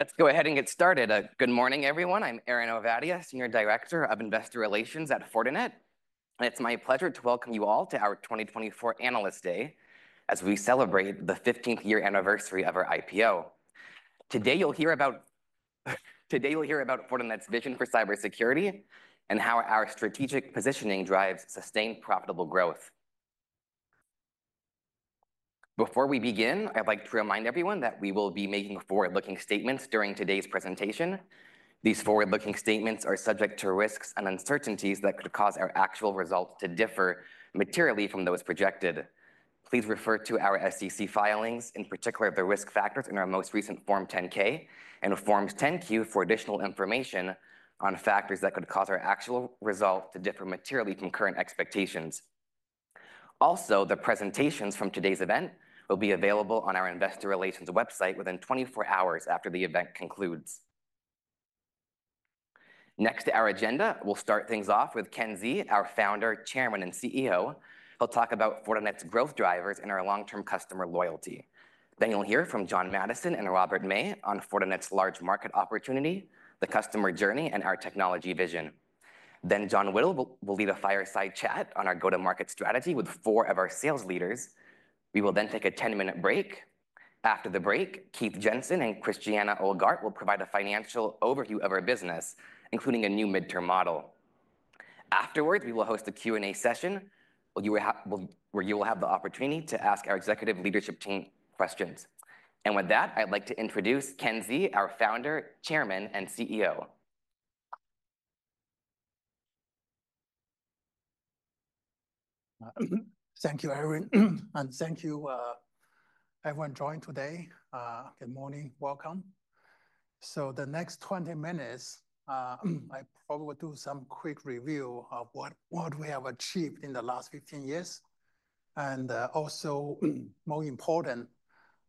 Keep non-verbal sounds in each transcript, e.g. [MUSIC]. Let's go ahead and get started. Good morning, everyone. I'm Aaron Ovadia, Senior Director of Investor Relations at Fortinet. It's my pleasure to welcome you all to our 2024 Analyst Day as we celebrate the 15th year anniversary of our IPO. Today you'll hear about Fortinet's vision for cybersecurity and how our strategic positioning drives sustained profitable growth. Before we begin, I'd like to remind everyone that we will be making forward-looking statements during today's presentation. These forward-looking statements are subject to risks and uncertainties that could cause our actual results to differ materially from those projected. Please refer to our SEC filings, in particular the risk factors in our most recent Form 10-K and Forms 10-Q for additional information on factors that could cause our actual result to differ materially from current expectations. Also, the presentations from today's event will be available on our Investor Relations website within 24 hours after the event concludes. Next on our agenda, we'll start things off with Ken Xie, our founder, chairman, and CEO. He'll talk about Fortinet's growth drivers and our long-term customer loyalty. Then you'll hear from John Maddison and Robert May on Fortinet's large market opportunity, the customer journey, and our technology vision. Then John Whittle will lead a fireside chat on our go-to-market strategy with four of our sales leaders. We will then take a 10-minute break. After the break, Keith Jensen and Christiane Ohlgart will provide a financial overview of our business, including a new midterm model. Afterwards, we will host a Q&A session where you will have the opportunity to ask our executive leadership team questions. With that, I'd like to introduce Ken Xie, our founder, chairman, and CEO. Thank you, Aaron, and thank you, everyone, joining today. Good morning. Welcome. The next 20 minutes, I probably will do some quick review of what we have achieved in the last 15 years, and also, more important,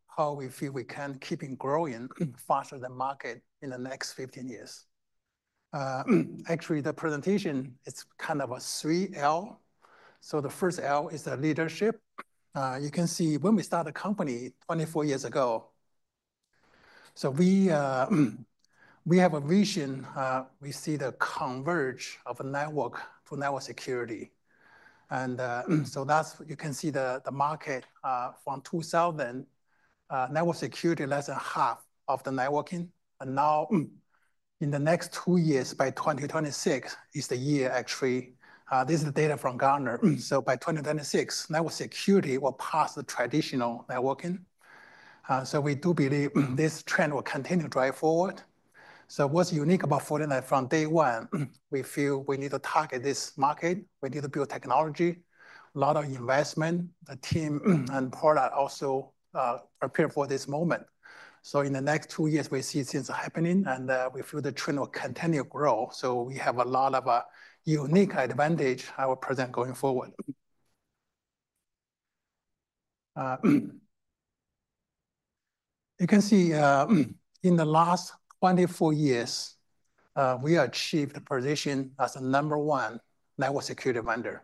how we feel we can keep on growing faster than the market in the next 15 years. Actually, the presentation is kind of a three-L, so the first L is leadership. You can see when we started the company 24 years ago, so we have a vision. We see the convergence of a network for network security, and so you can see the market from 2000, network security less than half of the networking. And now, in the next two years, by 2026 is the year actually. This is the data from Gartner, so by 2026, network security will pass the traditional networking. So we do believe this trend will continue to drive forward. So what's unique about Fortinet from day one, we feel we need to target this market. We need to build technology, a lot of investment. The team and product also are prepared for this moment. So in the next two years, we see things happening, and we feel the trend will continue to grow. So we have a lot of unique advantage I will present going forward. You can see in the last 24 years, we achieved a position as the number one network security vendor.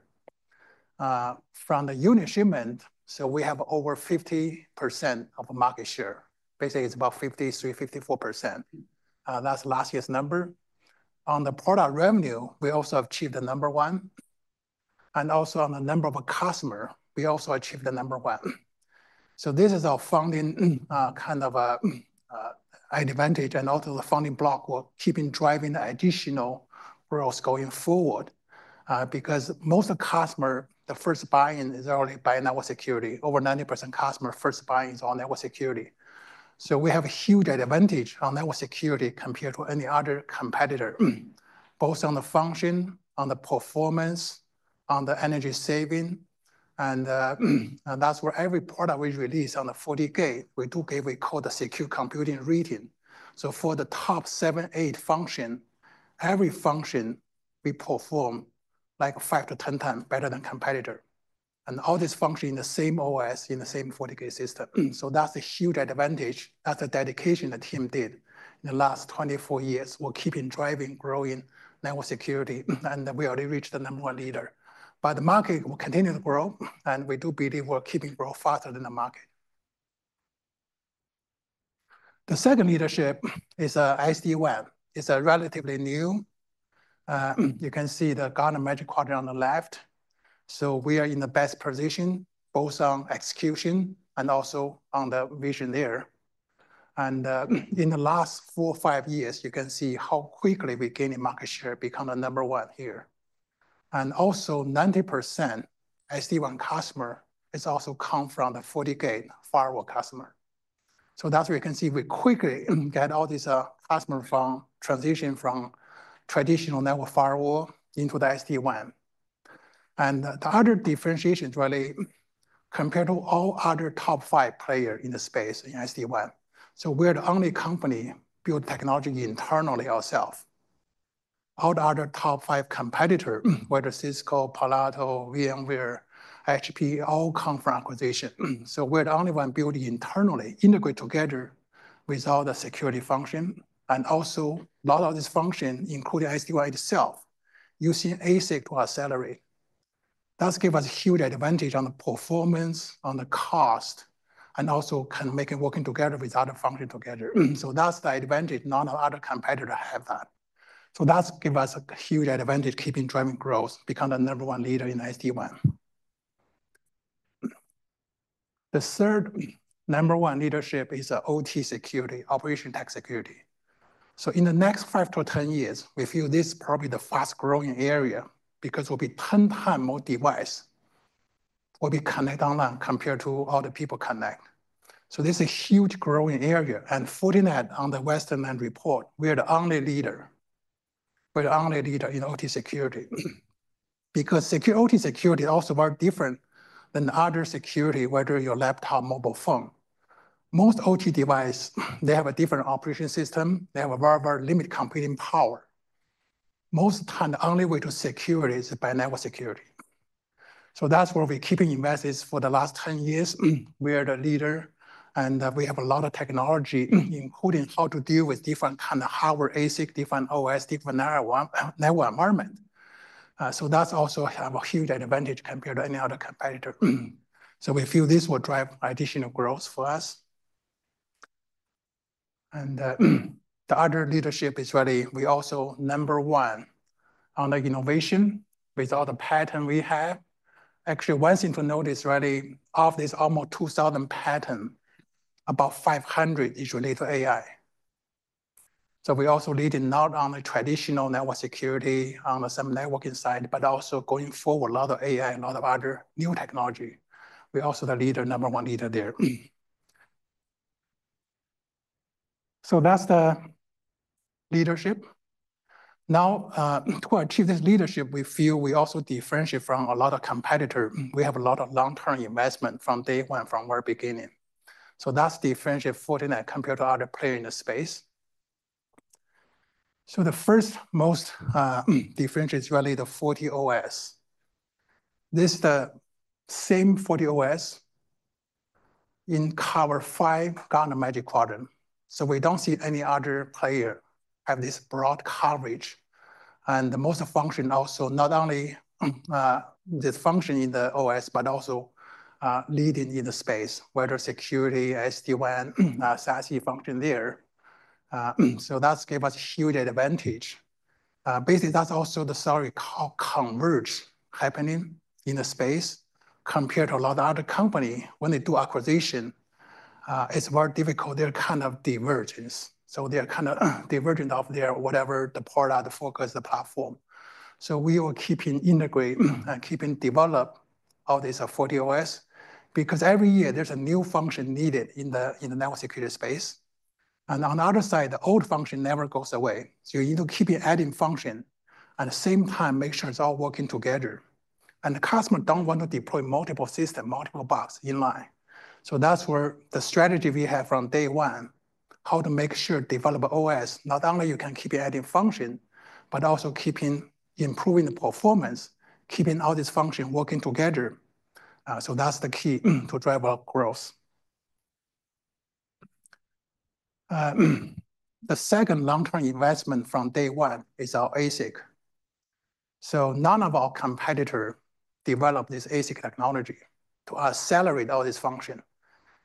From the unit shipment, so we have over 50% of the market share. Basically, it's about 53%, 54%. That's last year's number. On the product revenue, we also achieved the number one. And also on the number of customers, we also achieved the number one. This is our founding kind of an advantage. The founding block will keep on driving the additional growth going forward. Most of the customers' first buy-in is already buying network security. Over 90% of customers' first buy-in is on network security. We have a huge advantage on network security compared to any other competitor, both on the function, on the performance, on the energy saving. Every product we release on the FortiGate, we do give a Common Criteria Secure Compute Rating. For the top seven, eight functions, every function we perform like 5 to 10 times better than competitor. All these functions in the same OS, in the same FortiGate system. That is a huge advantage. That is the dedication the team did in the last 24 years. We're keeping driving, growing network security, and we already reached the number one leader. The market will continue to grow, and we do believe we're keeping growing faster than the market. The second leadership is SD-WAN. It's relatively new. You can see the Gartner Magic Quadrant on the left. We are in the best position, both on execution and also on the vision there. In the last four or five years, you can see how quickly we gained market share, become the number one here. Also 90% SD-WAN customer has also come from the FortiGate firewall customer. That's where you can see we quickly get all these customer transitions from traditional network firewall into the SD-WAN. The other differentiation is really compared to all other top five players in the space in SD-WAN. So we are the only company building technology internally ourselves. All the other top 5 competitors, whether Cisco, Palo Alto, VMware, HP, all come from acquisition. So we're the only one building internally, integrate together with all the security functions. And also a lot of these functions, including SD-WAN itself, using ASIC to accelerate. That's given us a huge advantage on the performance, on the cost, and also can make it working together with other functions together. So that's the advantage not all other competitors have that. So that's given us a huge advantage keeping driving growth, becoming the number one leader in SD-WAN. The third number one leadership is OT security, operational technology security. So in the next 5 to 10 years, we feel this is probably the fast growing area because we'll be 10 times more device will be connected online compared to all the people connected. This is a huge growing area. Fortinet, on the Forrester report, is the only leader. We are the only leader in OT security. Because OT security is also very different than other security, whether your laptop or mobile phone. Most OT devices have a different operating system. They have very, very limited computing power. Most of the time, the only way to secure it is by network security. That's where we have been keeping investments for the last 10 years. We are the leader, and we have a lot of technology, including how to deal with different kinds of hardware ASIC, different OS, and different network environments. That's also a huge advantage compared to any other competitor. We feel this will drive additional growth for us. The other leadership is really that we are also number one in innovation with all the patents we have. Actually, one thing to note is really of this almost 2,000 patents, about 500 is related to AI. So we're also leading not only traditional network security on the networking side, but also going forward, a lot of AI, a lot of other new technology. We're also the leader number one leader there. So that's the leadership. Now, to achieve this leadership, we feel we also differentiate from a lot of competitors. We have a lot of long-term investment from day one, from our beginning. So that's differentiate Fortinet compared to other players in the space. So the first most differentiate is really the FortiOS. This is the same FortiOS in all five Gartner Magic Quadrants. So we don't see any other player have this broad coverage. And the most functions also not only this function in the OS, but also leading in the space, with security, SD-WAN, SASE functions there. So that's given us a huge advantage. Basically, that's also the story called convergence happening in the space compared to a lot of other companies. When they do acquisition, it's very difficult. They're kind of diverging. So they're kind of diverging from their whatever the product, the focus, the platform. So we will keep on integrating and keep on developing all these FortiOS because every year there's a new function needed in the network security space. And on the other side, the old function never goes away. So you need to keep on adding functions and at the same time make sure it's all working together. And the customer doesn't want to deploy multiple systems, multiple boxes in line. That's where the strategy we have from day one, how to make sure develop OS, not only you can keep on adding functions, but also keep on improving the performance, keeping all these functions working together. That's the key to drive our growth. The second long-term investment from day one is our ASIC. None of our competitors developed this ASIC technology to accelerate all these functions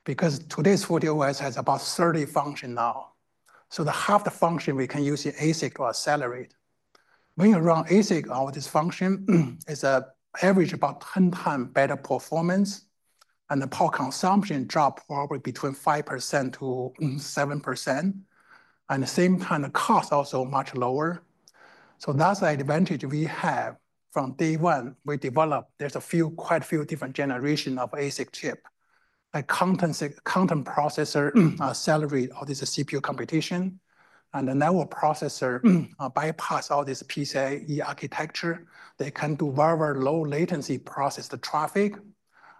because today's FortiOS has about 30 functions now. Half the functions we can use in ASIC to accelerate. When you run ASIC, all these functions is an average about 10 times better performance. The power consumption dropped probably between 5%-7%. The same kind of cost also much lower. That's the advantage we have from day one. We developed. There's quite a few different generations of ASIC chip. A Content Processor accelerates all this CPU computation, and the Network Processor bypasses all this PCIe architecture. They can do very, very low-latency processing of the traffic,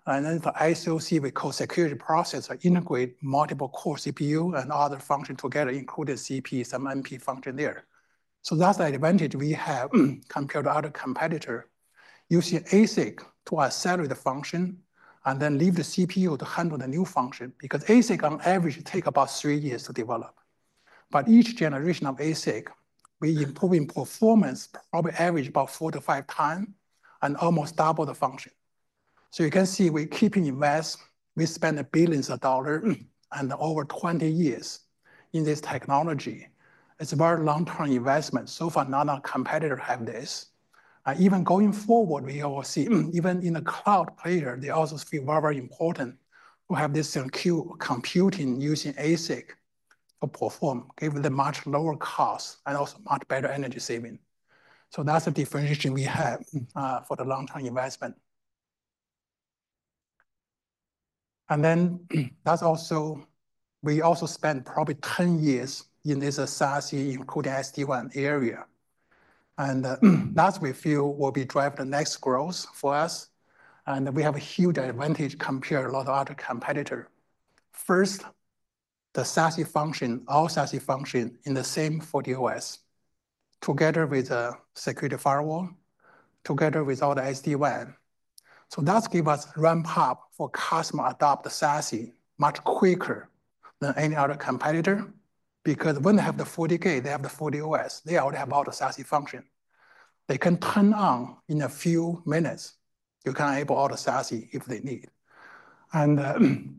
and then for SPU, we call security processing unit, integrate multiple core CPU and other functions together, including CPU, some NP function there, so that's the advantage we have compared to other competitors. You see ASIC to accelerate the function and then leave the CPU to handle the new function because ASIC on average takes about three years to develop, but each generation of ASIC, we improve in performance probably average about four-to-five times and almost double the function, so you can see we keep on investing. We spend $ billions and over 20 years in this technology. It's a very long-term investment, so far, none of our competitors have this. And even going forward, we will see even in the cloud player, they also feel very, very important to have this computing using ASIC to perform, giving them much lower costs and also much better energy saving. So that's the differentiation we have for the long-term investment. And then that's also we also spent probably 10 years in this SASE, including SD-WAN area. And that's where we feel will be driving the next growth for us. And we have a huge advantage compared to a lot of other competitors. First, the SASE function, all SASE functions in the same FortiOS together with a security firewall, together with all the SD-WAN. So that's given us ramp up for customer adopt the SASE much quicker than any other competitor. Because when they have the FortiGate, they have the FortiOS. They already have all the SASE functions. They can turn on in a few minutes. You can enable all the SASE if they need. And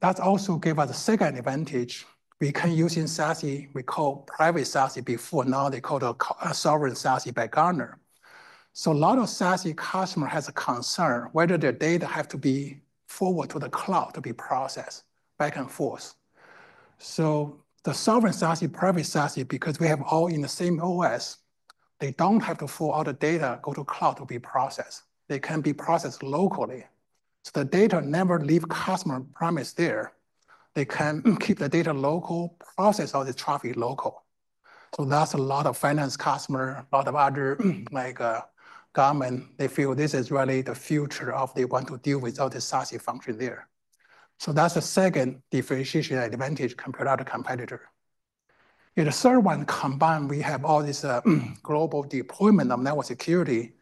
that's also given us a second advantage. We can use in SASE, we call private SASE before. Now they call it sovereign SASE by Gartner. So a lot of SASE customers have a concern whether their data has to be forward to the cloud to be processed back and forth. So the sovereign SASE, private SASE, because we have all in the same OS, they don't have to forward all the data go to cloud to be processed. They can be processed locally. So the data never leaves customer premise there. They can keep the data local, process all this traffic local. So that's a lot of finance customers, a lot of other like government, they feel this is really the future of they want to deal with all the SASE function there. So that's the second differentiation advantage compared to other competitors. The third one combined, we have all this global deployment of network security.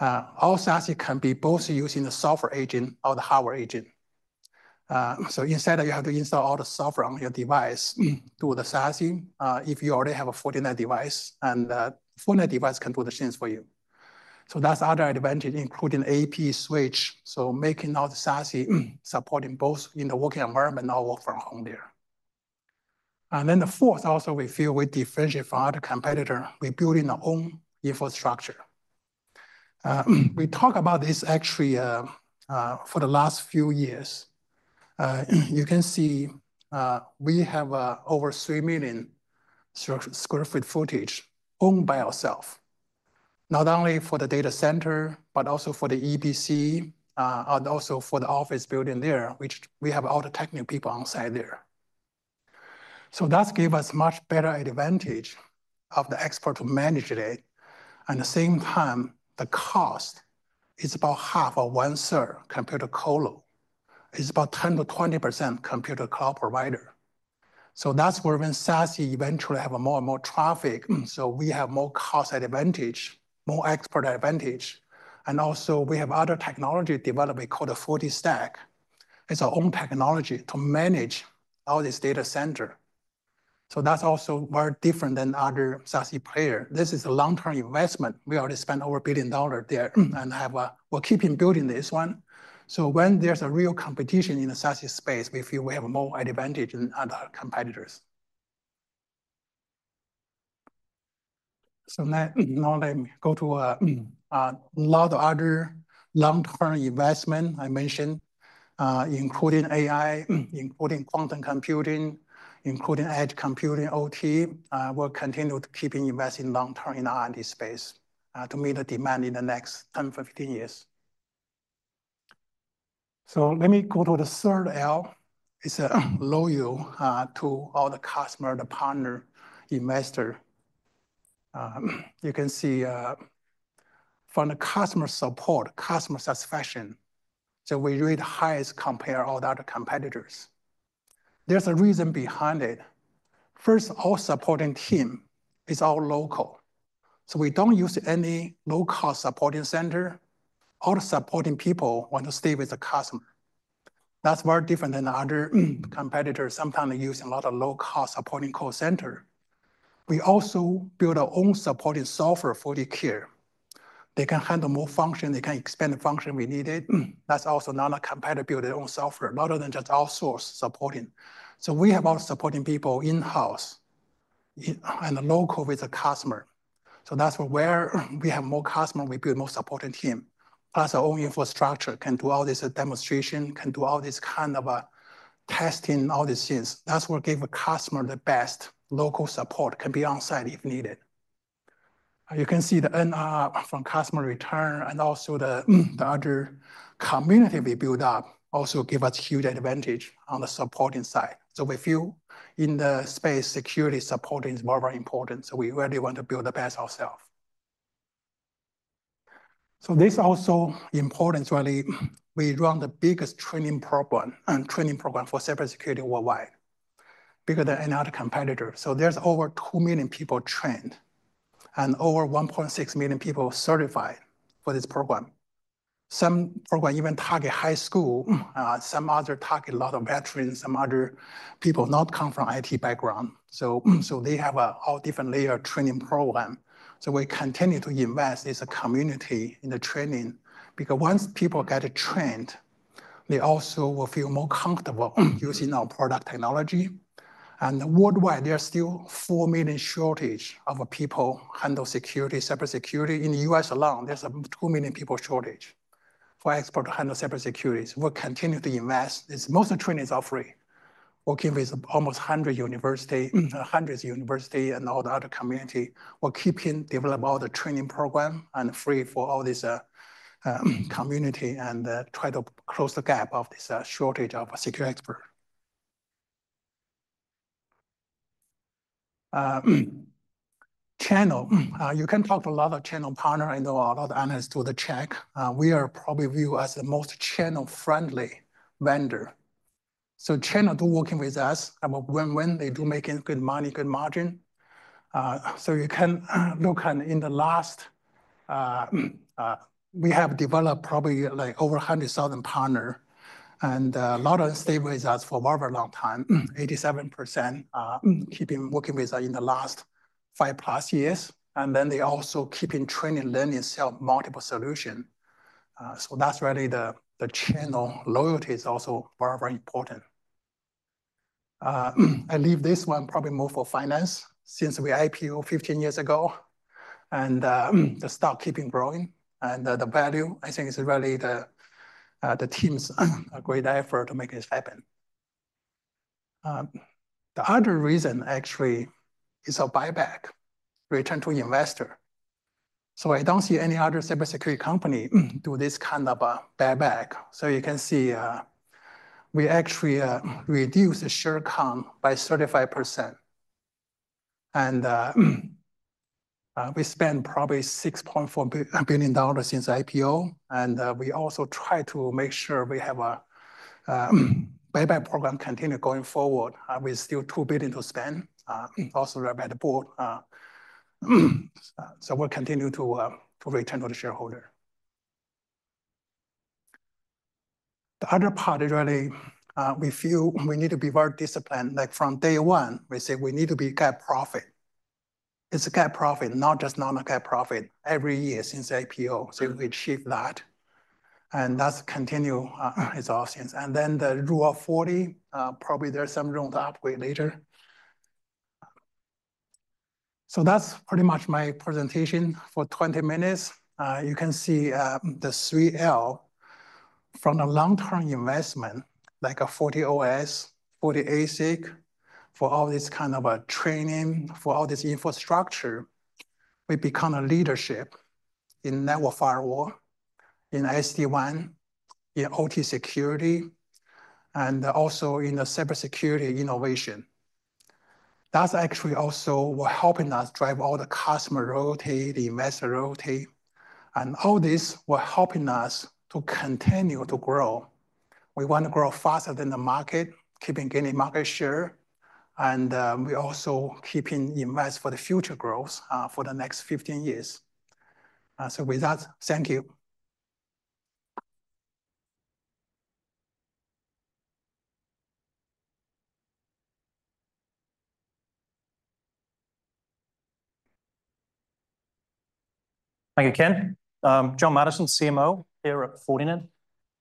All SASE can be both used in the software agent or the hardware agent. So instead, you have to install all the software on your device through the SASE if you already have a Fortinet device. And the Fortinet device can do the things for you. So that's other advantage, including AP switch. So making all the SASE supporting both in the working environment or from home there. And then the fourth, also we feel we differentiate from other competitors. We're building our own infrastructure. We talk about this actually for the last few years. You can see we have over 3 million sq ft owned by ourselves, not only for the data center, but also for the EBC, and also for the office building there, which we have all the technical people on site there. So that's given us much better advantage of the expert to manage it. And at the same time, the cost is about half of one-third compared to colo. It's about 10%-20% compared to cloud provider. So that's where when SASE eventually have more and more traffic, so we have more cost advantage, more expert advantage. And also we have other technology developed we call the FortiStack. It's our own technology to manage all this data center. So that's also very different than other SASE players. This is a long-term investment. We already spent over $1 billion there and we're keeping building this one. So when there's a real competition in the SASE space, we feel we have more advantage than other competitors. So now let me go to a lot of other long-term investments I mentioned, including AI, including quantum computing, including edge computing, OT. We'll continue to keep on investing long-term in the IoT space to meet the demand in the next 10, 15 years. So let me go to the third L. It's loyalty to all the customers, the partners, investors. You can see from the customer support, customer satisfaction. So we rate highest compared to all the other competitors. There's a reason behind it. First, all support team is all local. So we don't use any low-cost support center. All the support people want to stay with the customer. That's very different than other competitors sometimes use: a lot of low-cost supporting call center. We also build our own supporting software for FortiCare. They can handle more functions. They can expand the functions we needed. That's also not a competitor build their own software, rather than just outsource supporting. So we have all supporting people in-house and local with the customer. So that's where we have more customers. We build more supporting team. Plus our own infrastructure can do all this demonstration, can do all this kind of testing, all these things. That's what gives a customer the best local support, can be on site if needed. You can see the NRR from customer return and also the other community we build up also give us huge advantage on the supporting side. So we feel in the space, security support is very, very important. We really want to build the best ourselves. This is also important really. We run the biggest training program for cybersecurity worldwide, bigger than any other competitor, so there's over two million people trained and over 1.6 million people certified for this program. Some program even target high school. Some others target a lot of veterans, some other people not come from IT background, so they have all different layer training program. We continue to invest in the community in the training because once people get trained, they also will feel more comfortable using our product technology. Worldwide, there's still a four million shortage of people handle security, cybersecurity. In the U.S. alone, there's a two million people shortage for experts to handle cybersecurity. We'll continue to invest. Most of the training is all free. Working with almost a hundred universities, hundreds of universities and all the other communities, we're continuing to develop all the training programs and free for all this community and try to close the gap of this shortage of a security expert. Channel, you can talk to a lot of channel partners. I know a lot of analysts do the check. We are probably viewed as the most channel-friendly vendor. So channels do well working with us when they do make good money, good margins. So you can look, in the last we have developed probably like over 100,000 partners and a lot of them stay with us for a very, very long time, 87% keeping working with us in the last five plus years. And then they also keep on training, learning, sell multiple solutions. So that's really the channel loyalty is also very, very important. I leave this one probably more for finance since we IPO 15 years ago. The stock keeping growing and the value, I think it's really the team's great effort to make this happen. The other reason actually is a buyback, return to investor. So I don't see any other cybersecurity company do this kind of buyback. So you can see we actually reduce the share count by 35%. And we spent probably $6.4 billion since IPO. And we also try to make sure we have a buyback program continue going forward. We still have $2 billion to spend, also really good board. So we'll continue to return to the shareholder. The other part is really we feel we need to be very disciplined. Like from day one, we say we need to be GAAP profitable. It's GAAP profitable, not just non-GAAP profitable every year since IPO. So we achieve that. And that's continuing its options. And then the Rule of 40, probably there's some rule to upgrade later. So that's pretty much my presentation for 20 minutes. You can see the three L from a long-term investment, like FortiOS, Fortinet ASIC for all this kind of training, for all this infrastructure. We become a leadership in network firewall, in SD-WAN, in OT security, and also in the cybersecurity innovation. That's actually also what's helping us drive all the customer loyalty, the investor loyalty. And all this is helping us to continue to grow. We want to grow faster than the market, keeping gaining market share. And we also keep on investing for the future growth for the next 15 years. So with that, thank you. Thank you, Ken. John Maddison, CMO here at Fortinet.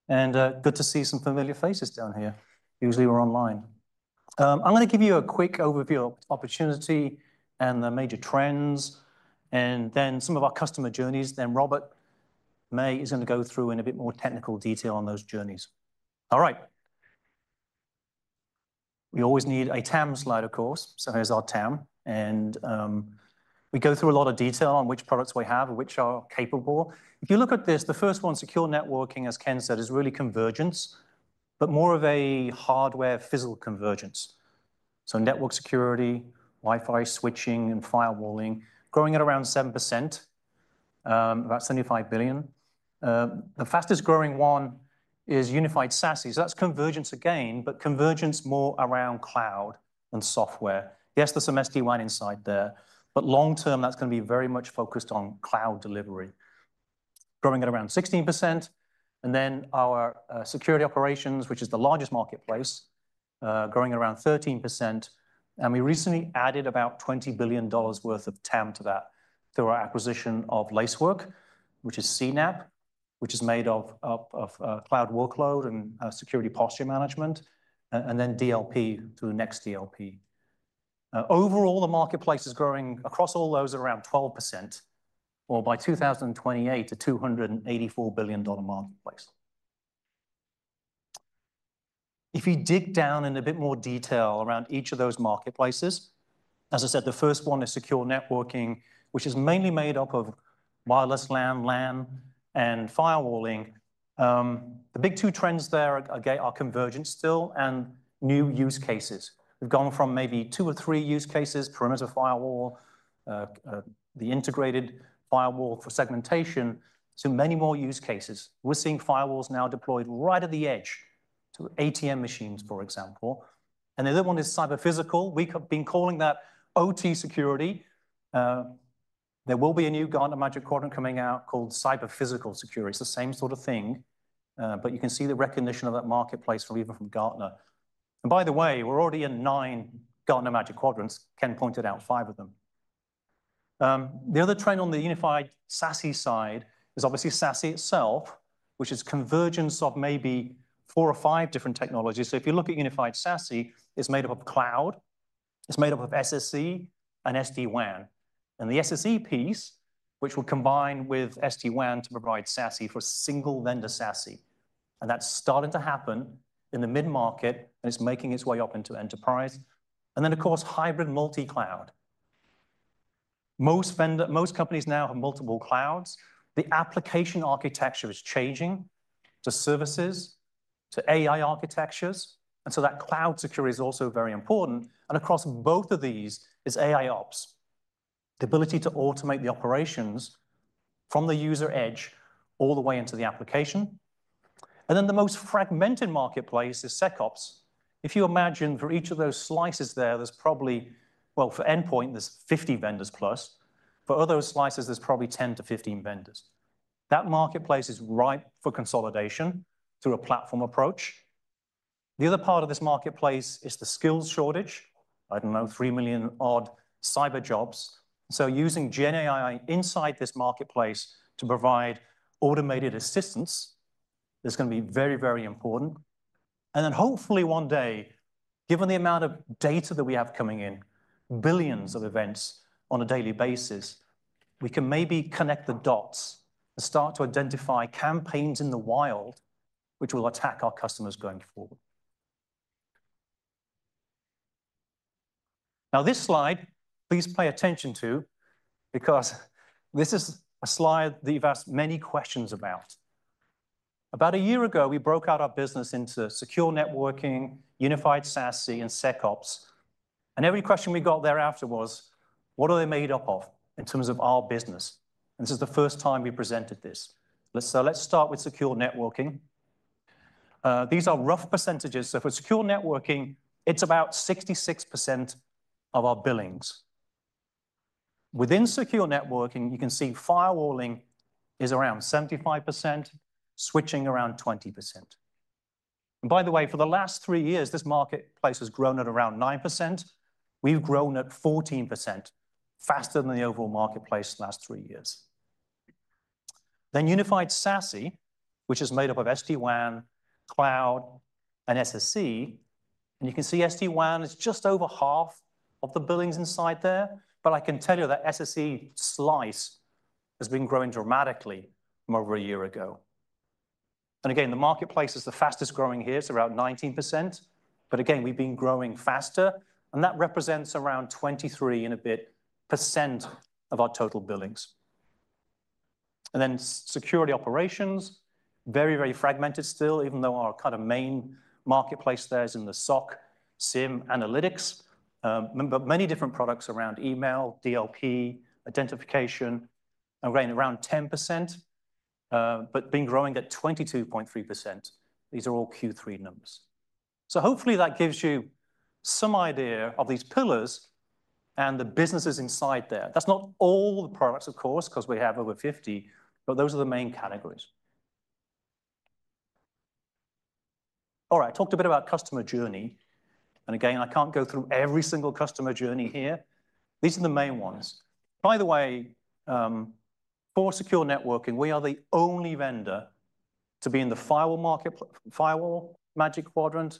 And good to see some familiar faces down here. Usually we're online. I'm going to give you a quick overview of opportunity and the major trends and then some of our customer journeys, then Robert May is going to go through in a bit more technical detail on those journeys. All right. We always need a TAM slide, of course. So here's our TAM, and we go through a lot of detail on which products we have or which are capable. If you look at this, the first one, Secure Networking, as Ken said, is really convergence, but more of a hardware physical convergence, so network security, Wi-Fi switching, and firewalling, growing at around 7%, about $75 billion. The fastest growing one is Unified SASE, so that's convergence again, but convergence more around cloud and software. Yes, there's some SASE inside there, but long term, that's going to be very much focused on cloud delivery, growing at around 16%. And then our Security Operations, which is the largest marketplace, growing at around 13%. And we recently added about $20 billion worth of TAM to that through our acquisition of Lacework, which is CNAPP, which is made of cloud workload and security posture management, and then DLP through Next DLP. Overall, the marketplace is growing across all those at around 12%, or by 2028, a $284 billion marketplace. If you dig down in a bit more detail around each of those marketplaces, as I said, the first one is Secure Networking, which is mainly made up of wireless LAN, LAN, and firewalling. The big two trends there are convergence still and new use cases. We've gone from maybe two or three use cases, perimeter firewall, the integrated firewall for segmentation, to many more use cases. We're seeing firewalls now deployed right at the edge to ATM machines, for example. And the other one is Cyber-Physical. We've been calling that OT security. There will be a new Gartner Magic Quadrant coming out called Cyber-Physical security. It's the same sort of thing, but you can see the recognition of that marketplace from even Gartner. And by the way, we're already in nine Gartner Magic Quadrants. Ken pointed out five of them. The other trend on the Unified SASE side is obviously SASE itself, which is convergence of maybe four or five different technologies. So if you look at Unified SASE, it's made up of cloud. It's made up of SSE and SD WAN. The SSE piece, which will combine with SD-WAN to provide SASE for a single-vendor SASE. That's starting to happen in the mid-market, and it's making its way up into enterprise. Of course, hybrid multi-cloud. Most companies now have multiple clouds. The application architecture is changing to services, to AI architectures. Cloud security is also very important. Across both of these is AIOps, the ability to automate the operations from the user edge all the way into the application. The most fragmented marketplace is SecOps. If you imagine for each of those slices there, there's probably, well, for endpoint, there's 50+ vendors. For other slices, there's probably 10-15 vendors. That marketplace is ripe for consolidation through a platform approach. The other part of this marketplace is the skills shortage. I don't know, three million odd cyber jobs. So using GenAI inside this marketplace to provide automated assistance, it's going to be very, very important. And then hopefully one day, given the amount of data that we have coming in, billions of events on a daily basis, we can maybe connect the dots and start to identify campaigns in the wild which will attack our customers going forward. Now this slide, please pay attention to, because this is a slide that you've asked many questions about. About a year ago, we broke out our business into Secure Networking, unified SASE, and SecOps. And every question we got thereafter was, what are they made up of in terms of our business? And this is the first time we presented this. So let's start with Secure Networking. These are rough percentages. So for Secure Networking, it's about 66% of our billings. Within Secure Networking, you can see firewalling is around 75%, switching around 20%. By the way, for the last three years, this marketplace has grown at around 9%. We've grown at 14%, faster than the overall marketplace last three years. Unified SASE, which is made up of SD-WAN, cloud, and SSE. You can see SD-WAN is just over half of the billings inside there. But I can tell you that SSE slice has been growing dramatically from over a year ago. Again, the marketplace is the fastest growing here, so around 19%. But again, we've been growing faster. And that represents around 23 and a bit percent of our total billings. And then Security Operations, very, very fragmented still, even though our kind of main marketplace there is in the SOC, SIEM, analytics, but many different products around email, DLP, identification, and growing around 10%, but being growing at 22.3%. These are all Q3 numbers. So hopefully that gives you some idea of these pillars and the businesses inside there. That's not all the products, of course, because we have over 50, but those are the main categories. All right, I talked a bit about customer journey. And again, I can't go through every single customer journey here. These are the main ones. By the way, for Secure Networking, we are the only vendor to be in the firewall market, firewall Magic Quadrant,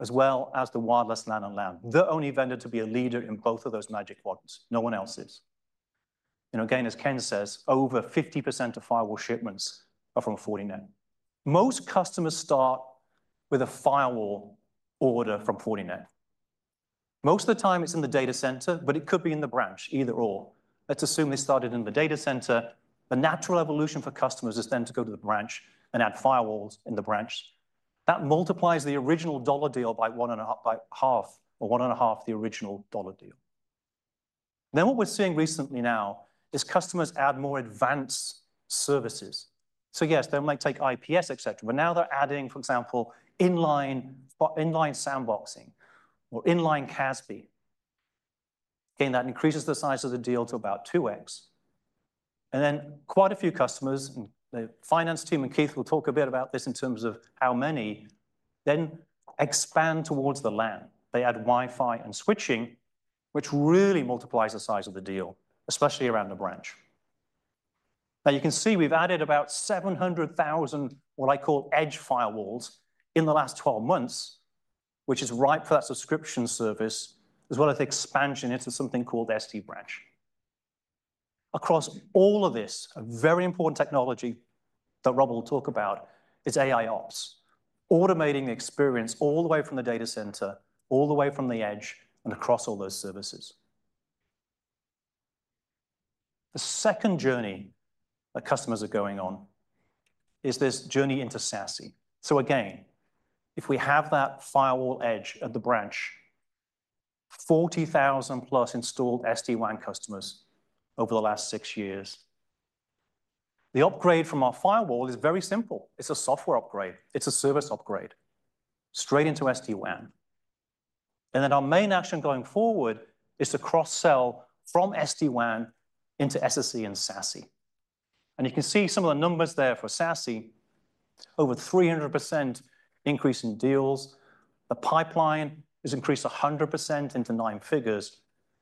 as well as the wireless LAN and LAN. The only vendor to be a leader in both of those Magic Quadrants. No one else is. And again, as Ken says, over 50% of firewall shipments are from Fortinet. Most customers start with a firewall order from Fortinet. Most of the time it's in the data center, but it could be in the branch, either or. Let's assume they started in the data center. The natural evolution for customers is then to go to the branch and add firewalls in the branch. That multiplies the original dollar deal by one and a half or one and a half the original dollar deal. Then what we're seeing recently now is customers add more advanced services. So yes, they might take IPS, et cetera, but now they're adding, for example, inline sandboxing or inline CASB. Again, that increases the size of the deal to about 2x. And then, quite a few customers—the finance team and Keith will talk a bit about this in terms of how many—then expand towards the LAN. They add Wi-Fi and switching, which really multiplies the size of the deal, especially around the branch. Now you can see we've added about 700,000, what I call edge firewalls in the last 12 months, which is ripe for that subscription service, as well as expansion into something called SD-Branch. Across all of this, a very important technology that Robert will talk about is AIOps, automating the experience all the way from the data center, all the way from the edge, and across all those services. The second journey that customers are going on is this journey into SASE. So again, if we have that firewall edge at the branch, 40,000+ installed SD-WAN customers over the last six years, the upgrade from our firewall is very simple. It's a software upgrade. It's a service upgrade straight into SD-WAN. And then our main action going forward is to cross-sell from SD-WAN into SSE and SASE. And you can see some of the numbers there for SASE, over 300% increase in deals. The pipeline has increased 100% into nine figures.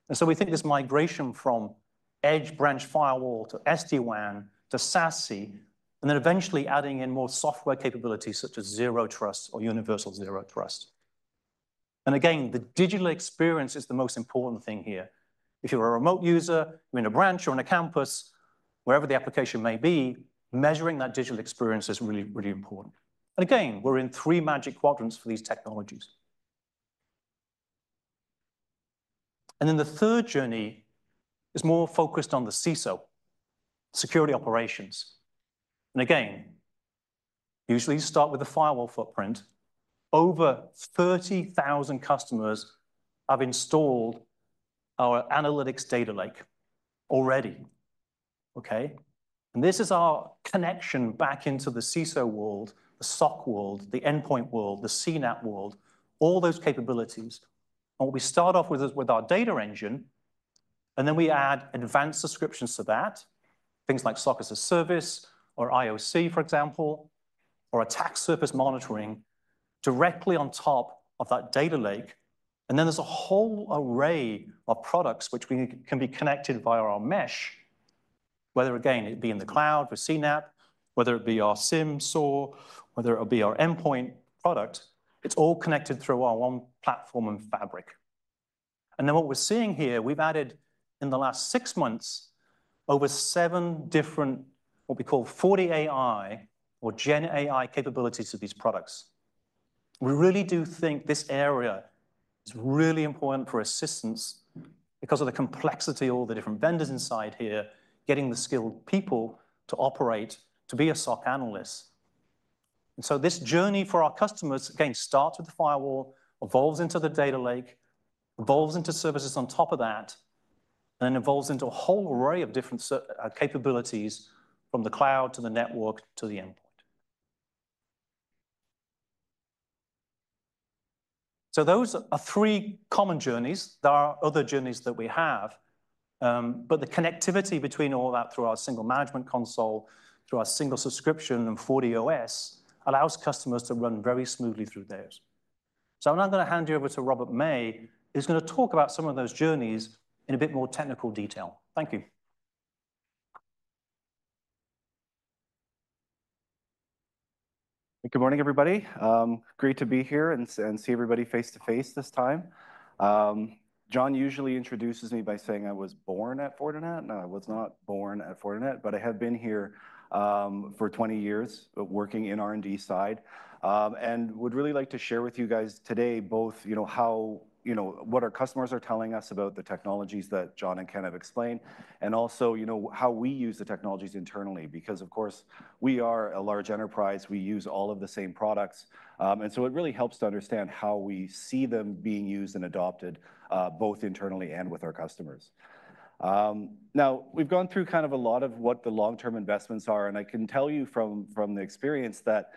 And so we think this migration from edge branch firewall to SD-WAN to SASE, and then eventually adding in more software capabilities such as zero trust or Universal Zero Trust. And again, the digital experience is the most important thing here. If you're a remote user, you're in a branch or on a campus, wherever the application may be, measuring that digital experience is really, really important. And again, we're in three magic quadrants for these technologies. And then the third journey is more focused on the CISO, Security Operations. And again, usually you start with the firewall footprint. Over 30,000 customers have installed our analytics data lake already. Okay? And this is our connection back into the CISO world, the SOC world, the endpoint world, the CNAP world, all those capabilities. And what we start off with is with our data engine, and then we add advanced subscriptions to that, things like SOC as a service or IOC, for example, or attack surface monitoring directly on top of that data lake. Then there's a whole array of products which can be connected via our mesh, whether again, it be in the cloud for CNAPP, whether it be our SIEM SOAR, whether it be our endpoint product, it's all connected through our one platform and fabric. And then what we're seeing here, we've added in the last six months over seven different what we call FortiAI or GenAI capabilities to these products. We really do think this area is really important for assistance because of the complexity of all the different vendors inside here, getting the skilled people to operate, to be a SOC analyst. And so this journey for our customers, again, starts with the firewall, evolves into the data lake, evolves into services on top of that, and then evolves into a whole array of different capabilities from the cloud to the network to the endpoint. So those are three common journeys. There are other journeys that we have, but the connectivity between all that through our single management console, through our single subscription and FortiOS allows customers to run very smoothly through those. So I'm now going to hand you over to Robert May, who's going to talk about some of those journeys in a bit more technical detail. Thank you. Good morning, everybody. Great to be here and see everybody face to face this time. John usually introduces me by saying I was born at Fortinet. No, I was not born at Fortinet, but I have been here for 20 years working in R&D side. And I would really like to share with you guys today both how, what our customers are telling us about the technologies that John and Ken have explained, and also how we use the technologies internally, because of course, we are a large enterprise. We use all of the same products. And so it really helps to understand how we see them being used and adopted both internally and with our customers. Now, we've gone through kind of a lot of what the long-term investments are. And I can tell you from the experience that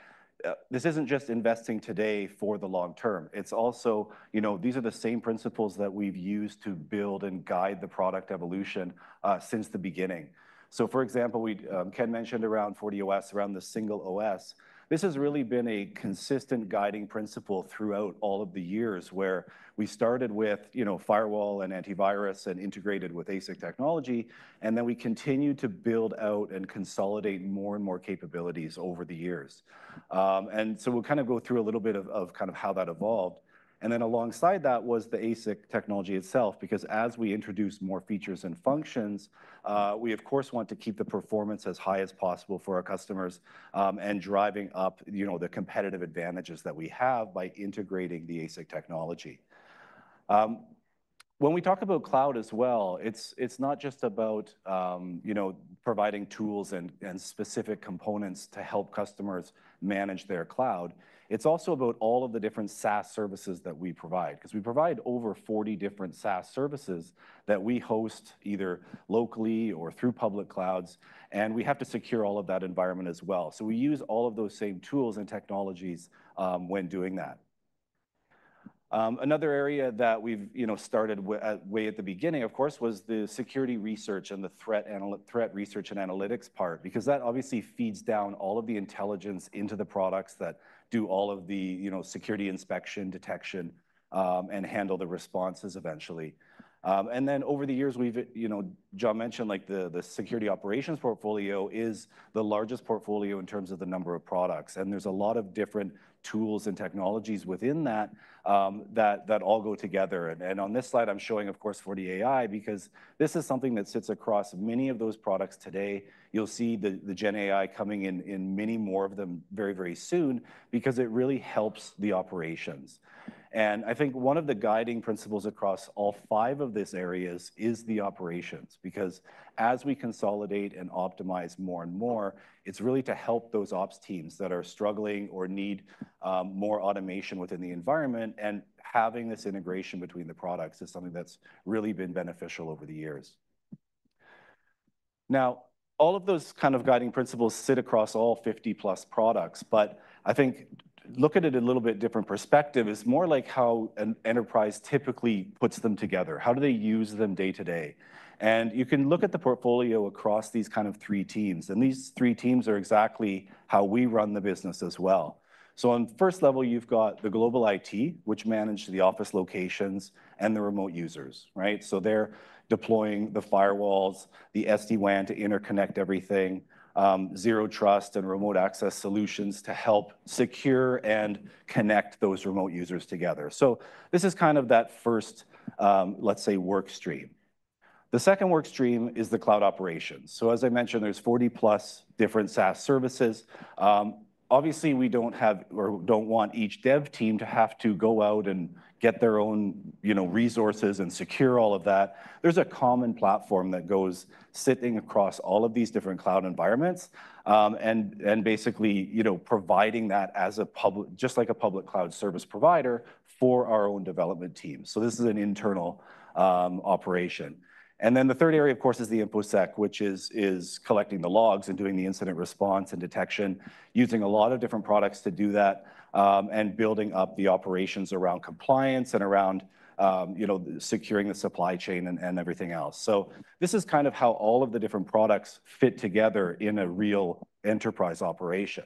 this isn't just investing today for the long term. It's also, these are the same principles that we've used to build and guide the product evolution since the beginning. So for example, Ken mentioned around FortiOS, around the single OS. This has really been a consistent guiding principle throughout all of the years where we started with firewall and antivirus and integrated with ASIC technology, and then we continue to build out and consolidate more and more capabilities over the years, and so we'll kind of go through a little bit of kind of how that evolved, and then alongside that was the ASIC technology itself, because as we introduce more features and functions, we, of course, want to keep the performance as high as possible for our customers and driving up the competitive advantages that we have by integrating the ASIC technology. When we talk about cloud as well, it's not just about providing tools and specific components to help customers manage their cloud. It's also about all of the different SaaS services that we provide, because we provide over 40 different SaaS services that we host either locally or through public clouds, and we have to secure all of that environment as well. So we use all of those same tools and technologies when doing that. Another area that we've started way at the beginning, of course, was the security research and the threat research and analytics part, because that obviously feeds down all of the intelligence into the products that do all of the security inspection, detection, and handle the responses eventually, and then over the years, John mentioned the Security Operations portfolio is the largest portfolio in terms of the number of products, and there's a lot of different tools and technologies within that that all go together. On this slide, I'm showing, of course, FortiAI, because this is something that sits across many of those products today. You'll see the GenAI coming in many more of them very, very soon, because it really helps the operations. I think one of the guiding principles across all five of these areas is the operations, because as we consolidate and optimize more and more, it's really to help those ops teams that are struggling or need more automation within the environment. Having this integration between the products is something that's really been beneficial over the years. Now, all of those kind of guiding principles sit across all 50+ products, but I think look at it a little bit different perspective. It's more like how an enterprise typically puts them together. How do they use them day to day? You can look at the portfolio across these kind of three teams. These three teams are exactly how we run the business as well. On first level, you've got the global IT, which manages the office locations and the remote users, right? They're deploying the firewalls, the SD-WAN to interconnect everything, zero trust and remote access solutions to help secure and connect those remote users together. This is kind of that first, let's say, work stream. The second work stream is the cloud operations. As I mentioned, there's 40+ different SaaS services. Obviously, we don't have or don't want each dev team to have to go out and get their own resources and secure all of that. There's a common platform that sits across all of these different cloud environments and basically providing that as a public, just like a public cloud service provider for our own development team. So this is an internal operation. And then the third area, of course, is the InfoSec, which is collecting the logs and doing the incident response and detection, using a lot of different products to do that and building up the operations around compliance and around securing the supply chain and everything else. So this is kind of how all of the different products fit together in a real enterprise operation.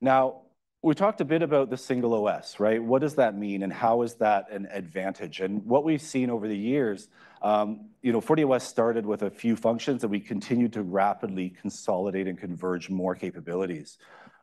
Now, we talked a bit about the single OS, right? What does that mean and how is that an advantage? And what we've seen over the years, FortiOS started with a few functions that we continued to rapidly consolidate and converge more capabilities.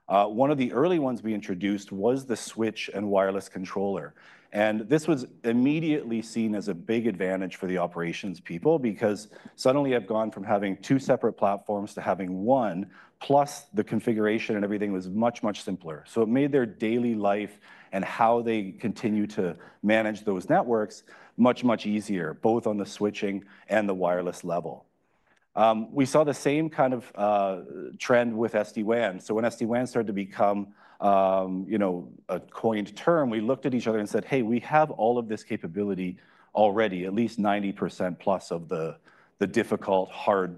One of the early ones we introduced was the switch and wireless controller, and this was immediately seen as a big advantage for the operations people because suddenly I've gone from having two separate platforms to having one plus the configuration and everything was much, much simpler, so it made their daily life and how they continue to manage those networks much, much easier, both on the switching and the wireless level. We saw the same kind of trend with SD WAN, so when SD WAN started to become a coined term, we looked at each other and said, "Hey, we have all of this capability already, at least 90%+ of the difficult, hard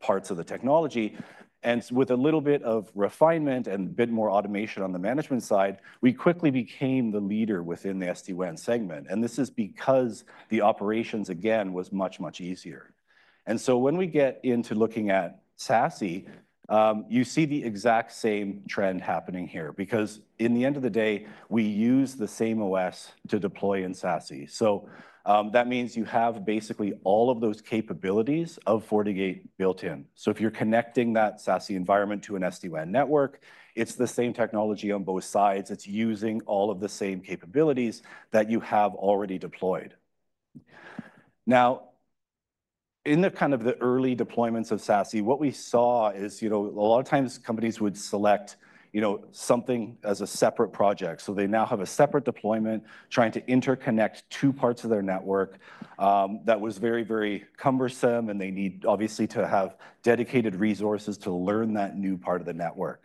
parts of the technology," and with a little bit of refinement and a bit more automation on the management side, we quickly became the leader within the SD WAN segment. And this is because the operations, again, was much, much easier. And so when we get into looking at SASE, you see the exact same trend happening here because at the end of the day, we use the same OS to deploy in SASE. So that means you have basically all of those capabilities of FortiGate built in. So if you're connecting that SASE environment to an SD-WAN network, it's the same technology on both sides. It's using all of the same capabilities that you have already deployed. Now, in the kind of the early deployments of SASE, what we saw is a lot of times companies would select something as a separate project. So they now have a separate deployment trying to interconnect two parts of their network that was very, very cumbersome, and they need obviously to have dedicated resources to learn that new part of the network.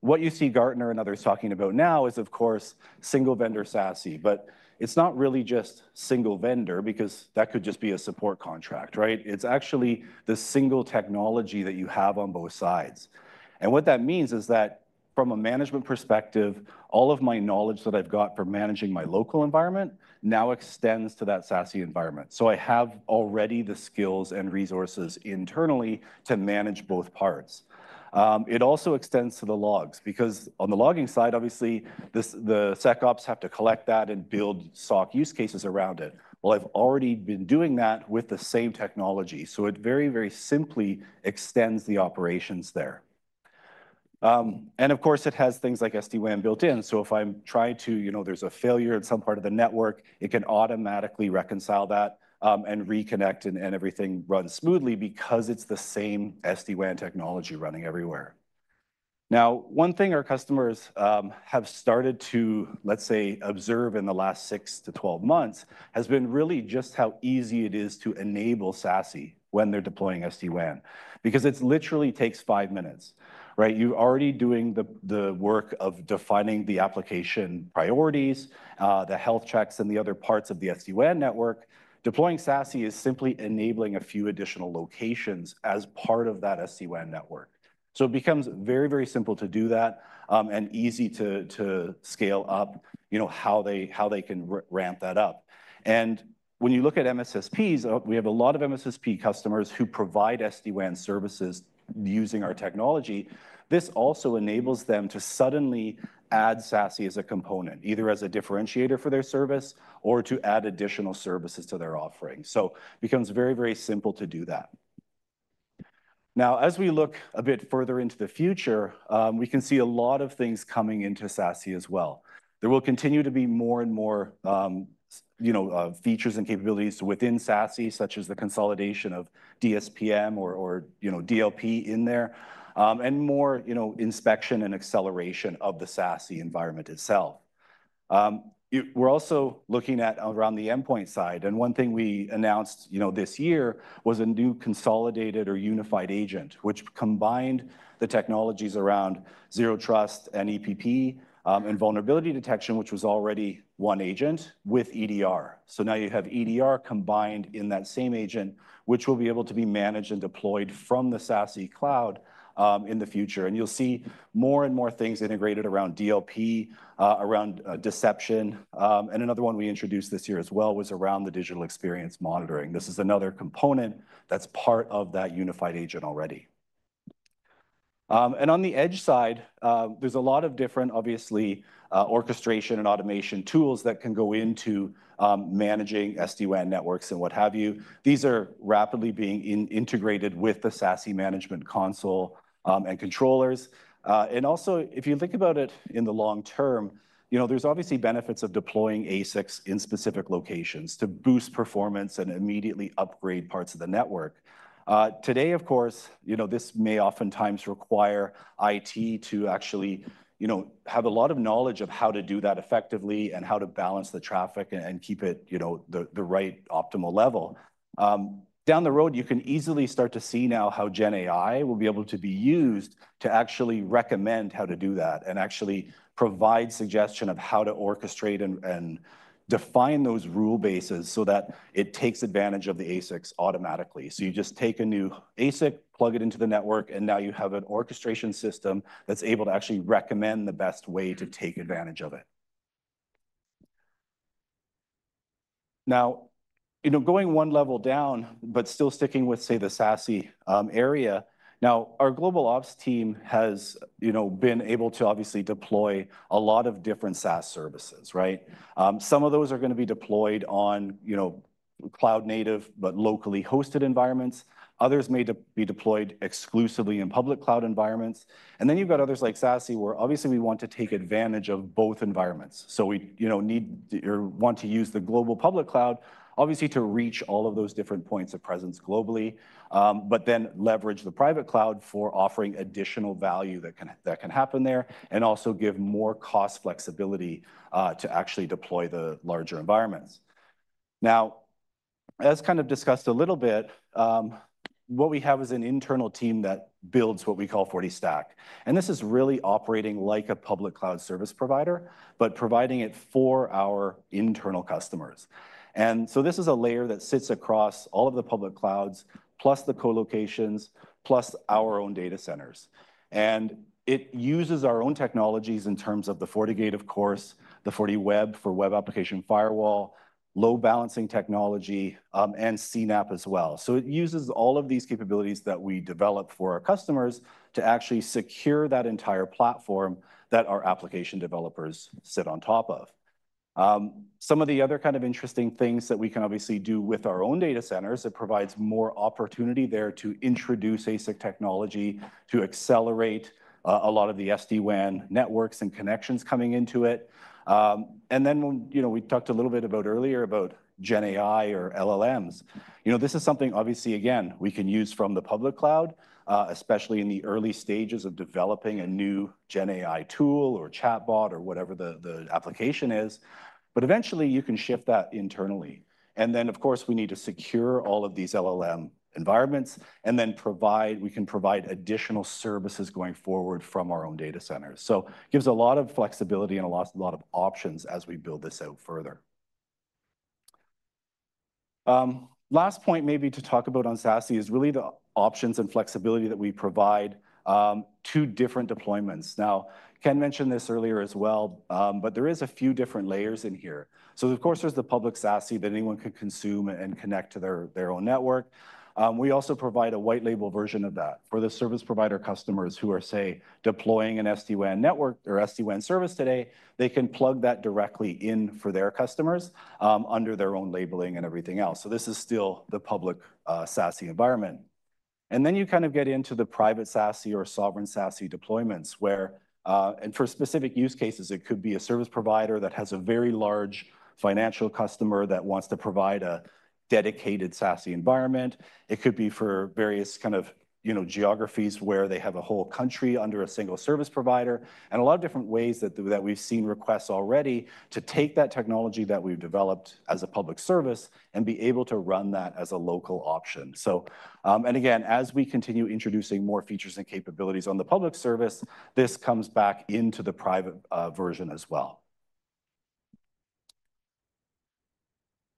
What you see Gartner and others talking about now is, of course, single vendor SASE, but it's not really just single vendor because that could just be a support contract, right? It's actually the single technology that you have on both sides. And what that means is that from a management perspective, all of my knowledge that I've got for managing my local environment now extends to that SASE environment. So I have already the skills and resources internally to manage both parts. It also extends to the logs because on the logging side, obviously, the SecOps have to collect that and build SOC use cases around it. I've already been doing that with the same technology. So it very, very simply extends the operations there. And of course, it has things like SD-WAN built in. So if I'm trying to, there's a failure in some part of the network, it can automatically reconcile that and reconnect and everything runs smoothly because it's the same SD-WAN technology running everywhere. Now, one thing our customers have started to, let's say, observe in the last six to 12 months has been really just how easy it is to enable SASE when they're deploying SD-WAN because it literally takes five minutes, right? You're already doing the work of defining the application priorities, the health checks, and the other parts of the SD-WAN network. Deploying SASE is simply enabling a few additional locations as part of that SD-WAN network. So it becomes very, very simple to do that and easy to scale up how they can ramp that up. And when you look at MSSPs, we have a lot of MSSP customers who provide SD-WAN services using our technology. This also enables them to suddenly add SASE as a component, either as a differentiator for their service or to add additional services to their offering. So it becomes very, very simple to do that. Now, as we look a bit further into the future, we can see a lot of things coming into SASE as well. There will continue to be more and more features and capabilities within SASE, such as the consolidation of DSPM or DLP in there and more inspection and acceleration of the SASE environment itself. We're also looking at around the endpoint side. One thing we announced this year was a new consolidated or unified agent, which combined the technologies around zero trust and EPP and vulnerability detection, which was already one agent with EDR. So now you have EDR combined in that same agent, which will be able to be managed and deployed from the SASE cloud in the future. And you'll see more and more things integrated around DLP, around deception. And another one we introduced this year as well was around the digital experience monitoring. This is another component that's part of that unified agent already. And on the edge side, there's a lot of different, obviously, orchestration and automation tools that can go into managing SD-WAN networks and what have you. These are rapidly being integrated with the SASE management console and controllers. And also, if you think about it in the long term, there's obviously benefits of deploying ASICs in specific locations to boost performance and immediately upgrade parts of the network. Today, of course, this may oftentimes require IT to actually have a lot of knowledge of how to do that effectively and how to balance the traffic and keep it the right optimal level. Down the road, you can easily start to see now how GenAI will be able to be used to actually recommend how to do that and actually provide suggestion of how to orchestrate and define those rule bases so that it takes advantage of the ASICs automatically. So you just take a new ASIC, plug it into the network, and now you have an orchestration system that's able to actually recommend the best way to take advantage of it. Now, going one level down, but still sticking with, say, the SASE area, now our global ops team has been able to obviously deploy a lot of different SaaS services, right? Some of those are going to be deployed on cloud native, but locally hosted environments. Others may be deployed exclusively in public cloud environments. And then you've got others like SASE where obviously we want to take advantage of both environments. So we need or want to use the global public cloud, obviously, to reach all of those different points of presence globally, but then leverage the private cloud for offering additional value that can happen there and also give more cost flexibility to actually deploy the larger environments. Now, as kind of discussed a little bit, what we have is an internal team that builds what we call FortiStack. This is really operating like a public cloud service provider, but providing it for our internal customers. So this is a layer that sits across all of the public clouds, plus the co-locations, plus our own data centers. It uses our own technologies in terms of the FortiGate, of course, the FortiWeb for web application firewall, load balancing technology, and CNAPP as well. So it uses all of these capabilities that we develop for our customers to actually secure that entire platform that our application developers sit on top of. Some of the other kind of interesting things that we can obviously do with our own data centers. It provides more opportunity there to introduce ASIC technology to accelerate a lot of the SD-WAN networks and connections coming into it. Then we talked a little bit earlier about GenAI or LLMs. This is something, obviously, again, we can use from the public cloud, especially in the early stages of developing a new GenAI tool or chatbot or whatever the application is, but eventually, you can shift that internally, and then, of course, we need to secure all of these LLM environments and then we can provide additional services going forward from our own data centers. So it gives a lot of flexibility and a lot of options as we build this out further. Last point maybe to talk about on SASE is really the options and flexibility that we provide to different deployments. Now, Ken mentioned this earlier as well, but there is a few different layers in here. So, of course, there's the public SASE that anyone can consume and connect to their own network. We also provide a white label version of that for the service provider customers who are, say, deploying an SD-WAN network or SD-WAN service today. They can plug that directly in for their customers under their own labeling and everything else, so this is still the public SASE environment, and then you kind of get into the private SASE or sovereign SASE deployments where, and for specific use cases, it could be a service provider that has a very large financial customer that wants to provide a dedicated SASE environment. It could be for various kind of geographies where they have a whole country under a single service provider and a lot of different ways that we've seen requests already to take that technology that we've developed as a public service and be able to run that as a local option. And again, as we continue introducing more features and capabilities on the public service, this comes back into the private version as well.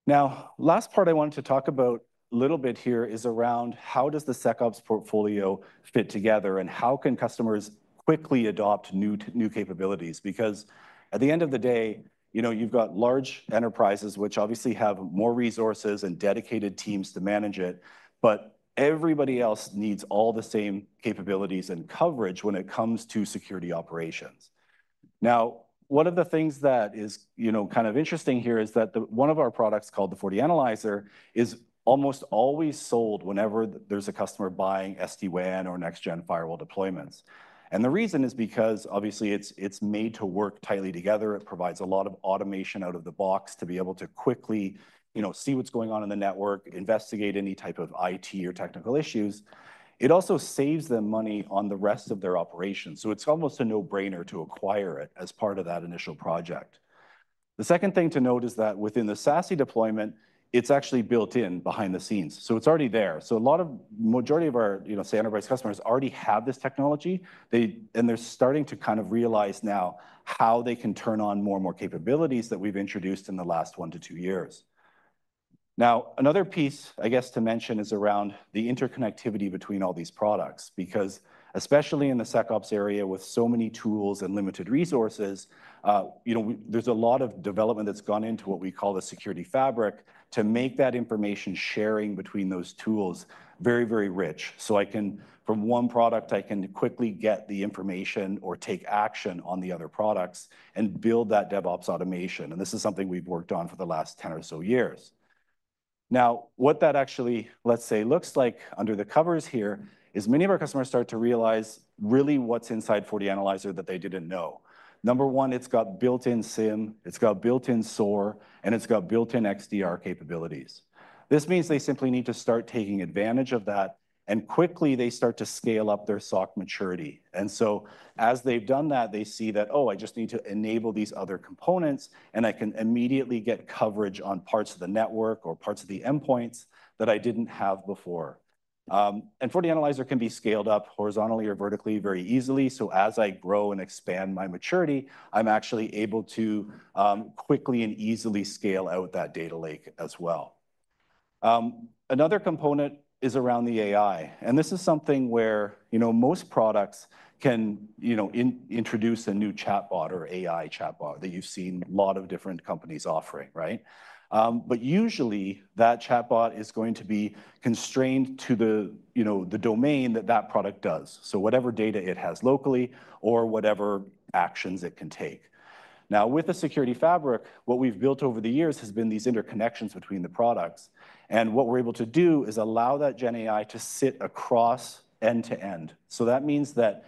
Now, the last part I wanted to talk about a little bit here is around how the SecOps portfolio fits together and how customers can quickly adopt new capabilities. Because at the end of the day, you have large enterprises which obviously have more resources and dedicated teams to manage it, but everybody else needs all the same capabilities and coverage when it comes to Security Operations. Now, one of the things that is kind of interesting here is that one of our products called FortiAnalyzer is almost always sold whenever there is a customer buying SD-WAN or next-gen firewall deployments. And the reason is because, obviously, it is made to work tightly together. It provides a lot of automation out of the box to be able to quickly see what's going on in the network, investigate any type of IT or technical issues. It also saves them money on the rest of their operations. So it's almost a no-brainer to acquire it as part of that initial project. The second thing to note is that within the SASE deployment, it's actually built in behind the scenes. So it's already there. So a lot of the majority of our enterprise customers already have this technology, and they're starting to kind of realize now how they can turn on more and more capabilities that we've introduced in the last one to two years. Now, another piece, I guess, to mention is around the interconnectivity between all these products because, especially in the SecOps area with so many tools and limited resources, there's a lot of development that's gone into what we call the security fabric to make that information sharing between those tools very, very rich. So from one product, I can quickly get the information or take action on the other products and build that DevOps automation. And this is something we've worked on for the last 10 or so years. Now, what that actually, let's say, looks like under the covers here is many of our customers start to realize really what's inside FortiAnalyzer that they didn't know. Number one, it's got built-in SIEM, it's got built-in SOAR, and it's got built-in XDR capabilities. This means they simply need to start taking advantage of that, and quickly they start to scale up their SOC maturity, and so as they've done that, they see that, "Oh, I just need to enable these other components, and I can immediately get coverage on parts of the network or parts of the endpoints that I didn't have before," and FortiAnalyzer can be scaled up horizontally or vertically very easily, so as I grow and expand my maturity, I'm actually able to quickly and easily scale out that data lake as well. Another component is around the AI, and this is something where most products can introduce a new chatbot or AI chatbot that you've seen a lot of different companies offering, right, but usually, that chatbot is going to be constrained to the domain that that product does. So whatever data it has locally or whatever actions it can take. Now, with the security fabric, what we've built over the years has been these interconnections between the products. And what we're able to do is allow that GenAI to sit across end to end. So that means that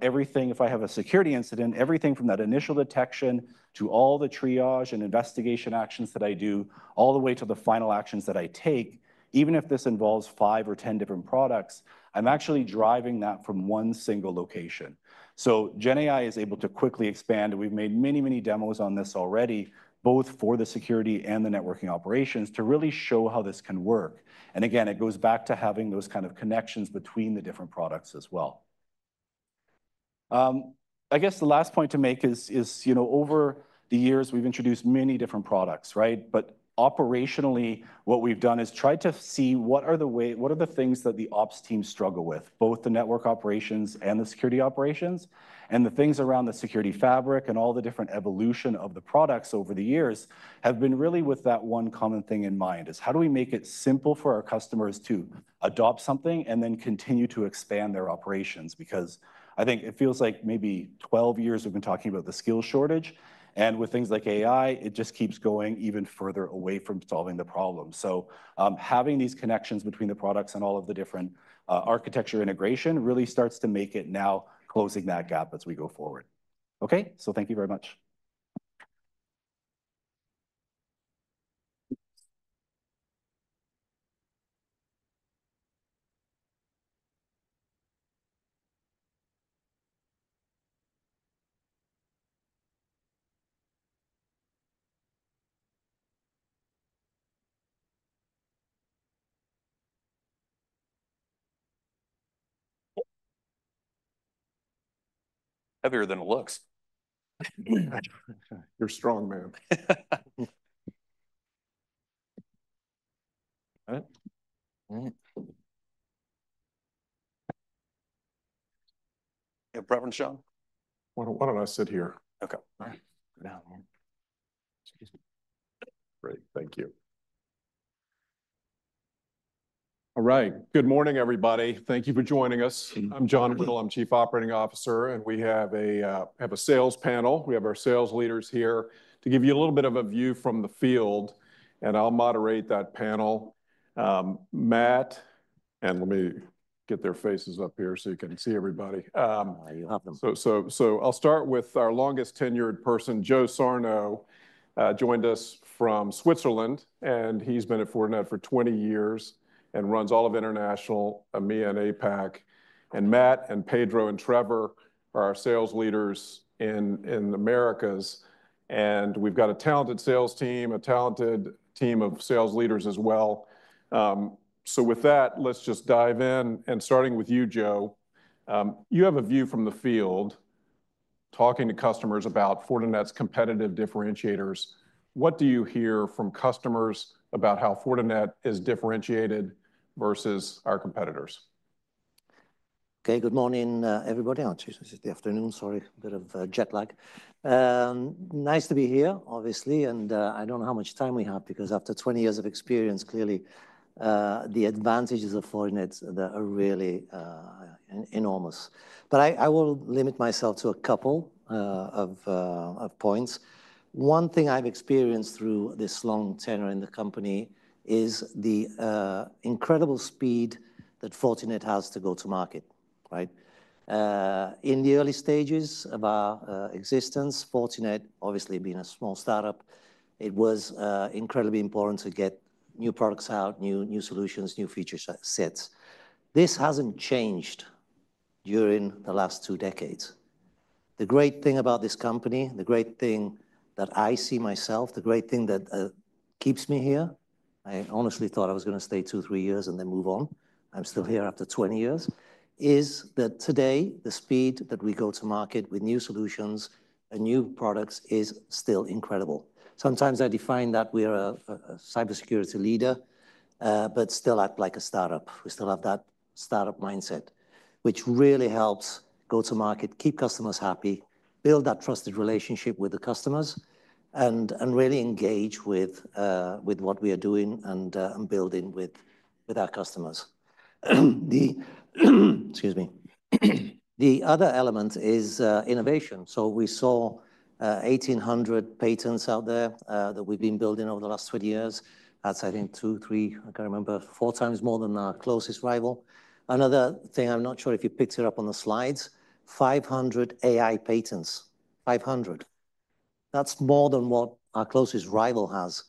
everything, if I have a security incident, everything from that initial detection to all the triage and investigation actions that I do, all the way to the final actions that I take, even if this involves five or 10 different products, I'm actually driving that from one single location. So GenAI is able to quickly expand. And we've made many, many demos on this already, both for the security and the networking operations to really show how this can work. And again, it goes back to having those kind of connections between the different products as well. I guess the last point to make is, over the years, we've introduced many different products, right? But operationally, what we've done is tried to see what are the things that the ops team struggle with, both the network operations and the Security Operations. And the things around the security fabric and all the different evolution of the products over the years have been really with that one common thing in mind is how do we make it simple for our customers to adopt something and then continue to expand their operations? Because I think it feels like maybe 12 years we've been talking about the skill shortage. And with things like AI, it just keeps going even further away from solving the problem. So having these connections between the products and all of the different architecture integration really starts to make it now closing that gap as we go forward. Okay, so thank you very much. Heavier than it looks. You're strong, man. Yeah, [Prevenshaw]? Why don't I sit here? Okay. All right. Go down. Great. Thank you. All right. Good morning, everybody. Thank you for joining us. I'm John Whittle. I'm Chief Operating Officer. And we have a sales panel. We have our sales leaders here to give you a little bit of a view from the field. And I'll moderate that panel. Matt, and let me get their faces up here so you can see everybody. You have them. So I'll start with our longest tenured person, Joe Sarno, joined us from Switzerland. And he's been at Fortinet for 20 years and runs all of international, EMEA and APAC. And Matt and Pedro and Trevor are our sales leaders in the Americas. And we've got a talented sales team, a talented team of sales leaders as well. So with that, let's just dive in. And starting with you, Joe, you have a view from the field talking to customers about Fortinet's competitive differentiators. What do you hear from customers about how Fortinet is differentiated versus our competitors? Okay, good morning, everybody. Good afternoon. Sorry, a bit of jet lag. Nice to be here, obviously. And I don't know how much time we have because after 20 years of experience, clearly the advantages of Fortinet are really enormous. But I will limit myself to a couple of points. One thing I've experienced through this long tenure in the company is the incredible speed that Fortinet has to go to market, right? In the early stages of our existence, Fortinet, obviously being a small startup, it was incredibly important to get new products out, new solutions, new feature sets. This hasn't changed during the last two decades. The great thing about this company, the great thing that I see myself, the great thing that keeps me here, I honestly thought I was going to stay two, three years and then move on. I'm still here after 20 years, is that today, the speed that we go to market with new solutions and new products is still incredible. Sometimes I define that we are a cybersecurity leader, but still act like a startup. We still have that startup mindset, which really helps go to market, keep customers happy, build that trusted relationship with the customers, and really engage with what we are doing and building with our customers. Excuse me. The other element is innovation. So we saw 1,800 patents out there that we've been building over the last 20 years. That's, I think, two, three, I can't remember, four times more than our closest rival. Another thing, I'm not sure if you picked it up on the slides, 500 AI patents. 500. That's more than what our closest rival has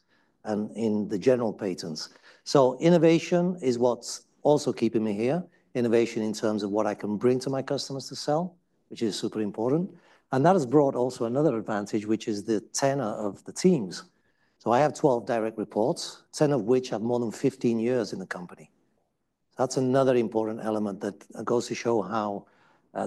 in the general patents. So innovation is what's also keeping me here. Innovation in terms of what I can bring to my customers to sell, which is super important. And that has brought also another advantage, which is the tenure of the teams. So I have 12 direct reports, 10 of which have more than 15 years in the company. That's another important element that goes to show how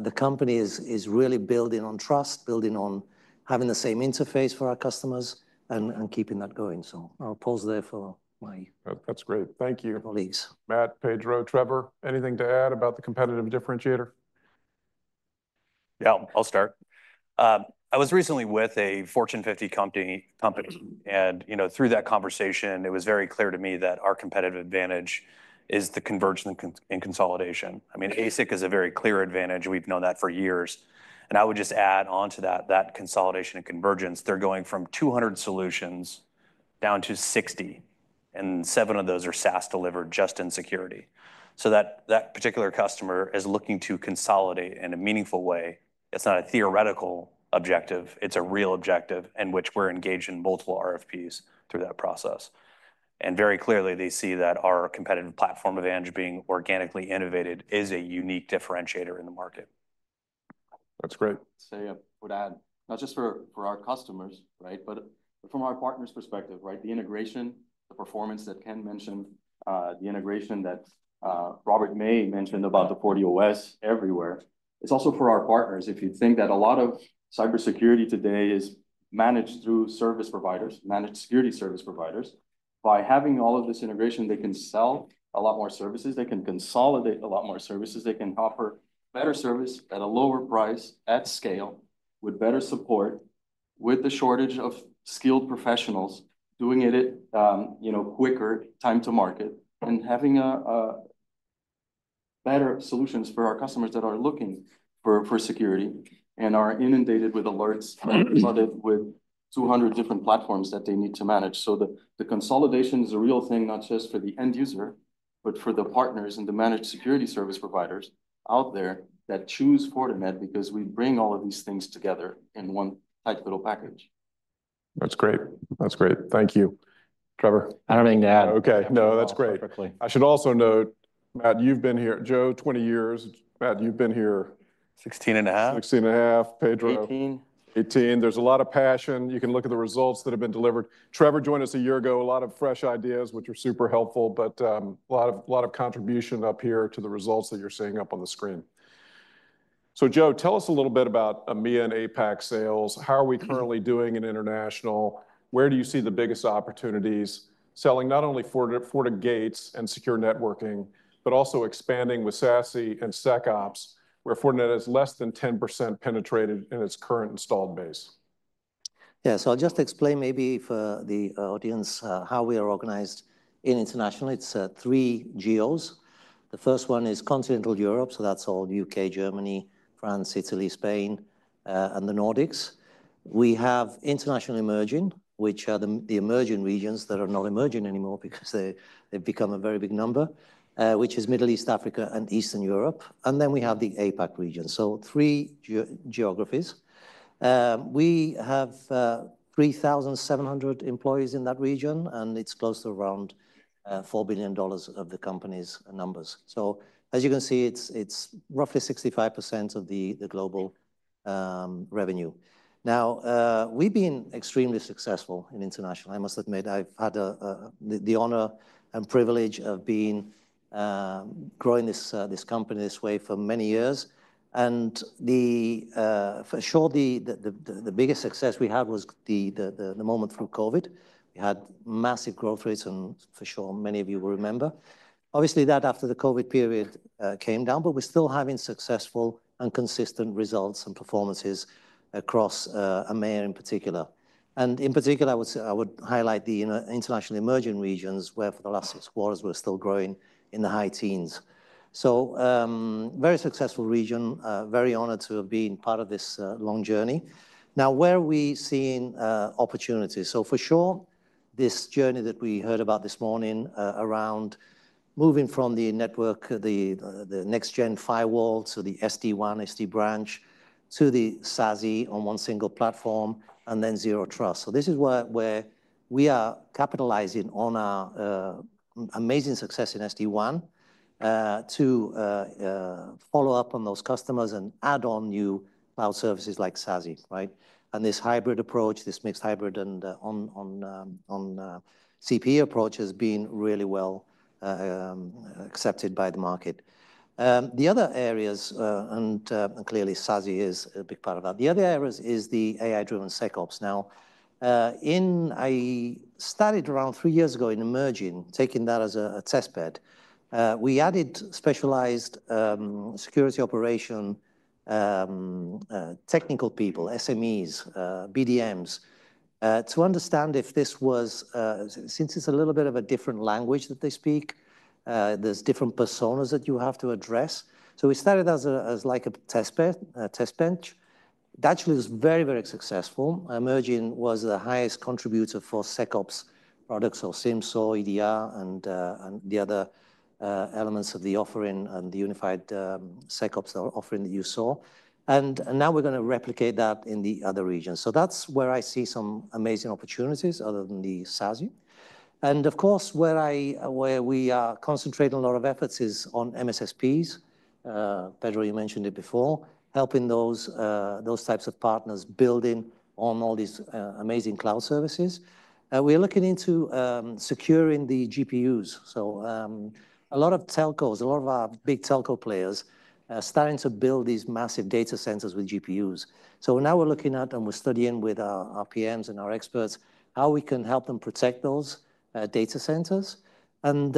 the company is really building on trust, building on having the same interface for our customers and keeping that going. So I'll pause there for my. That's great. Thank you. [AUDIO DISTORTION] Matt, Pedro, Trevor, anything to add about the competitive differentiator? Yeah, I'll start. I was recently with a Fortune 50 company. And through that conversation, it was very clear to me that our competitive advantage is the convergence and consolidation. I mean, ASIC is a very clear advantage. We've known that for years. And I would just add on to that, that consolidation and convergence, they're going from 200 solutions down to 60, and seven of those are SaaS delivered just in security. So that particular customer is looking to consolidate in a meaningful way. It's not a theoretical objective. It's a real objective in which we're engaged in multiple RFPs through that process. And very clearly, they see that our competitive platform advantage being organically innovated is a unique differentiator in the market. That's great. Say a word, [Adam]. Not just for our customers, right, but from our partners' perspective, right? The integration, the performance that Ken mentioned, the integration that Robert May mentioned about the FortiOS everywhere, it's also for our partners. If you think that a lot of cybersecurity today is managed through service providers, managed security service providers, by having all of this integration, they can sell a lot more services. They can consolidate a lot more services. They can offer better service at a lower price, at scale, with better support, with the shortage of skilled professionals doing it quicker, time to market, and having better solutions for our customers that are looking for security and are inundated with alerts, flooded with 200 different platforms that they need to manage. So the consolidation is a real thing, not just for the end user, but for the partners and the managed security service providers out there that choose Fortinet because we bring all of these things together in one tight little package. That's great. That's great. Thank you, Trevor. I don't even need to add. Okay. No, that's great. I should also note, Matt, you've been here, Joe, 20 years. Matt, you've been here. 16 and a half. 16 and a half. Pedro. 18. 18. There's a lot of passion. You can look at the results that have been delivered. Trevor joined us a year ago. A lot of fresh ideas, which are super helpful, but a lot of contribution up here to the results that you're seeing up on the screen. So Joe, tell us a little bit about EMEA and APAC sales. How are we currently doing in international? Where do you see the biggest opportunities? Selling not only Fortinet, FortiGate, and Secure Networking, but also expanding with SASE and SecOps, where Fortinet is less than 10% penetrated in its current installed base. Yeah, so I'll just explain maybe for the audience how we are organized in international. It's three GOs. The first one is continental Europe. So that's all UK, Germany, France, Italy, Spain, and the Nordics. We have international emerging, which are the emerging regions that are not emerging anymore because they've become a very big number, which is Middle East, Africa, and Eastern Europe. And then we have the APAC region. So three geographies. We have 3,700 employees in that region, and it's close to around $4 billion of the company's numbers. So as you can see, it's roughly 65% of the global revenue. Now, we've been extremely successful in international. I must admit, I've had the honor and privilege of growing this company this way for many years. For sure, the biggest success we had was the months through COVID. We had massive growth rates and for sure, many of you will remember. Obviously, that after the COVID period came down, but we're still having successful and consistent results and performances across EMEA in particular. In particular, I would highlight the international emerging regions where for the last six quarters, we're still growing in the high teens. Very successful region, very honored to have been part of this long journey. Now, where are we seeing opportunities? For sure, this journey that we heard about this morning around moving from the network, the next-gen firewall to the SD-WAN, SD-Branch to the SASE on one single platform and then zero trust. So this is where we are capitalizing on our amazing success in SD-WAN to follow up on those customers and add on new cloud services like SASE, right? And this hybrid approach, this mixed hybrid and on-prem CPE approach has been really well accepted by the market. The other areas, and clearly SASE is a big part of that. The other areas is the AI-driven SecOps. Now, I started around three years ago in emerging, taking that as a testbed. We added specialized security operation technical people, SMEs, BDMs, to understand if this was, since it's a little bit of a different language that they speak, there's different personas that you have to address. So we started as like a testbed. That actually was very, very successful. Emerging was the highest contributor for SecOps products or SIEM/SOAR, EDR, and the other elements of the offering and the unified SecOps offering that you saw, and now we're going to replicate that in the other regions, so that's where I see some amazing opportunities other than the SASE. And of course, where we are concentrating a lot of efforts is on MSSPs. Pedro, you mentioned it before, helping those types of partners building on all these amazing cloud services. We're looking into securing the GPUs, so a lot of telcos, a lot of our big telco players are starting to build these massive data centers with GPUs, so now we're looking at and we're studying with our PMs and our experts how we can help them protect those data centers, and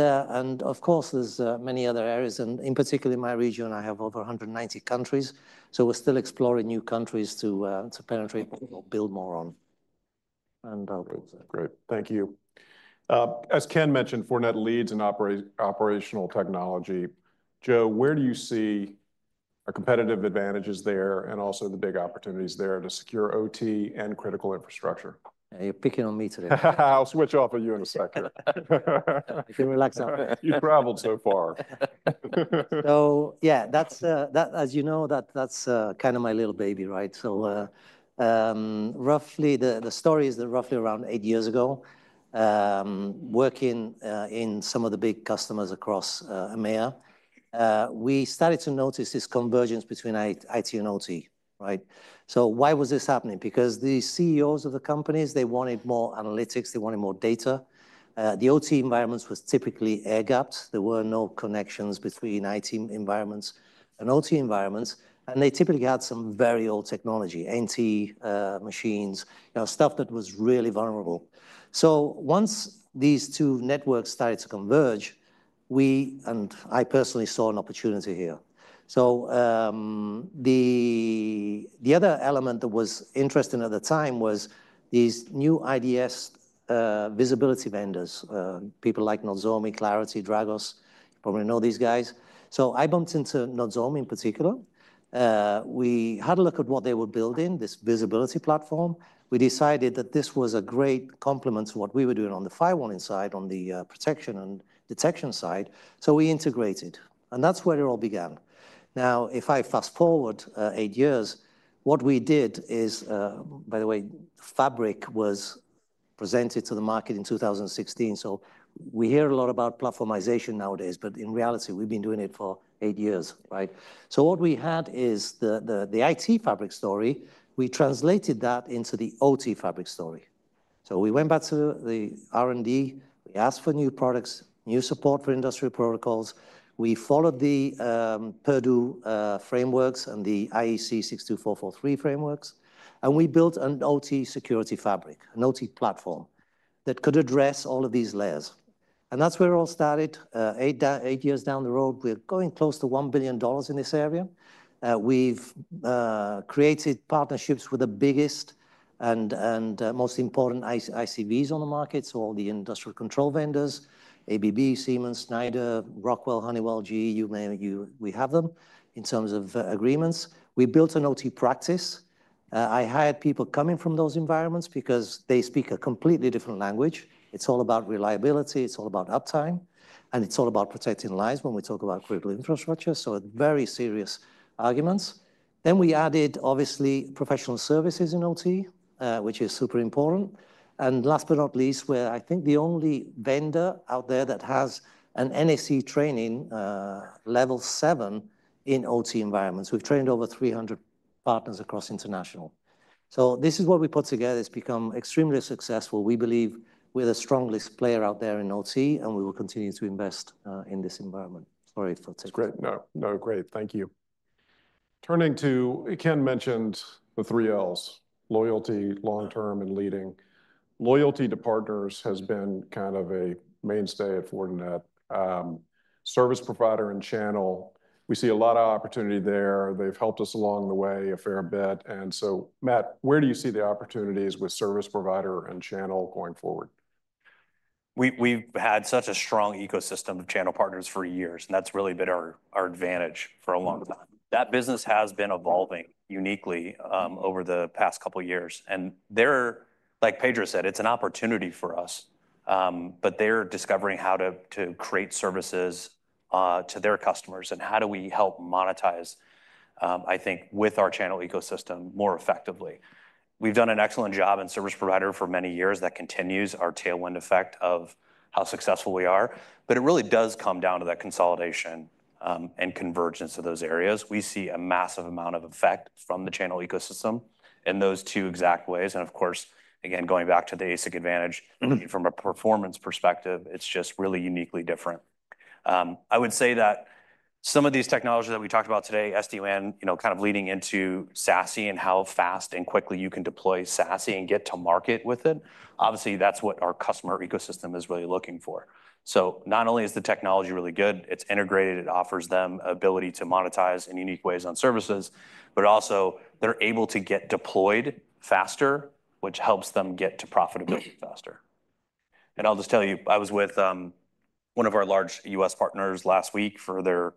of course, there's many other areas, and in particular, in my region, I have over 190 countries. We're still exploring new countries to penetrate or build more on. And I'll close that. Great. Thank you. As Ken mentioned, Fortinet leads in operational technology. Joe, where do you see our competitive advantages there and also the big opportunities there to secure OT and critical infrastructure? You're picking on me today. I'll switch off of you in a second. You can relax out. You've traveled so far. So yeah, as you know, that's kind of my little baby, right? So roughly the story is that roughly around eight years ago, working in some of the big customers across EMEA, we started to notice this convergence between IT and OT, right? So why was this happening? Because the CEOs of the companies, they wanted more analytics. They wanted more data. The OT environments were typically air-gapped. There were no connections between IT environments and OT environments. They typically had some very old technology, NT machines, stuff that was really vulnerable. So once these two networks started to converge, we and I personally saw an opportunity here. So the other element that was interesting at the time was these new IDS visibility vendors, people like Nozomi, Claroty, Dragos. You probably know these guys. So I bumped into Nozomi in particular. We had a look at what they were building, this visibility platform. We decided that this was a great complement to what we were doing on the firewall inside, on the protection and detection side. o we integrated. And that's where it all began. Now, if I fast forward eight years, what we did is, by the way, Fabric was presented to the market in 2016. So we hear a lot about platformization nowadays, but in reality, we've been doing it for eight years, right? So what we had is the Security Fabric story. We translated that into the OT Fabric story. So we went back to the R&D. We asked for new products, new support for industrial protocols. We followed the Purdue frameworks and the IEC 62443 frameworks. And we built an OT security fabric, an OT platform that could address all of these layers. And that's where it all started. Eight years down the road, we're going close to $1 billion in this area. We've created partnerships with the biggest and most important ICVs on the market, so all the industrial control vendors, ABB, Siemens, Schneider, Rockwell, Honeywell, GE, you name it, we have them in terms of agreements. We built an OT practice. I hired people coming from those environments because they speak a completely different language. It's all about reliability. It's all about uptime. And it's all about protecting lives when we talk about critical infrastructure. So very serious arguments. Then we added, obviously, professional services in OT, which is super important. And last but not least, we're, I think, the only vendor out there that has an NSE training level seven in OT environments. We've trained over 300 partners across international. So this is what we put together. It's become extremely successful. We believe we're the strongest player out there in OT, and we will continue to invest in this environment. Sorry for taking it. That's great. No, no, great. Thank you. Turning to, Ken mentioned the three Ls, loyalty, long-term, and leading. Loyalty to partners has been kind of a mainstay at Fortinet. Service provider and channel. We see a lot of opportunity there. They've helped us along the way a fair bit. Matt, where do you see the opportunities with service provider and channel going forward? We've had such a strong ecosystem of channel partners for years, and that's really been our advantage for a long time. That business has been evolving uniquely over the past couple of years. They're, like Pedro said, it's an opportunity for us, but they're discovering how to create services to their customers and how do we help monetize, I think, with our channel ecosystem more effectively. We've done an excellent job in service provider for many years that continues our tailwind effect of how successful we are. It really does come down to that consolidation and convergence of those areas. We see a massive amount of effect from the channel ecosystem in those two exact ways. And of course, again, going back to the ASIC advantage, from a performance perspective, it's just really uniquely different. I would say that some of these technologies that we talked about today, SD-WAN, kind of leading into SASE and how fast and quickly you can deploy SASE and get to market with it, obviously, that's what our customer ecosystem is really looking for. So not only is the technology really good, it's integrated. It offers them ability to monetize in unique ways on services, but also they're able to get deployed faster, which helps them get to profitability faster. And I'll just tell you, I was with one of our large U.S. partners last week for their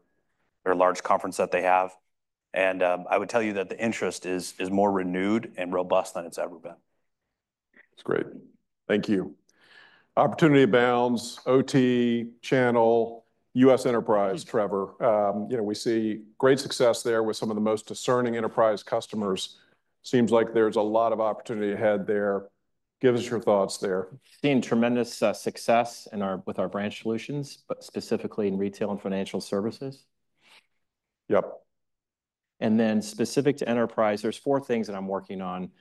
large conference that they have. And I would tell you that the interest is more renewed and robust than it's ever been. That's great. Thank you. Opportunity abounds, OT, channel, U.S. enterprise, Trevor. We see great success there with some of the most discerning enterprise customers. Seems like there's a lot of opportunity ahead there. Give us your thoughts there. Seen tremendous success with our branch solutions, but specifically in retail and financial services. Yep. And then specific to enterprise, there's four things that I'm working on.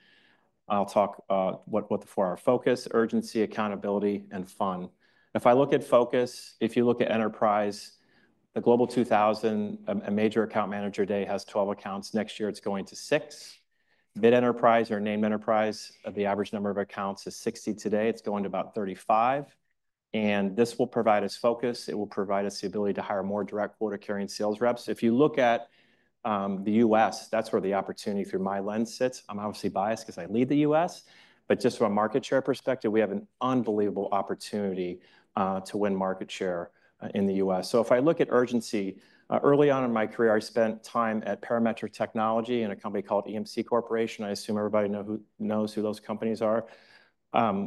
I'll talk about the four: our focus, urgency, accountability, and fun. If I look at focus, if you look at enterprise, the Global 2000, a major account manager today has 12 accounts. Next year, it's going to six. Mid-enterprise or named enterprise, the average number of accounts is 60 today. It's going to about 35. And this will provide us focus. It will provide us the ability to hire more direct quota-carrying sales reps. If you look at the U.S., that's where the opportunity through my lens sits. I'm obviously biased because I lead the US. But just from a market share perspective, we have an unbelievable opportunity to win market share in the US. So if I look at urgency, early on in my career, I spent time at Parametric Technology and a company called EMC Corporation. I assume everybody knows who those companies are.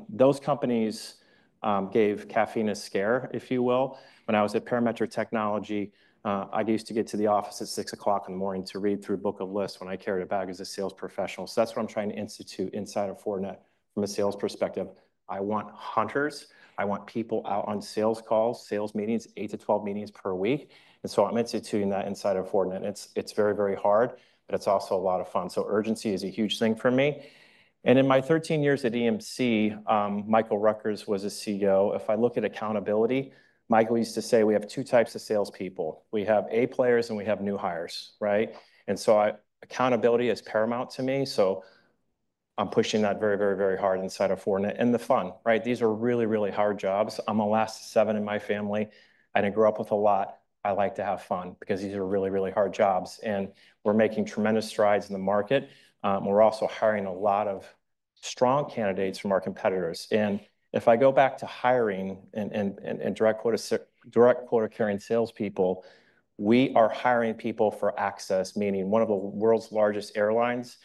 Those companies gave caffeine a scare, if you will. When I was at Parametric Technology, I used to get to the office at 6:00 A.M. to read through a book of lists when I carried a bag as a sales professional. So that's what I'm trying to institute inside of Fortinet from a sales perspective. I want hunters. I want people out on sales calls, sales meetings, 8 to 12 meetings per week. And so I'm instituting that inside of Fortinet. It's very, very hard, but it's also a lot of fun. Urgency is a huge thing for me. In my 13 years at EMC, Michael Ruettgers was a CEO. If I look at accountability, Michael used to say, "We have two types of salespeople. We have A players and we have new hires," right? Accountability is paramount to me. I'm pushing that very, very, very hard inside of Fortinet. The fun, right? These are really, really hard jobs. I'm the last of seven in my family. I didn't grow up with a lot. I like to have fun because these are really, really hard jobs. We're making tremendous strides in the market. We're also hiring a lot of strong candidates from our competitors. And if I go back to hiring and direct quota-carrying salespeople, we are hiring people for access, meaning one of the world's largest airlines.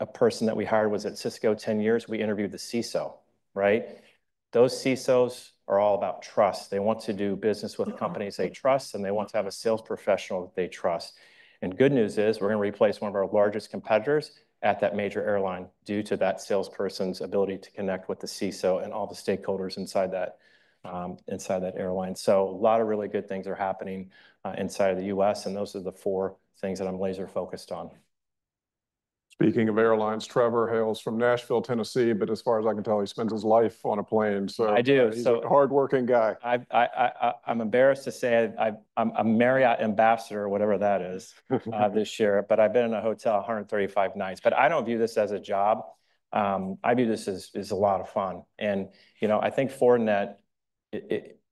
A person that we hired was at Cisco 10 years. We interviewed the CISO, right? Those CISOs are all about trust. They want to do business with companies they trust, and they want to have a sales professional that they trust. And good news is we're going to replace one of our largest competitors at that major airline due to that salesperson's ability to connect with the CISO and all the stakeholders inside that airline. So a lot of really good things are happening inside of the U.S. And those are the four things that I'm laser-focused on. Speaking of airlines, Trevor Hales from Nashville, Tennessee, but as far as I can tell, he spends his life on a plane. So I do. So hardworking guy. I'm embarrassed to say I'm a Marriott ambassador, whatever that is this year, but I've been in a hotel 135 nights. But I don't view this as a job. I view this as a lot of fun. And you know I think Fortinet,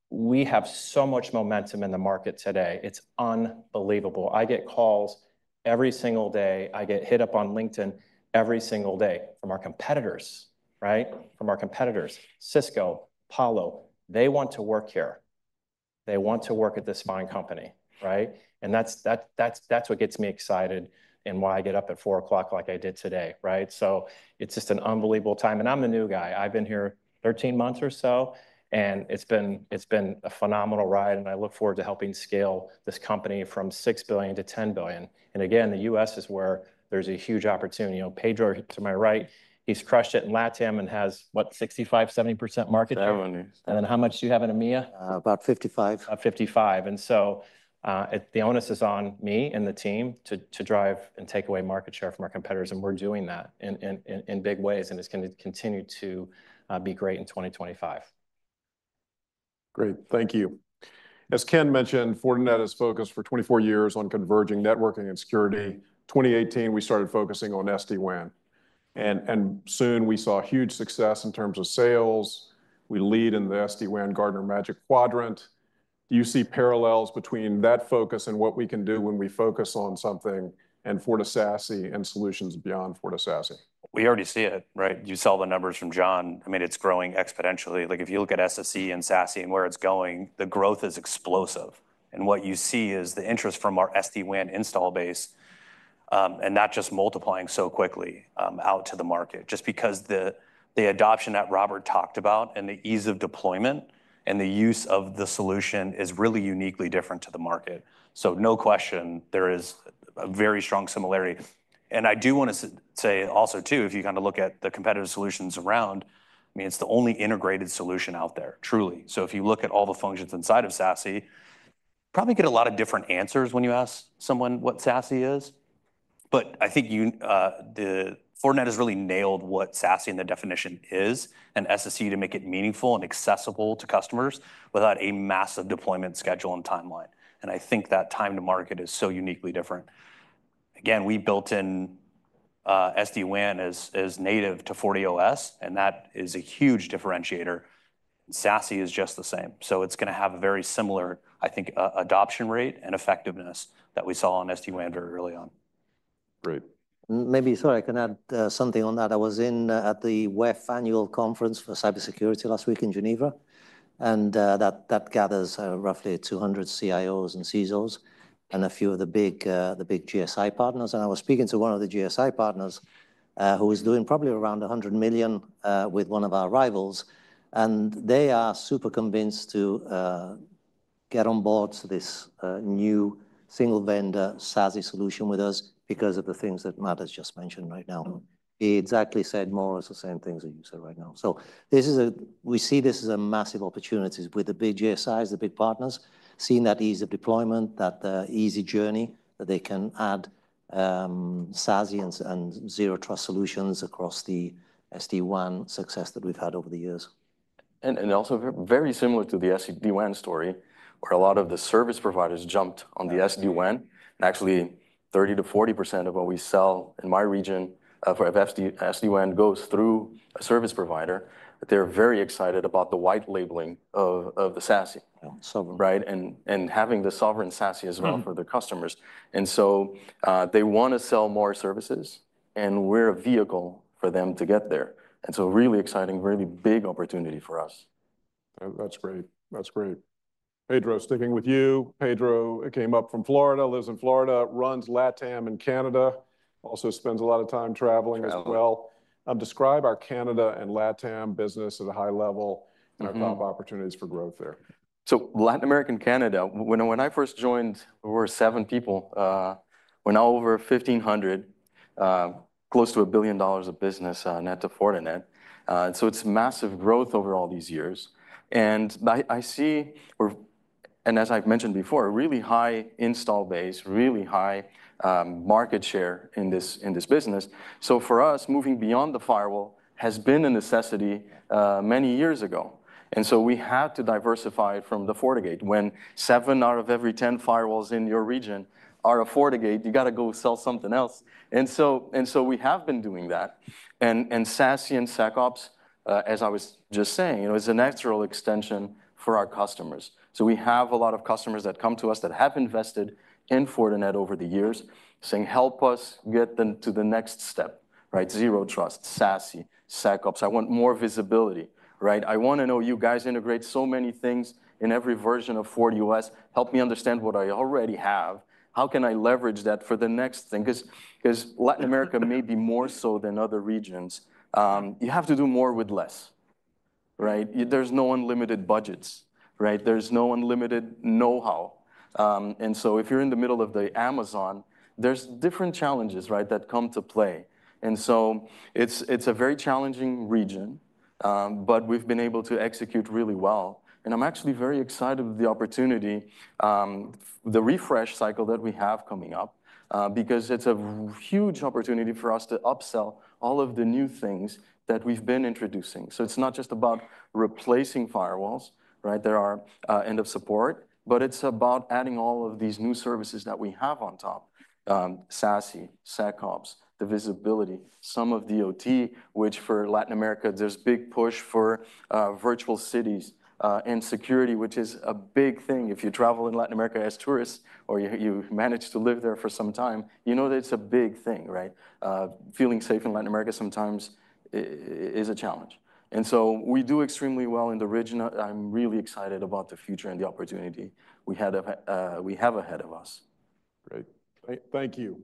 we have so much momentum in the market today. It's unbelievable. I get calls every single day. I get hit up on LinkedIn every single day from our competitors, right? From our competitors, Cisco, Palo Alto. They want to work here. They want to work at this fine company, right? And that's what gets me excited and why I get up at four o'clock like I did today, right? So it's just an unbelievable time. And I'm a new guy. I've been here 13 months or so, and it's been a phenomenal ride. I look forward to helping scale this company from $6 billion to $10 billion. Again, the US is where there's a huge opportunity. Pedro to my right, he's crushed it in LatAm and has, what, 65%-70% market share? 70%. And then how much do you have in EMEA? About 55%. About 55%. And so the onus is on me and the team to drive and take away market share from our competitors. And we're doing that in big ways. And it's going to continue to be great in 2025. Great. Thank you. As Ken mentioned, Fortinet has focused for 24 years on converging networking and security. In 2018, we started focusing on SD-WAN. And soon we saw huge success in terms of sales. We lead in the SD-WAN Gartner Magic Quadrant. Do you see parallels between that focus and what we can do when we focus on something and FortiSASE and solutions beyond FortiSASE? We already see it, right? You saw the numbers from John. I mean, it's growing exponentially. Like if you look at SSE and SASE and where it's going, the growth is explosive. And what you see is the interest from our SD-WAN install base and that just multiplying so quickly out to the market. Just because the adoption that Robert talked about and the ease of deployment and the use of the solution is really uniquely different to the market. So no question, there is a very strong similarity. And I do want to say also too, if you kind of look at the competitive solutions around, I mean, it's the only integrated solution out there, truly. So if you look at all the functions inside of SASE, you probably get a lot of different answers when you ask someone what SASE is. But I think Fortinet has really nailed what SASE and the definition is and SSE to make it meaningful and accessible to customers without a massive deployment schedule and timeline. And I think that time to market is so uniquely different. Again, we built in SD-WAN as native to FortiOS, and that is a huge differentiator. SASE is just the same. So it's going to have a very similar, I think, adoption rate and effectiveness that we saw on SD-WAN very early on. Great. Maybe sorry, I can add something on that. I was at the WEF annual conference for cybersecurity last week in Geneva. And that gathers roughly 200 CIOs and CISOs and a few of the big GSI partners. I was speaking to one of the GSI partners who is doing probably around $100 million with one of our rivals. They are super convinced to get on board to this new single vendor SASE solution with us because of the things that Matt has just mentioned right now. He exactly said more or less the same things that you said right now. We see this as a massive opportunity with the big GSIs, the big partners, seeing that ease of deployment, that easy journey that they can add SASE and zero trust solutions across the SD-WAN success that we've had over the years. Also very similar to the SD-WAN story, where a lot of the service providers jumped on the SD-WAN. Actually, 30%-40% of what we sell in my region for SD-WAN goes through a service provider. They're very excited about the white labeling of the SASE, right? And having the sovereign SASE as well for their customers. And so they want to sell more services, and we're a vehicle for them to get there. And so really exciting, really big opportunity for us. That's great. That's great. Pedro, sticking with you. Pedro, he came up from Florida, lives in Florida, runs LatAm and Canada, also spends a lot of time traveling as well. Describe our Canada and LatAm business at a high level and our top opportunities for growth there. So Latin America and Canada, when I first joined, we were seven people. We're now over 1,500, close to $1 billion of business net to Fortinet. So it's massive growth over all these years. And I see, and as I've mentioned before, a really high install base, really high market share in this business. So for us, moving beyond the firewall has been a necessity many years ago. And so we had to diversify from the FortiGate. When seven out of every 10 firewalls in your region are a FortiGate, you got to go sell something else. And so we have been doing that. And SASE and SecOps, as I was just saying, is a natural extension for our customers. So we have a lot of customers that come to us that have invested in Fortinet over the years, saying, "Help us get them to the next step," right? Zero trust, SASE, SecOps. I want more visibility, right? I want to know you guys integrate so many things in every version of FortiOS. Help me understand what I already have. How can I leverage that for the next thing? Because Latin America may be more so than other regions. You have to do more with less, right? There's no unlimited budgets, right? There's no unlimited know-how. And so if you're in the middle of the Amazon, there's different challenges, right, that come to play. And so it's a very challenging region, but we've been able to execute really well. And I'm actually very excited with the opportunity, the refresh cycle that we have coming up, because it's a huge opportunity for us to upsell all of the new things that we've been introducing. So it's not just about replacing firewalls, right? There are end of support, but it's about adding all of these new services that we have on top: SASE, SecOps, the visibility, some of the OT, which for Latin America, there's a big push for virtual cities and security, which is a big thing. If you travel in Latin America as tourists or you manage to live there for some time, you know that it's a big thing, right? Feeling safe in Latin America sometimes is a challenge. And so we do extremely well in the region. I'm really excited about the future and the opportunity we have ahead of us. Great. Thank you.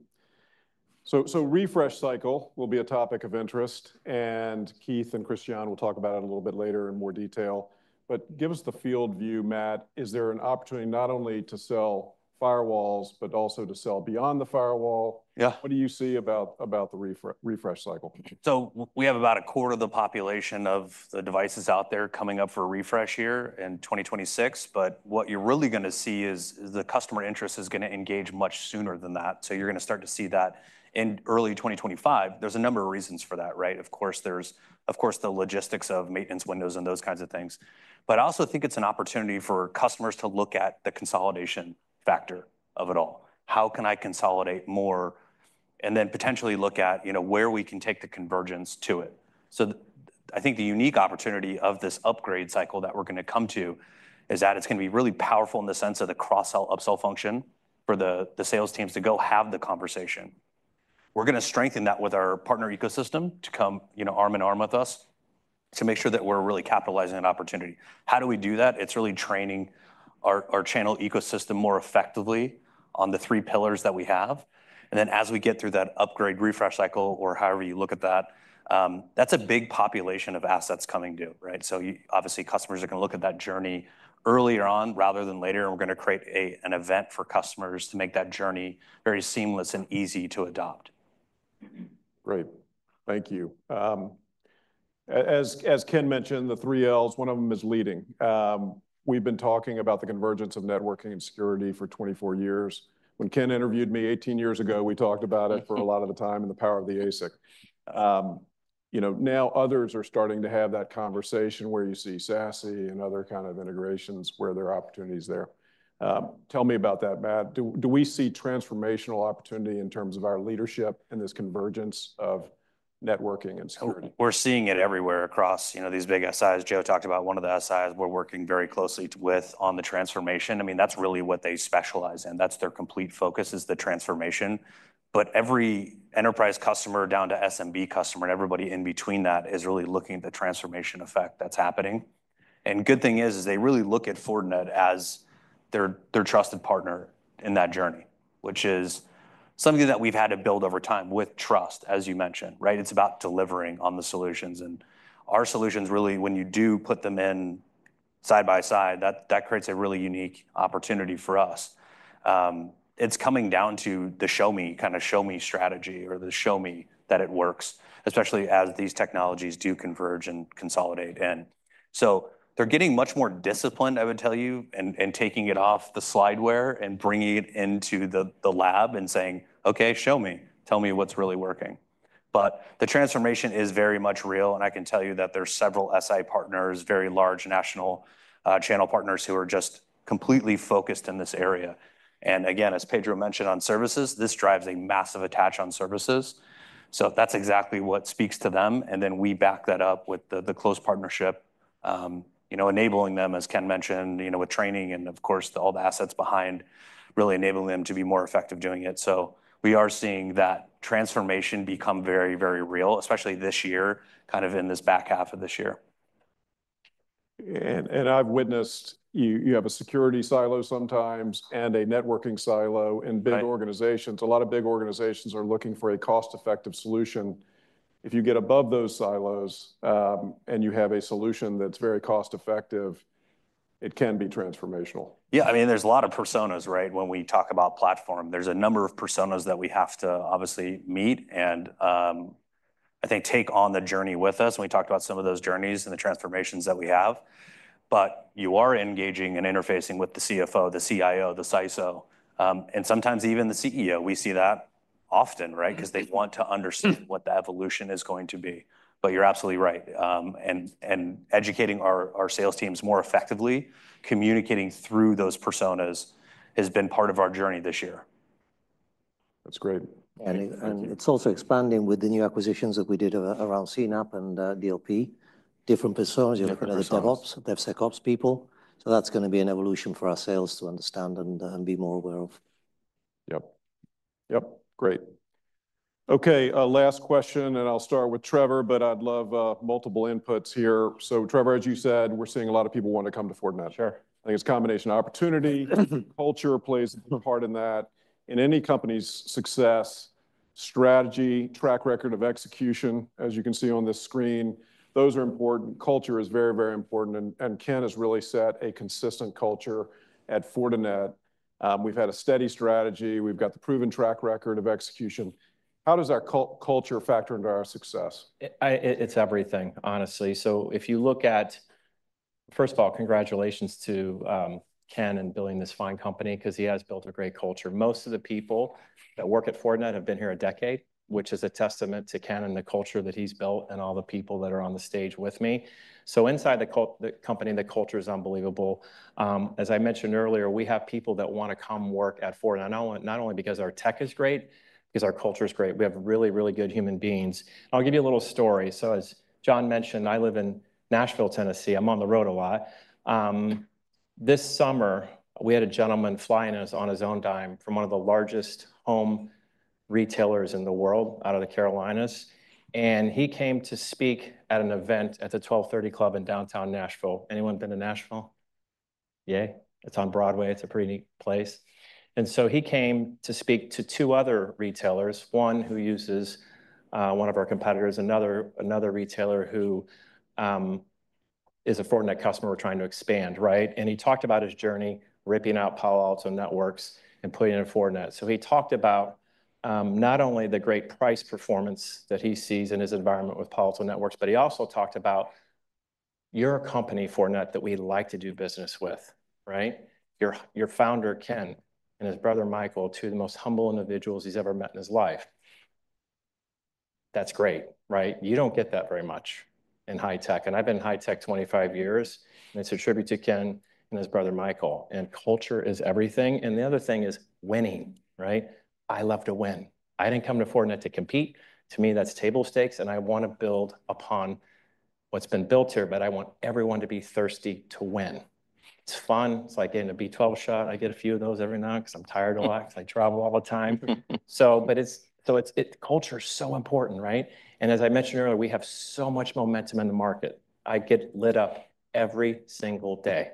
So refresh cycle will be a topic of interest. And Keith and Christiane will talk about it a little bit later in more detail. But give us the field view, Matt. Is there an opportunity not only to sell firewalls, but also to sell beyond the firewall? Yeah. What do you see about the refresh cycle? So we have about a quarter of the population of the devices out there coming up for a refresh year in 2026. But what you're really going to see is the customer interest is going to engage much sooner than that. So you're going to start to see that in early 2025. There's a number of reasons for that, right? Of course, there's the logistics of maintenance windows and those kinds of things. But I also think it's an opportunity for customers to look at the consolidation factor of it all. How can I consolidate more and then potentially look at where we can take the convergence to it? So I think the unique opportunity of this upgrade cycle that we're going to come to is that it's going to be really powerful in the sense of the cross-sell upsell function for the sales teams to go have the conversation. We're going to strengthen that with our partner ecosystem to come arm in arm with us to make sure that we're really capitalizing on opportunity. How do we do that? It's really training our channel ecosystem more effectively on the three pillars that we have. And then as we get through that upgrade refresh cycle or however you look at that, that's a big population of assets coming due, right? So obviously customers are going to look at that journey earlier on rather than later. And we're going to create an event for customers to make that journey very seamless and easy to adopt Right. Thank you. As Ken mentioned, the three Ls, one of them is leading. We've been talking about the convergence of networking and security for 24 years. When Ken interviewed me 18 years ago, we talked about it for a lot of the time and the power of the ASIC. Now others are starting to have that conversation where you see SASE and other kinds of integrations where there are opportunities there. Tell me about that, Matt. Do we see transformational opportunity in terms of our leadership in this convergence of networking and security? We're seeing it everywhere across these big SIs. Joe talked about one of the SIs we're working very closely with on the transformation. I mean, that's really what they specialize in. That's their complete focus is the transformation. But every enterprise customer down to SMB customer and everybody in between that is really looking at the transformation effect that's happening. The good thing is, they really look at Fortinet as their trusted partner in that journey, which is something that we've had to build over time with trust, as you mentioned, right? It's about delivering on the solutions. Our solutions, really, when you do put them in side by side, that creates a really unique opportunity for us. It's coming down to the show me kind of show me strategy or the show me that it works, especially as these technologies do converge and consolidate. So they're getting much more disciplined, I would tell you, and taking it off the slideware and bringing it into the lab and saying, "Okay, show me. Tell me what's really working." The transformation is very much real. I can tell you that there's several SI partners, very large national channel partners who are just completely focused in this area. And again, as Pedro mentioned on services, this drives a massive attach on services. So that's exactly what speaks to them. And then we back that up with the close partnership, enabling them, as Ken mentioned, with training and, of course, all the assets behind, really enabling them to be more effective doing it. So we are seeing that transformation become very, very real, especially this year, kind of in this back half of this year. And I've witnessed you have a security silo sometimes and a networking silo in big organizations. A lot of big organizations are looking for a cost-effective solution. If you get above those silos and you have a solution that's very cost-effective, it can be transformational Yeah. I mean, there's a lot of personas, right? When we talk about platform, there's a number of personas that we have to obviously meet and I think take on the journey with us, and we talked about some of those journeys and the transformations that we have, but you are engaging and interfacing with the CFO, the CIO, the CISO, and sometimes even the CEO. We see that often, right? Because they want to understand what the evolution is going to be, but you're absolutely right, and educating our sales teams more effectively, communicating through those personas has been part of our journey this year. That's great. and it's also expanding with the new acquisitions that we did around CNAPP and DLP, different personas. You're looking at the DevOps, DevSecOps people. So that's going to be an evolution for our sales to understand and be more aware of. Yep. Yep. Great. Okay. Last question, and I'll start with Trevor, but I'd love multiple inputs here. So Trevor, as you said, we're seeing a lot of people want to come to Fortinet. Sure. I think it's a combination of opportunity. Culture plays a big part in that. In any company's success, strategy, track record of execution, as you can see on this screen, those are important. Culture is very, very important. And Ken has really set a consistent culture at Fortinet. We've had a steady strategy. We've got the proven track record of execution. How does our culture factor into our success? It's everything, honestly. So if you look at, first of all, congratulations to Ken and building this fine company because he has built a great culture. Most of the people that work at Fortinet have been here a decade, which is a testament to Ken and the culture that he's built and all the people that are on the stage with me. So inside the company, the culture is unbelievable. As I mentioned earlier, we have people that want to come work at Fortinet, not only because our tech is great, because our culture is great. We have really, really good human beings. I'll give you a little story. So as John mentioned, I live in Nashville, Tennessee. I'm on the road a lot. This summer, we had a gentleman flying us on his own dime from one of the largest home retailers in the world out of the Carolinas. And he came to speak at an event at the Twelve Thirty Club in downtown Nashville. Anyone been to Nashville? Yay. It's on Broadway. It's a pretty neat place. And so he came to speak to two other retailers, one who uses one of our competitors, another retailer who is a Fortinet customer we're trying to expand, right? And he talked about his journey ripping out Palo Alto Networks and putting it in Fortinet. So he talked about not only the great price performance that he sees in his environment with Palo Alto Networks, but he also talked about your company, Fortinet, that we like to do business with, right? Your founder, Ken, and his brother, Michael, two of the most humble individuals he's ever met in his life. That's great, right? You don't get that very much in high tech. And I've been in high tech 25 years. And it's a tribute to Ken and his brother, Michael. And culture is everything. And the other thing is winning, right? I love to win. I didn't come to Fortinet to compete. To me, that's table stakes. And I want to build upon what's been built here, but I want everyone to be thirsty to win. It's fun. It's like getting a B12 shot. I get a few of those every now because I'm tired a lot because I travel all the time. But culture is so important, right? And as I mentioned earlier, we have so much momentum in the market. I get lit up every single day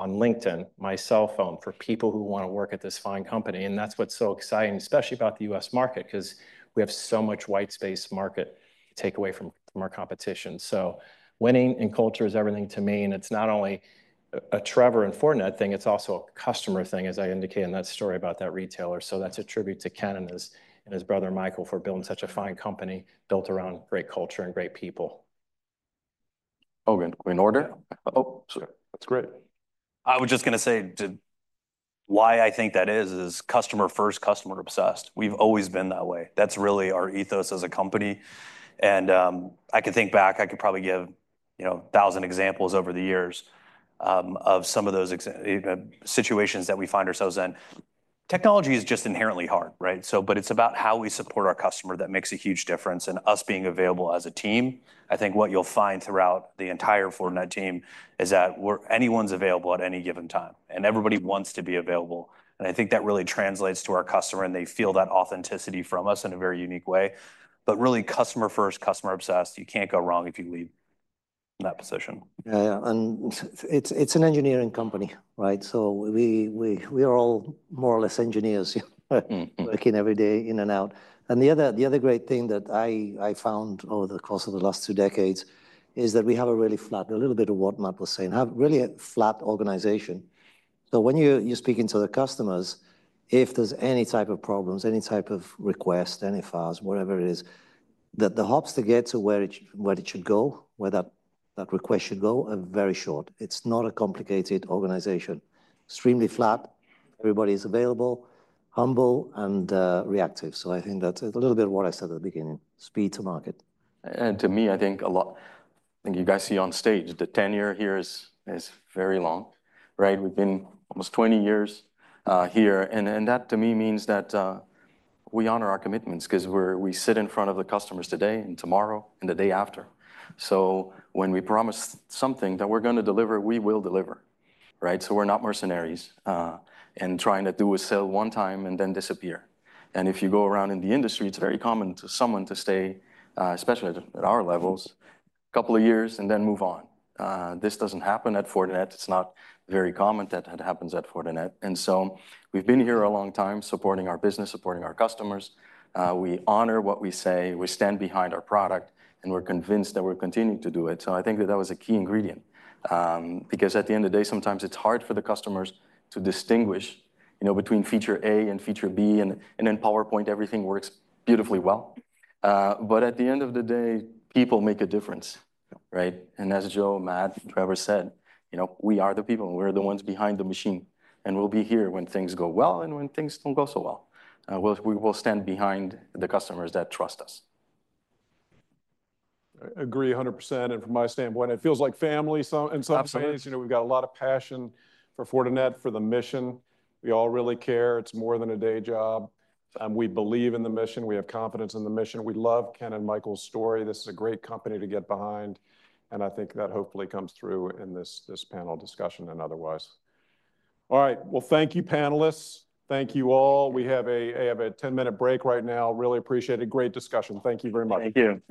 on LinkedIn, my cell phone, for people who want to work at this fine company. And that's what's so exciting, especially about the U.S. market, because we have so much white space market to take away from our competition. So winning and culture is everything to me. And it's not only a Trevor and Fortinet thing. It's also a customer thing, as I indicate in that story about that retailer. So that's a tribute to Ken and his brother, Michael, for building such a fine company built around great culture and great people. Oh, in order? Oh, that's great.I was just going to say, why I think that is, is customer first, customer obsessed. We've always been that way. That's really our ethos as a company. And I can think back. I could probably give a thousand examples over the years of some of those situations that we find ourselves in. Technology is just inherently hard, right? But it's about how we support our customer that makes a huge difference. And us being available as a team, I think what you'll find throughout the entire Fortinet team is that anyone's available at any given time. And everybody wants to be available. And I think that really translates to our customer. And they feel that authenticity from us in a very unique way. But really, customer first, customer obsessed. You can't go wrong if you lead in that position. Yeah. And it's an engineering company, right? So we are all more or less engineers working every day in and out. And the other great thing that I found over the course of the last two decades is that we have a really flat, a little bit of what Matt was saying, have really a flat organization. So when you're speaking to the customers, if there's any type of problems, any type of request, any files, whatever it is, that the hops to get to where it should go, where that request should go, are very short. It's not a complicated organization. Extremely flat. Everybody is available, humble, and reactive. So I think that's a little bit of what I said at the beginning, speed to market. And to me, I think a lot, I think you guys see on stage, the tenure here is very long, right? We've been almost 20 years here. And that to me means that we honor our commitments because we sit in front of the customers today and tomorrow and the day after. So when we promise something that we're going to deliver, we will deliver, right? So we're not mercenaries in trying to do a sale one time and then disappear. And if you go around in the industry, it's very common to someone to stay, especially at our levels, a couple of years and then move on. This doesn't happen at Fortinet. It's not very common that that happens at Fortinet. And so we've been here a long time supporting our business, supporting our customers. We honor what we say. We stand behind our product. And we're convinced that we're continuing to do it. So I think that that was a key ingredient. Because at the end of the day, sometimes it's hard for the customers to distinguish between feature A and feature B. And in PowerPoint, everything works beautifully well. But at the end of the day, people make a difference, right? And as Joe, Matt, Trevor said, we are the people. We're the ones behind the machine. And we'll be here when things go well and when things don't go so well. We will stand behind the customers that trust us. Agree 100%. And from my standpoint, it feels like family in some sense. We've got a lot of passion for Fortinet, for the mission. We all really care. It's more than a day job. We believe in the mission. We have confidence in the mission. We love Ken and Michael's story. This is a great company to get behind, and I think that hopefully comes through in this panel discussion and otherwise. All right, well, thank you, panelists. Thank you all. We have a 10-minute break right now. Really appreciate it. Great discussion. Thank you very much. Thank you.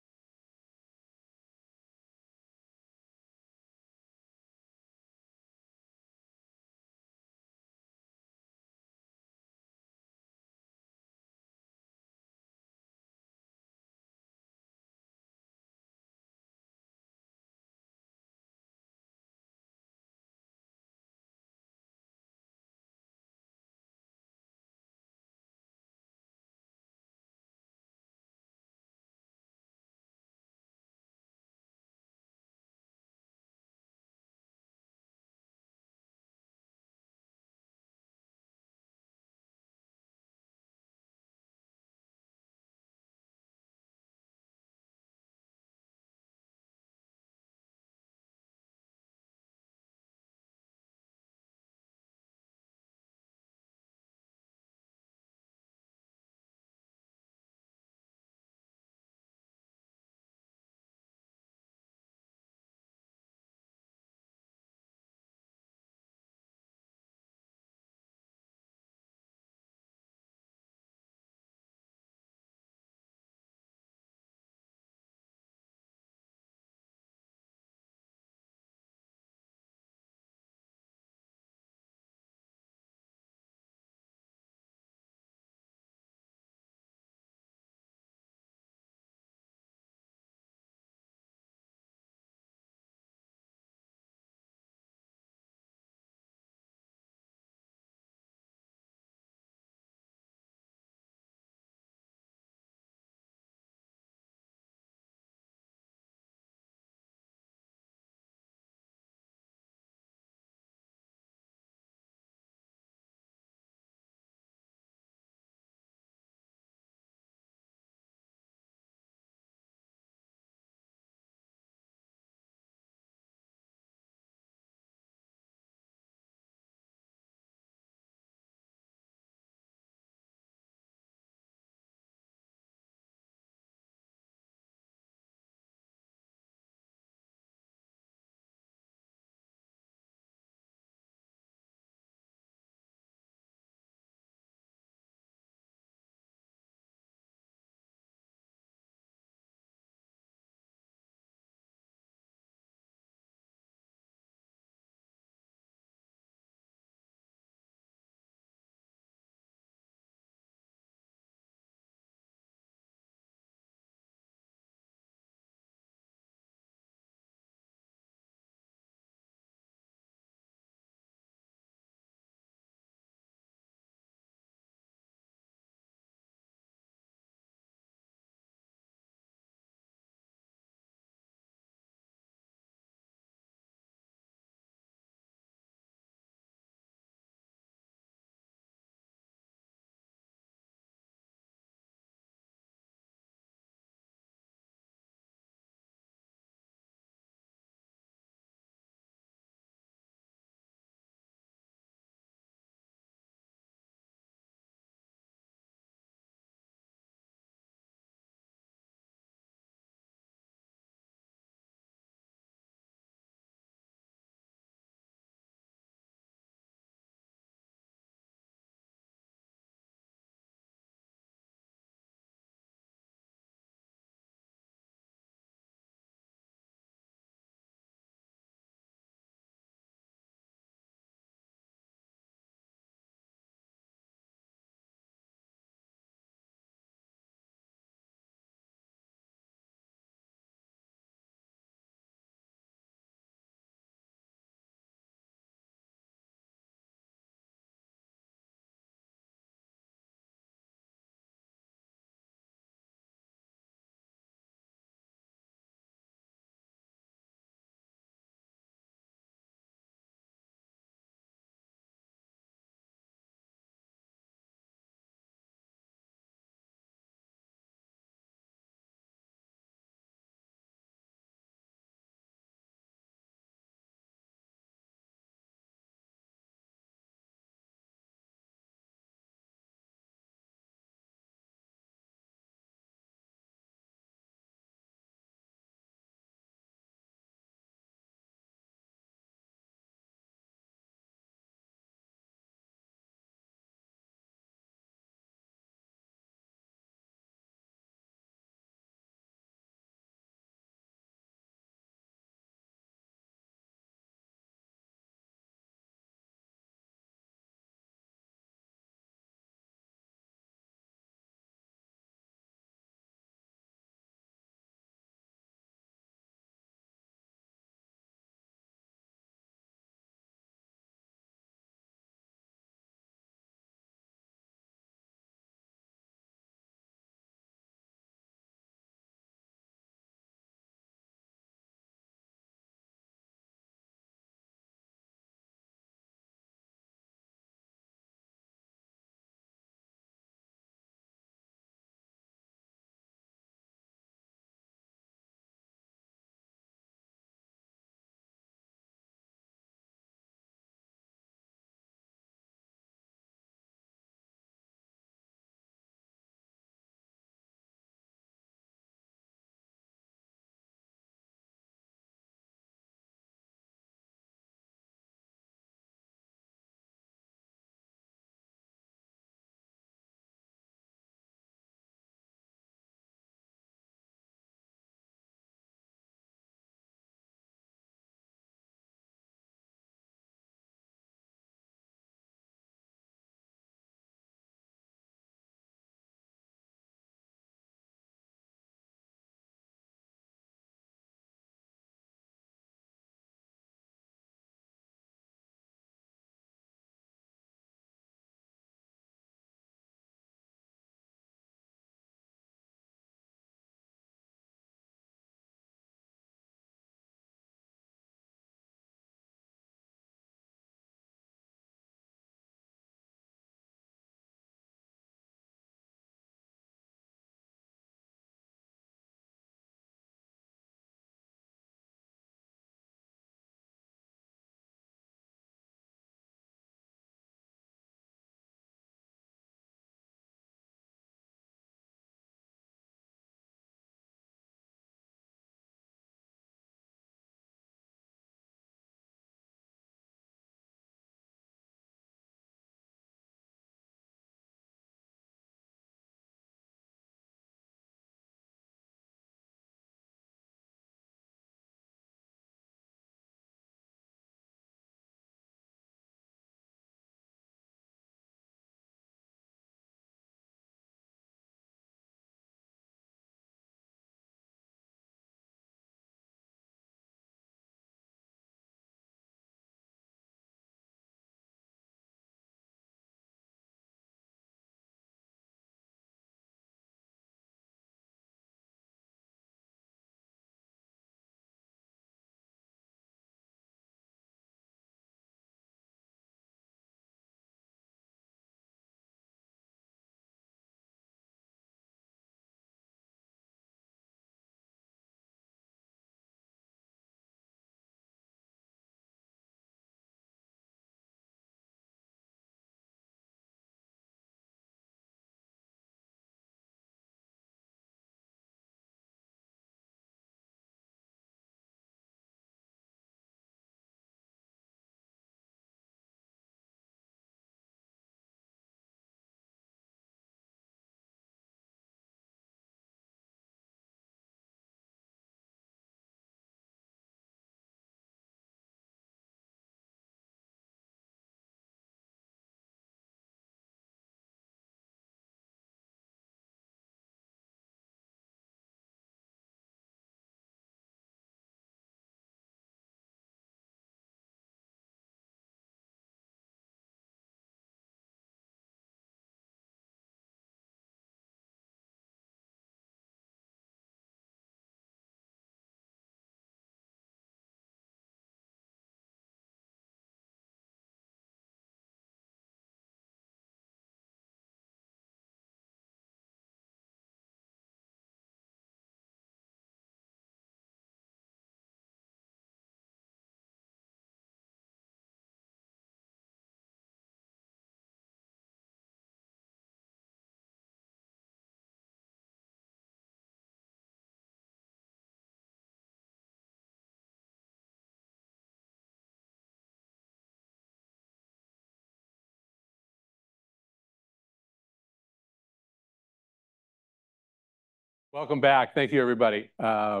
Welcome back. Thank you, everybody. I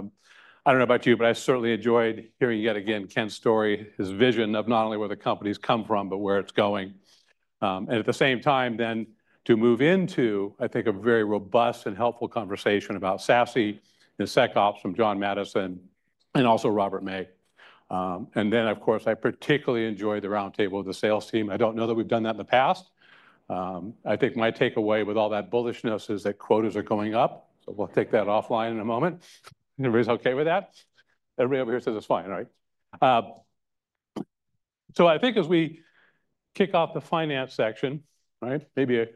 don't know about you, but I certainly enjoyed hearing yet again Ken's story, his vision of not only where the company comes from, but where it's going, and at the same time, then to move into, I think, a very robust and helpful conversation about SASE and SecOps from John Maddison and also Robert May, and then, of course, I particularly enjoyed the roundtable of the sales team. I don't know that we've done that in the past. I think my takeaway with all that bullishness is that quotas are going up. So we'll take that offline in a moment. Everybody's okay with that? Everybody over here says it's fine, right? So I think as we kick off the finance section, right, maybe a,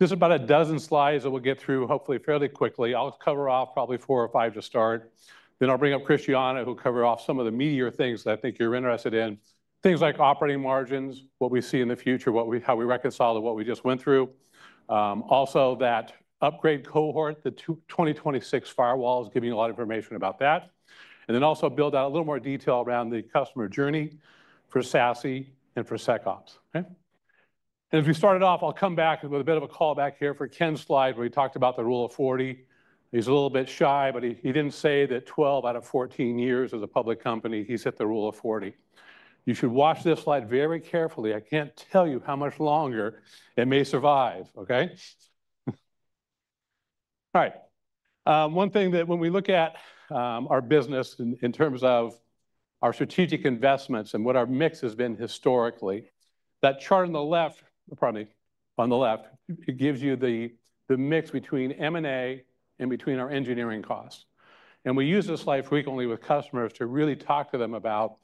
there's about a dozen slides that we'll get through, hopefully fairly quickly. I'll cover off probably four or five to start. Then I'll bring up Christiane, who'll cover off some of the meatier things that I think you're interested in, things like operating margins, what we see in the future, what we, how we reconcile to what we just went through. Also that upgrade cohort, the 2026 firewall, is giving you a lot of information about that. And then also build out a little more detail around the customer journey for SASE and for SecOps. Okay. And if we started off, I'll come back with a bit of a callback here for Ken's slide, where he talked about the Rule of 40. He's a little bit shy, but he didn't say that 12 out of 14 years as a public company, he set the Rule of 40. You should watch this slide very carefully. I can't tell you how much longer it may survive. Okay. All right. One thing that when we look at our business in terms of our strategic investments and what our mix has been historically, that chart on the left, pardon me, on the left, it gives you the mix between M&A and between our engineering costs. And we use this slide frequently with customers to really talk to them about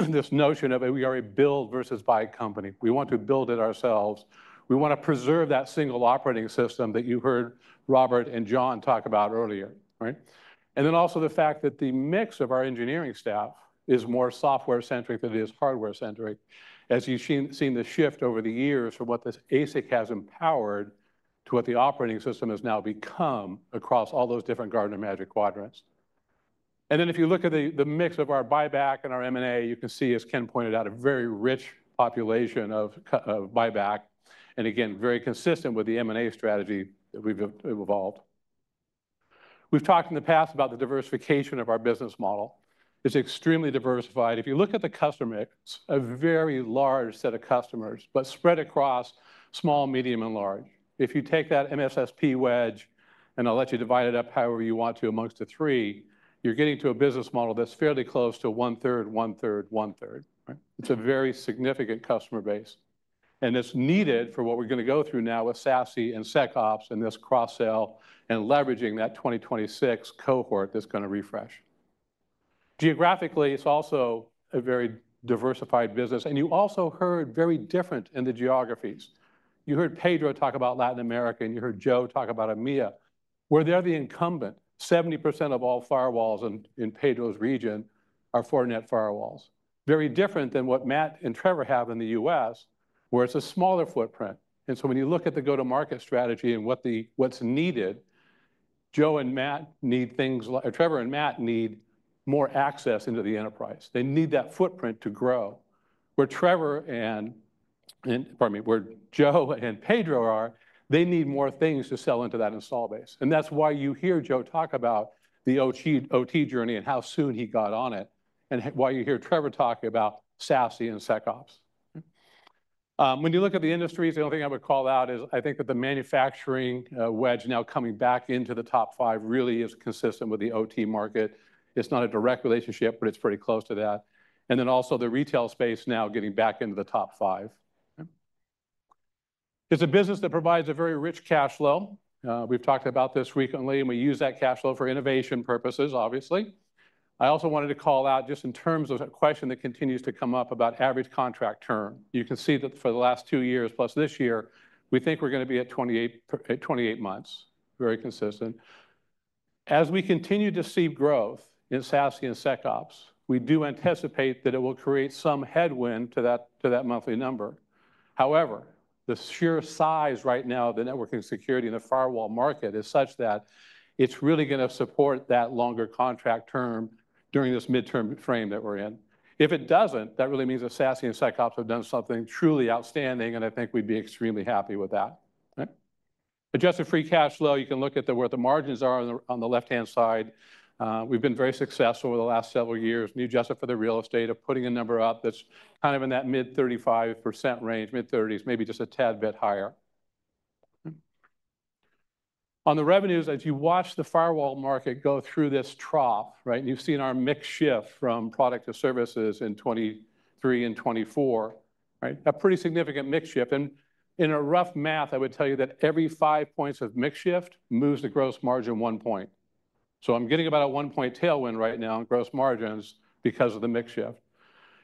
this notion of a, we are a build versus buy company. We want to build it ourselves. We want to preserve that single operating system that you heard Robert and John talk about earlier, right? And then also the fact that the mix of our engineering staff is more software centric than it is hardware centric, as you've seen the shift over the years from what this ASIC has empowered to what the operating system has now become across all those different Gartner Magic Quadrants. And then if you look at the mix of our buyback and our M&A, you can see, as Ken pointed out, a very rich population of buyback. And again, very consistent with the M&A strategy that we've evolved. We've talked in the past about the diversification of our business model. It's extremely diversified. If you look at the customer mix, a very large set of customers, but spread across small, medium, and large. If you take that MSSP wedge, and I'll let you divide it up however you want to amongst the three, you're getting to a business model that's fairly close to one third, one third, one third, right? It's a very significant customer base. And it's needed for what we're going to go through now with SASE and SecOps and this cross-sale and leveraging that 2026 cohort that's going to refresh. Geographically, it's also a very diversified business. And you also heard very different in the geographies. You heard Pedro talk about Latin America, and you heard Joe talk about EMEA. Where they're the incumbent, 70% of all firewalls in Pedro's region are Fortinet firewalls. Very different than what Matt and Trevor have in the US, where it's a smaller footprint. And so when you look at the go-to-market strategy and what's needed, Joe and Matt need things like, or Trevor and Matt need more access into the enterprise. They need that footprint to grow. Where Trevor and, pardon me, where Joe and Pedro are, they need more things to sell into that installed base. And that's why you hear Joe talk about the OT journey and how soon he got on it, and why you hear Trevor talk about SASE and SecOps. When you look at the industries, the only thing I would call out is I think that the manufacturing wedge now coming back into the top five really is consistent with the OT market. It's not a direct relationship, but it's pretty close to that. And then also the retail space now getting back into the top five. It's a business that provides a very rich cash flow. We've talked about this recently, and we use that cash flow for innovation purposes, obviously. I also wanted to call out just in terms of a question that continues to come up about average contract term. You can see that for the last two years, plus this year, we think we're going to be at 28, at 28 months, very consistent. As we continue to see growth in SASE and SecOps, we do anticipate that it will create some headwind to that, to that monthly number. However, the sheer size right now of the networking security and the firewall market is such that it's really going to support that longer contract term during this midterm frame that we're in. If it doesn't, that really means that SASE and SecOps have done something truly outstanding, and I think we'd be extremely happy with that. Right? Adjusted free cash flow, you can look at the, where the margins are on the left-hand side. We've been very successful over the last several years, new adjusted for the real estate of putting a number up that's kind of in that mid-35% range, mid-30s, maybe just a tad bit higher. On the revenues, as you watch the firewall market go through this trough, right? And you've seen our mix shift from product to services in 2023 and 2024, right? A pretty significant mix shift. And in a rough math, I would tell you that every five points of mix shift moves the gross margin one point. So I'm getting about a one point tailwind right now in gross margins because of the mix shift.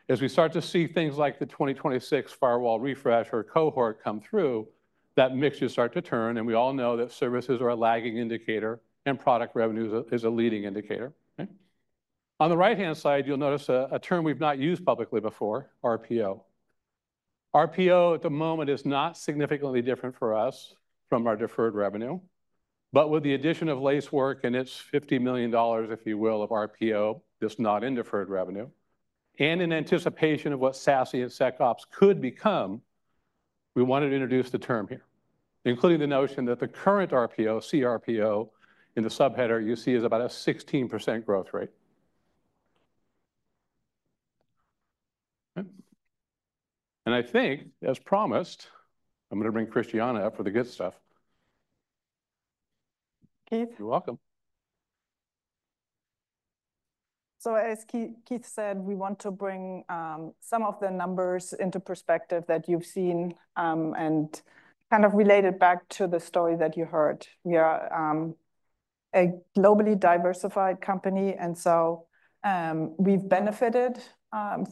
As we start to see things like the 2026 firewall refresh or cohort come through, that mix should start to turn. And we all know that services are a lagging indicator and product revenues is a leading indicator. Right? On the right-hand side, you'll notice a term we've not used publicly before, RPO. RPO at the moment is not significantly different for us from our deferred revenue. But with the addition of Lacework and its $50 million, if you will, of RPO, this not in deferred revenue, and in anticipation of what SASE and SecOps could become, we wanted to introduce the term here, including the notion that the current RPO, CRPO, in the subheader you see is about a 16% growth rate. And I think, as promised, I'm going to bring Christiane up for the good stuff. Keith. You're welcome. So, as Keith said, we want to bring some of the numbers into perspective that you've seen and kind of related back to the story that you heard. We are a globally diversified company, and so we've benefited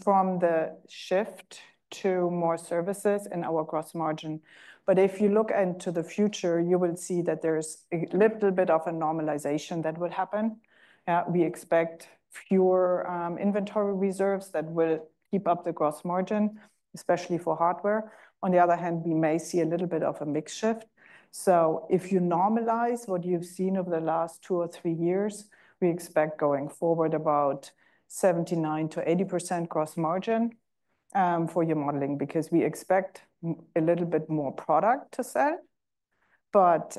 from the shift to more services in our gross margin. But if you look into the future, you will see that there's a little bit of a normalization that will happen. We expect fewer inventory reserves that will keep up the gross margin, especially for hardware. On the other hand, we may see a little bit of a mix shift. If you normalize what you've seen over the last two or three years, we expect going forward about 79%-80% gross margin for your modeling because we expect a little bit more product to sell. That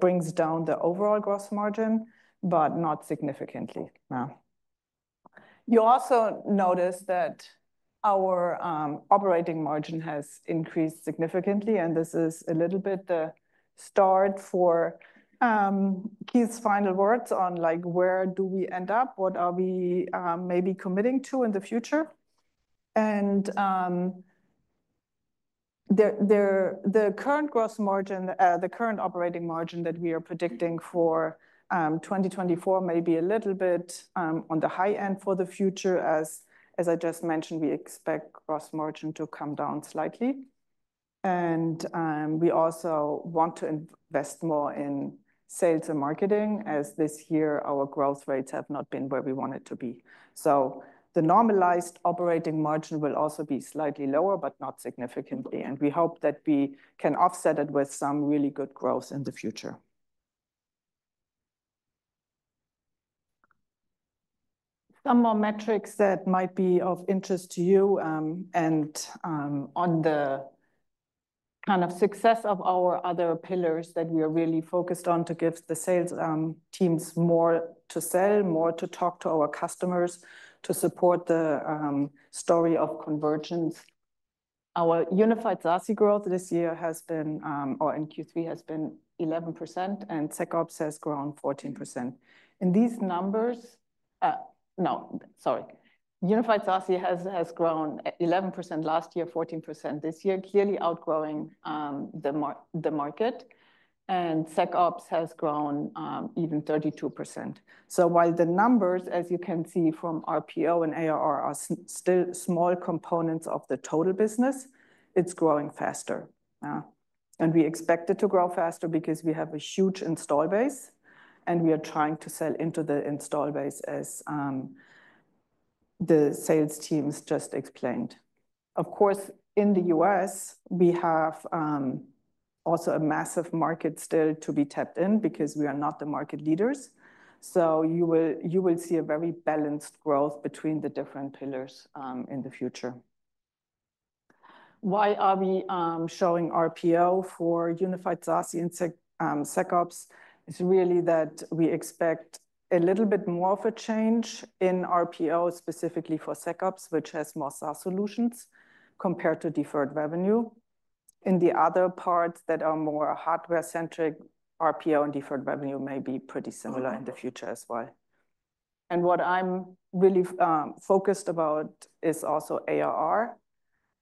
brings down the overall gross margin, but not significantly now. You also notice that our operating margin has increased significantly, and this is a little bit the start for Keith's final words on, like, where do we end up? What are we maybe committing to in the future? The current gross margin, the current operating margin that we are predicting for 2024 may be a little bit on the high end for the future. As I just mentioned, we expect gross margin to come down slightly. We also want to invest more in sales and marketing, as this year our growth rates have not been where we want it to be. So the normalized operating margin will also be slightly lower, but not significantly. And we hope that we can offset it with some really good growth in the future. Some more metrics that might be of interest to you and on the kind of success of our other pillars that we are really focused on to give the sales teams more to sell, more to talk to our customers, to support the story of convergence. Our Unified SASE growth this year has been, or in Q3 has been 11%, and SecOps has grown 14%. In these numbers, no, sorry, Unified SASE has grown 11% last year, 14% this year, clearly outgrowing the market. And SecOps has grown even 32%. So while the numbers, as you can see from RPO and ARR, are still small components of the total business, it's growing faster. And we expect it to grow faster because we have a huge install base, and we are trying to sell into the install base as the sales team just explained. Of course, in the U.S., we have also a massive market still to be tapped in because we are not the market leaders. So you will, you will see a very balanced growth between the different pillars in the future. Why are we showing RPO for Unified SASE and SecOps? It's really that we expect a little bit more of a change in RPO, specifically for SecOps, which has more SaaS solutions compared to deferred revenue. In the other parts that are more hardware-centric, RPO and deferred revenue may be pretty similar in the future as well. What I'm really focused about is also ARR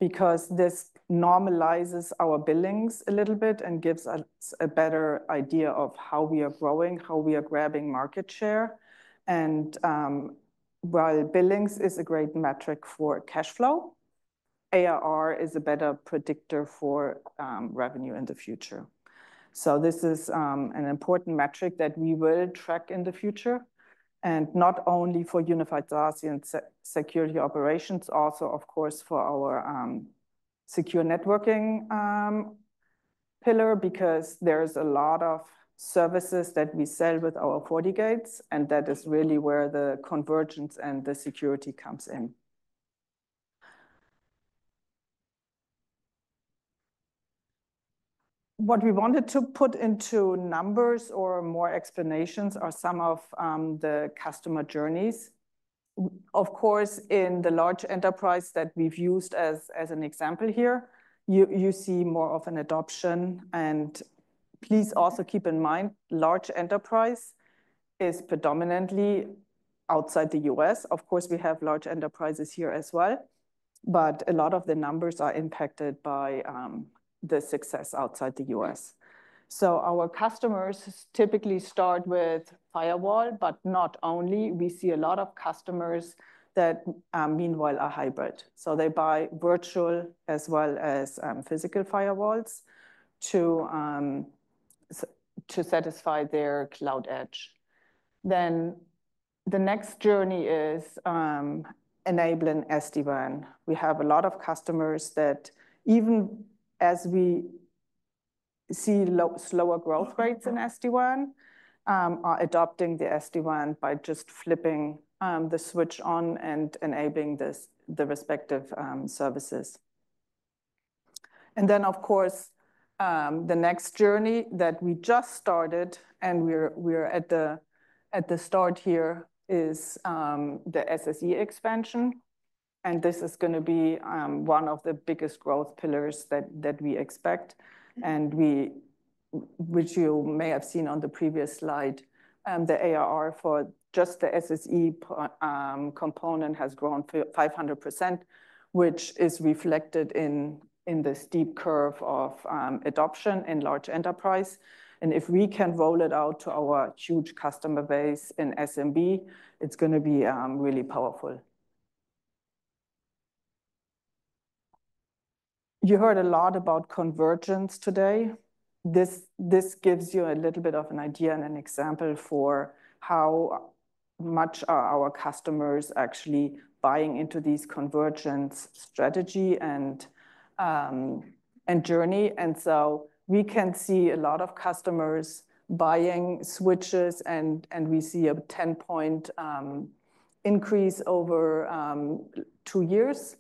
because this normalizes our billings a little bit and gives us a better idea of how we are growing, how we are grabbing market share. While billings is a great metric for cash flow, ARR is a better predictor for revenue in the future. This is an important metric that we will track in the future, and not only for Unified SASE and Security Operations, also, of course, for our Secure Networking pillar, because there is a lot of services that we sell with our FortiGates, and that is really where the convergence and the security comes in. What we wanted to put into numbers or more explanations are some of the customer journeys. Of course, in the large enterprise that we've used as an example here, you see more of an adoption. And please also keep in mind, large enterprise is predominantly outside the US. Of course, we have large enterprises here as well, but a lot of the numbers are impacted by the success outside the US. So our customers typically start with firewall, but not only. We see a lot of customers that meanwhile are hybrid. So they buy virtual as well as physical firewalls to satisfy their cloud edge. Then the next journey is enabling SD-WAN. We have a lot of customers that even as we see slower growth rates in SD-WAN, are adopting the SD-WAN by just flipping the switch on and enabling the respective services. And then, of course, the next journey that we just started, and we're at the start here, is the SSE expansion. This is going to be one of the biggest growth pillars that we expect, which you may have seen on the previous slide. The ARR for just the SSE component has grown 500%, which is reflected in this deep curve of adoption in large enterprise. If we can roll it out to our huge customer base in SMB, it's going to be really powerful. You heard a lot about convergence today. This gives you a little bit of an idea and an example of how much our customers actually buying into these convergence strategy and journey. So we can see a lot of customers buying switches, and we see a 10-point increase over two years.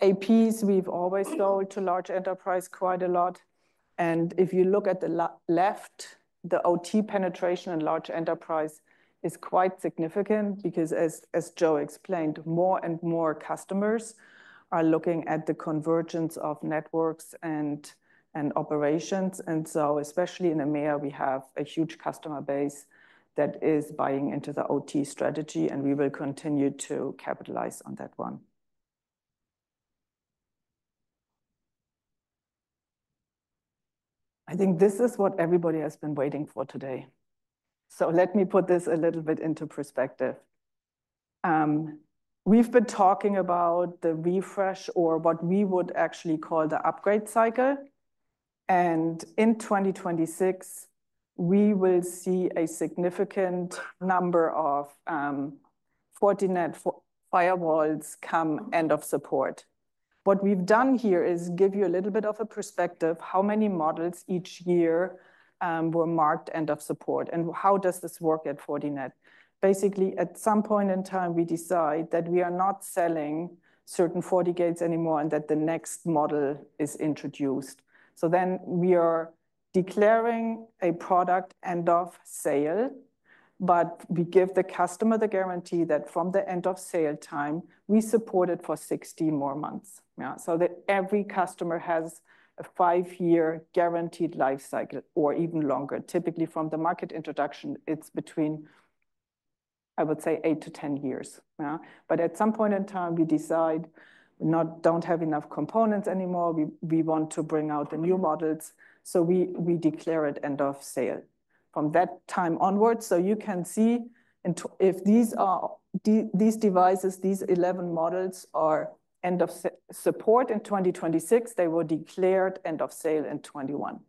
APs, we've always sold to large enterprise quite a lot. And if you look at the left, the OT penetration in large enterprise is quite significant because, as Joe explained, more and more customers are looking at the convergence of networks and operations. And so, especially in EMEA, we have a huge customer base that is buying into the OT strategy, and we will continue to capitalize on that one. I think this is what everybody has been waiting for today. So let me put this a little bit into perspective. We've been talking about the refresh or what we would actually call the upgrade cycle. And in 2026, we will see a significant number of Fortinet firewalls come end of support. What we've done here is give you a little bit of a perspective of how many models each year were marked end of support and how does this work at Fortinet. Basically, at some point in time, we decide that we are not selling certain FortiGates anymore and that the next model is introduced. So then we are declaring a product end of sale, but we give the customer the guarantee that from the end of sale time, we support it for 60 more months. So that every customer has a five-year guaranteed life cycle or even longer. Typically, from the market introduction, it's between, I would say, eight to 10 years. But at some point in time, we decide we don't have enough components anymore. We want to bring out the new models. So we declare it end of sale from that time onward. So you can see if these are these devices, these 11 models are end of support in 2026, they were declared end of sale in 2021.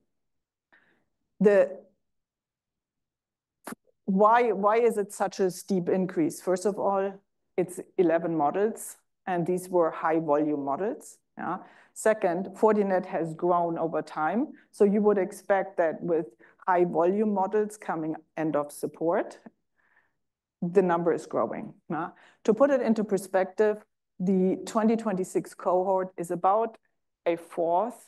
Why is it such a steep increase? First of all, it's 11 models, and these were high-volume models. Second, Fortinet has grown over time. So you would expect that with high-volume models coming end of support, the number is growing. To put it into perspective, the 2026 cohort is about a fourth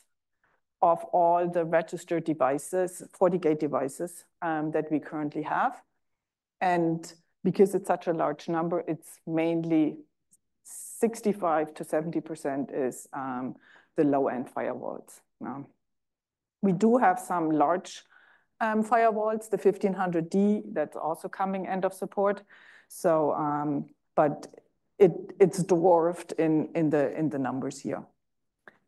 of all the registered devices, FortiGate devices that we currently have. And because it's such a large number, it's mainly 65%-70% is the low-end firewalls. We do have some large firewalls, the 1500D, that's also coming end of support. So, but it's dwarfed in the numbers here.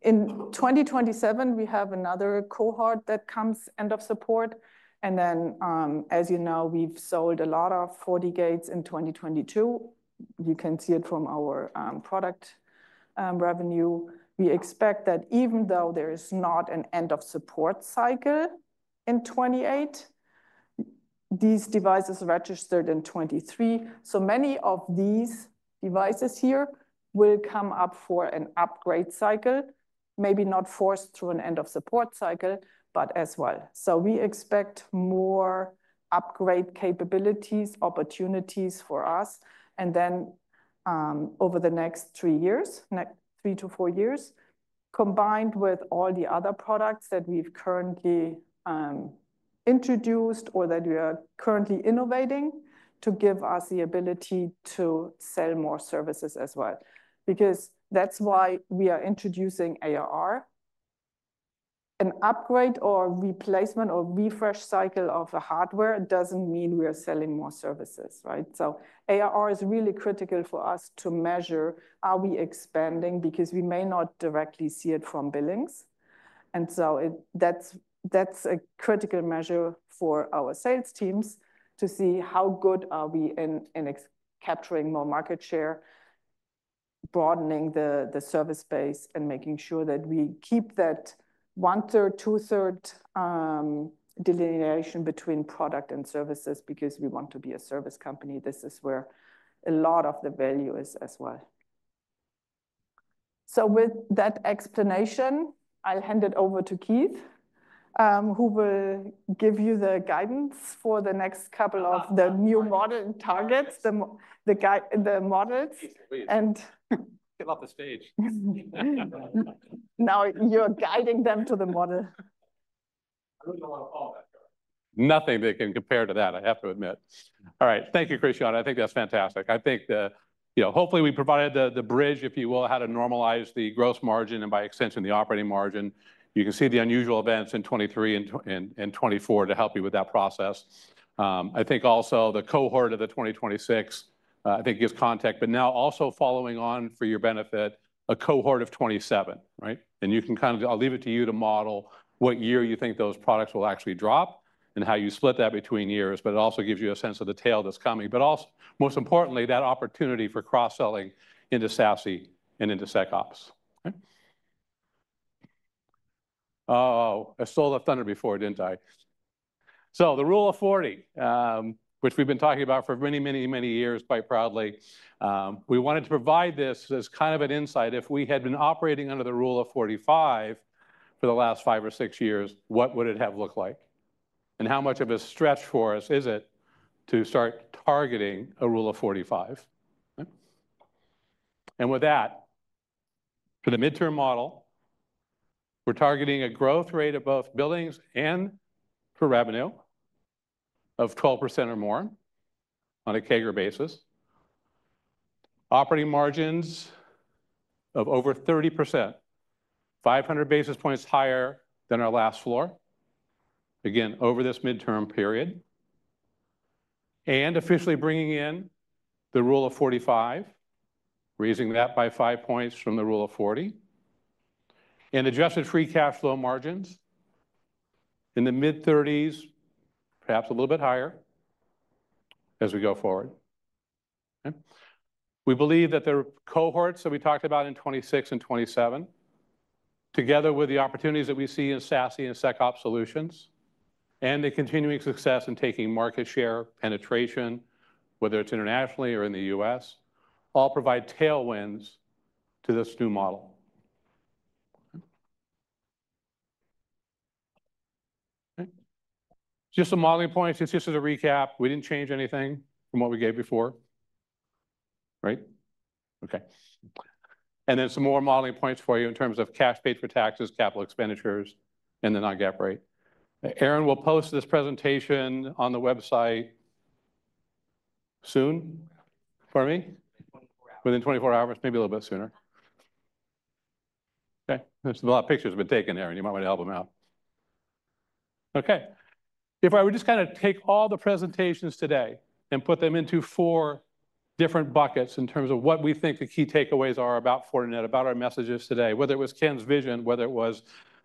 In 2027, we have another cohort that comes end of support. And then, as you know, we've sold a lot of FortiGates in 2022. You can see it from our product revenue. We expect that even though there is not an end of support cycle in 2028, these devices registered in 2023. So many of these devices here will come up for an upgrade cycle, maybe not forced through an end of support cycle, but as well. We expect more upgrade capabilities, opportunities for us. And then over the next three years, three to four years, combined with all the other products that we've currently introduced or that we are currently innovating to give us the ability to sell more services as well. Because that's why we are introducing ARR. An upgrade or replacement or refresh cycle of a hardware doesn't mean we are selling more services, right? So ARR is really critical for us to measure how we expand because we may not directly see it from billings. That's a critical measure for our sales teams to see how good are we in capturing more market share, broadening the service space, and making sure that we keep that one-third, two-third delineation between product and services because we want to be a service company. This is where a lot of the value is as well. With that explanation, I'll hand it over to Keith, who will give you the guidance for the next couple of the new model targets, the models. Please. And get off the stage. Now you're guiding them to the model. I don't know what I'll call that. Nothing that can compare to that, I have to admit. All right, thank you, Christiane. I think that's fantastic. I think, you know, hopefully we provided the bridge, if you will, how to normalize the gross margin and by extension, the operating margin. You can see the unusual events in 2023 and 2024 to help you with that process. I think also the cohort of the 2026, I think gives context, but now also following on for your benefit, a cohort of 2027, right? And you can kind of, I'll leave it to you to model what year you think those products will actually drop and how you split that between years, but it also gives you a sense of the tail that's coming, but also most importantly, that opportunity for cross-selling into SASE and into SecOps. I stole the thunder before, didn't I? So the Rule of 40, which we've been talking about for many, many, many years quite proudly, we wanted to provide this as kind of an insight. If we had been operating under the Rule of 45 for the last five or six years, what would it have looked like? And how much of a stretch for us is it to start targeting a Rule of 45? And with that, for the midterm model, we're targeting a growth rate of both billings and per revenue of 12% or more on a CAGR basis. Operating margins of over 30%, 500 basis points higher than our last floor, again, over this midterm period. And officially bringing in the Rule of 45, raising that by five points from the Rule of 40. And adjusted free cash flow margins in the mid-30s, perhaps a little bit higher as we go forward. We believe that the cohorts that we talked about in 2026 and 2027, together with the opportunities that we see in SASE and SecOps solutions, and the continuing success in taking market share penetration, whether it's internationally or in the US, all provide tailwinds to this new model. Just some modeling points. It's just as a recap. We didn't change anything from what we gave before. Right? Okay. And then some more modeling points for you in terms of cash paid for taxes, capital expenditures, and the non-GAAP rate. Aaron will post this presentation on the website soon for me, within 24 hours, maybe a little bit sooner. Okay. There's a lot of pictures have been taken, Aaron. You might want to help him out. Okay. If I would just kind of take all the presentations today and put them into four different buckets in terms of what we think the key takeaways are about Fortinet, about our messages today, whether it was Ken's vision, whether it was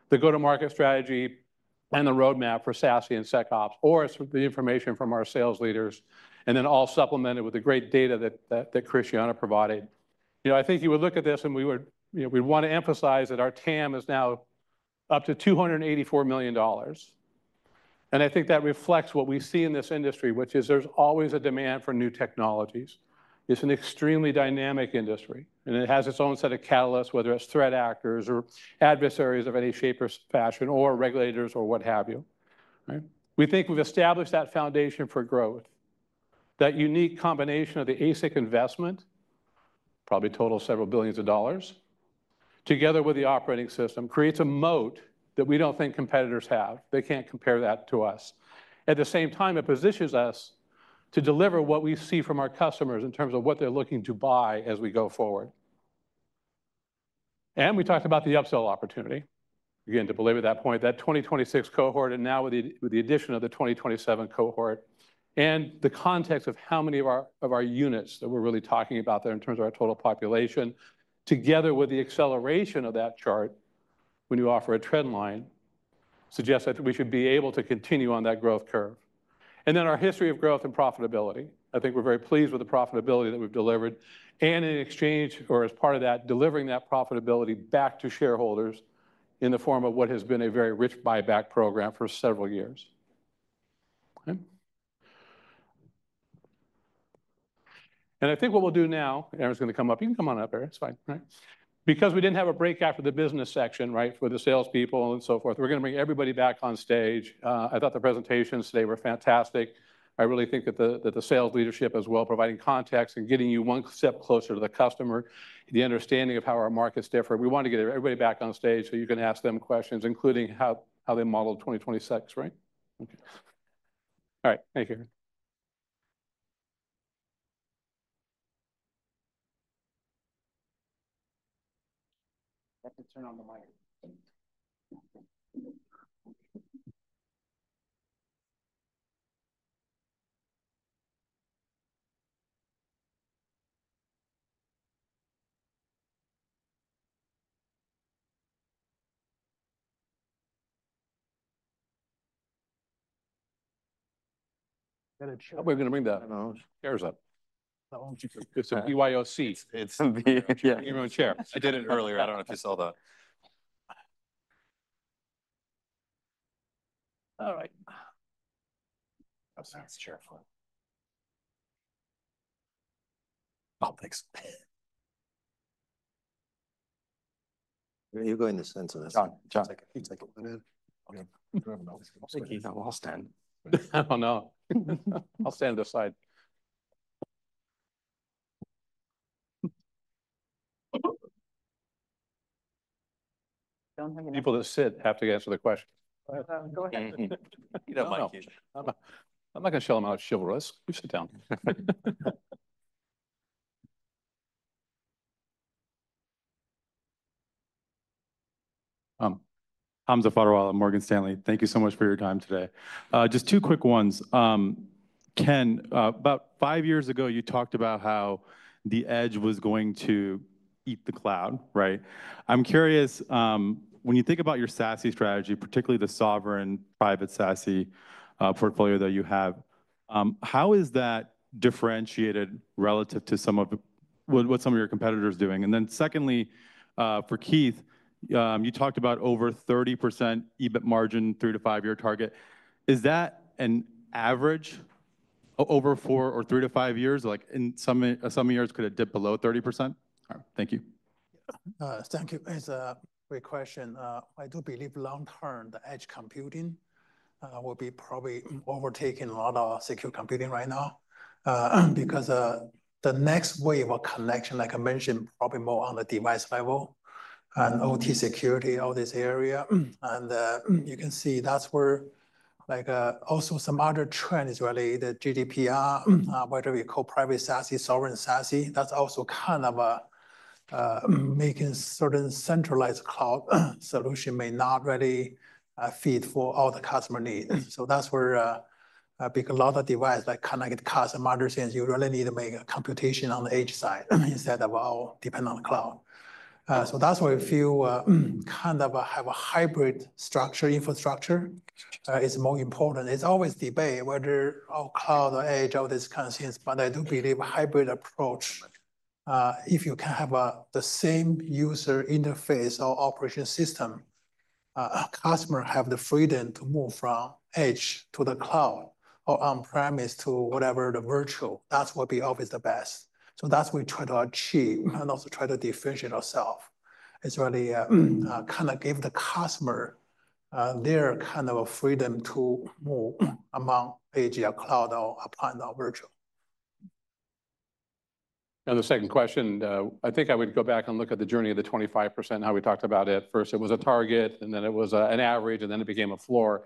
the go-to-market strategy and the roadmap for SASE and SecOps, or the information from our sales leaders, and then all supplemented with the great data that Christiane provided. You know, I think you would look at this and we would, you know, we'd want to emphasize that our TAM is now up to $284 million, and I think that reflects what we see in this industry, which is there's always a demand for new technologies. It's an extremely dynamic industry and it has its own set of catalysts, whether it's threat actors or adversaries of any shape or fashion or regulators or what have you. We think we've established that foundation for growth. That unique combination of the ASIC investment, probably total several billions of dollars, together with the operating system, creates a moat that we don't think competitors have. They can't compare that to us. At the same time, it positions us to deliver what we see from our customers in terms of what they're looking to buy as we go forward, and we talked about the upsell opportunity. Again, to belabor that point, that 2026 cohort and now with the addition of the 2027 cohort and the context of how many of our units that we're really talking about there in terms of our total population, together with the acceleration of that chart, when you offer a trend line, suggests that we should be able to continue on that growth curve, and then our history of growth and profitability. I think we're very pleased with the profitability that we've delivered and in exchange or as part of that, delivering that profitability back to shareholders in the form of what has been a very rich buyback program for several years. I think what we'll do now, Aaron's going to come up. You can come on up, Aaron. It's fine. Right? Because we didn't have a break after the business section, right, for the salespeople and so forth. We're going to bring everybody back on stage. I thought the presentations today were fantastic. I really think that the sales leadership as well, providing context and getting you one step closer to the customer, the understanding of how our markets differ. We want to get everybody back on stage so you can ask them questions, including how they modeled 2026, right? Okay. All right. Thank you. I have to turn on the mic. I'm going to bring that. Chair's up. It's a BYOC. It's the chair. I did it earlier. I don't know if you saw that. All right. That's chair for. Oh, thanks. Where are you going to send to this? John, John. Okay. Thank you. I'll stand. I'll stand at the side. People that sit have to answer the question. Go ahead. You don't mind, Keith. I'm not going to show them how to service us. You sit down. Hamza Fodderwala and Morgan Stanley, thank you so much for your time today. Just two quick ones. Ken, about five years ago, you talked about how the edge was going to eat the cloud, right? I'm curious. When you think about your SASE strategy, particularly the sovereign private SASE portfolio that you have, how is that differentiated relative to some of what some of your competitors are doing? And then secondly, for Keith, you talked about over 30% EBIT margin, three to five-year target. Is that an average over four or three to five years? Like in some years could it dip below 30%? All right. Thank you. Thank you. It's a great question. I do believe long-term the edge computing will be probably overtaking a lot of secure computing right now because the next wave of connection, like I mentioned, probably more on the device level and OT security, all this area. You can see that's where like also some other trends really, the GDPR, whether we call private SASE, sovereign SASE, that's also kind of making certain centralized cloud solution may not really fit for all the customer needs. So that's where a big lot of devices like connected cars and modern sensors, you really need to make a computation on the edge side instead of all depending on the cloud. So that's why we kind of have a hybrid structure, infrastructure is more important. It's always a debate whether all cloud or edge, all these kind of things, but I do believe a hybrid approach, if you can have the same user interface or operating system, customer have the freedom to move from edge to the cloud or on-premise to whatever the virtual, that will be always the best. So that's what we try to achieve and also try to differentiate ourselves. It's really kind of give the customer their kind of a freedom to move among edge or cloud or applied or virtual. Now, the second question, I think I would go back and look at the journey of the 25%, how we talked about it. First, it was a target, and then it was an average, and then it became a floor.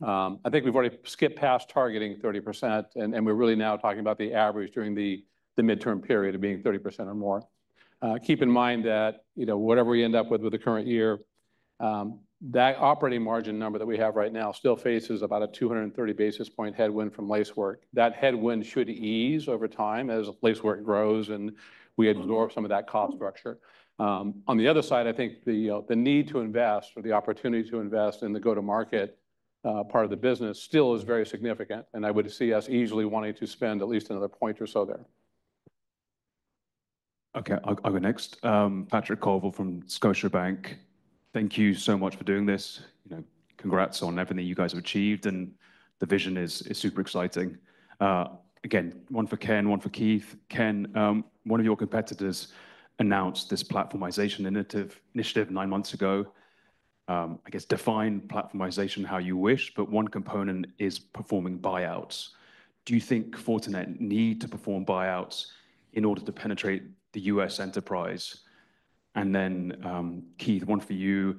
I think we've already skipped past targeting 30%, and we're really now talking about the average during the midterm period of being 30% or more. Keep in mind that, you know, whatever we end up with with the current year, that operating margin number that we have right now still faces about a 230 basis point headwind from Lacework. That headwind should ease over time as Lacework grows and we absorb some of that cost structure. On the other side, I think the need to invest or the opportunity to invest in the go-to-market part of the business still is very significant, and I would see us easily wanting to spend at least another point or so there. Okay. I'll go next. Patrick Colville from Scotiabank. Thank you so much for doing this. You know, congrats on everything you guys have achieved, and the vision is super exciting. Again, one for Ken, one for Keith. Ken, one of your competitors announced this platformization initiative nine months ago. I guess define platformization how you wish, but one component is performing buyouts. Do you think Fortinet need to perform buyouts in order to penetrate the U.S. enterprise? And then Keith, one for you.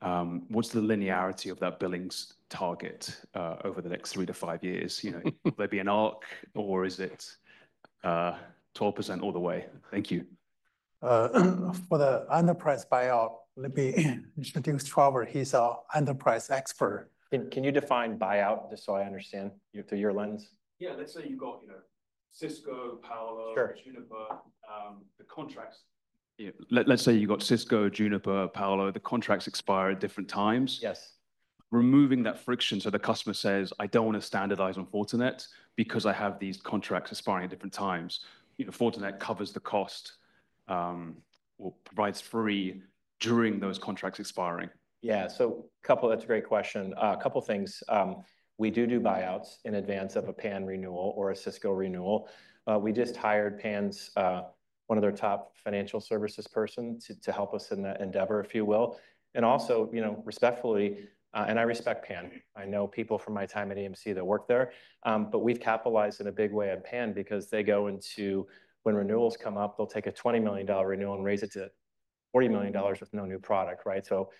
What's the linearity of that billings target over the next three to five years? You know, will there be an arc or is it 12% all the way? Thank you. For the enterprise buyout, let me introduce Trevor. He's an enterprise expert. Can you define buyout just so I understand through your lens? Yeah. Let's say you've got, you know, Cisco, Palo Alto. Juniper, the contracts. Yeah. Let's say you've got Cisco, Juniper, Palo Alto, the contracts expire at different times. Yes. Removing that friction so the customer says, "I don't want to standardize on Fortinet because I have these contracts expiring at different times." You know, Fortinet covers the cost or provides free during those contracts expiring. Yeah. So a couple, that's a great question. A couple of things. We do do buyouts in advance of a PAN renewal or a Cisco renewal. We just hired PAN's one of their top financial services person to help us in that endeavor, if you will. And also, you know, respectfully, and I respect PAN. I know people from my time at EMC that work there, but we've capitalized in a big way on PAN because they go into, when renewals come up, they'll take a $20 million renewal and raise it to $40 million with no new product, right? So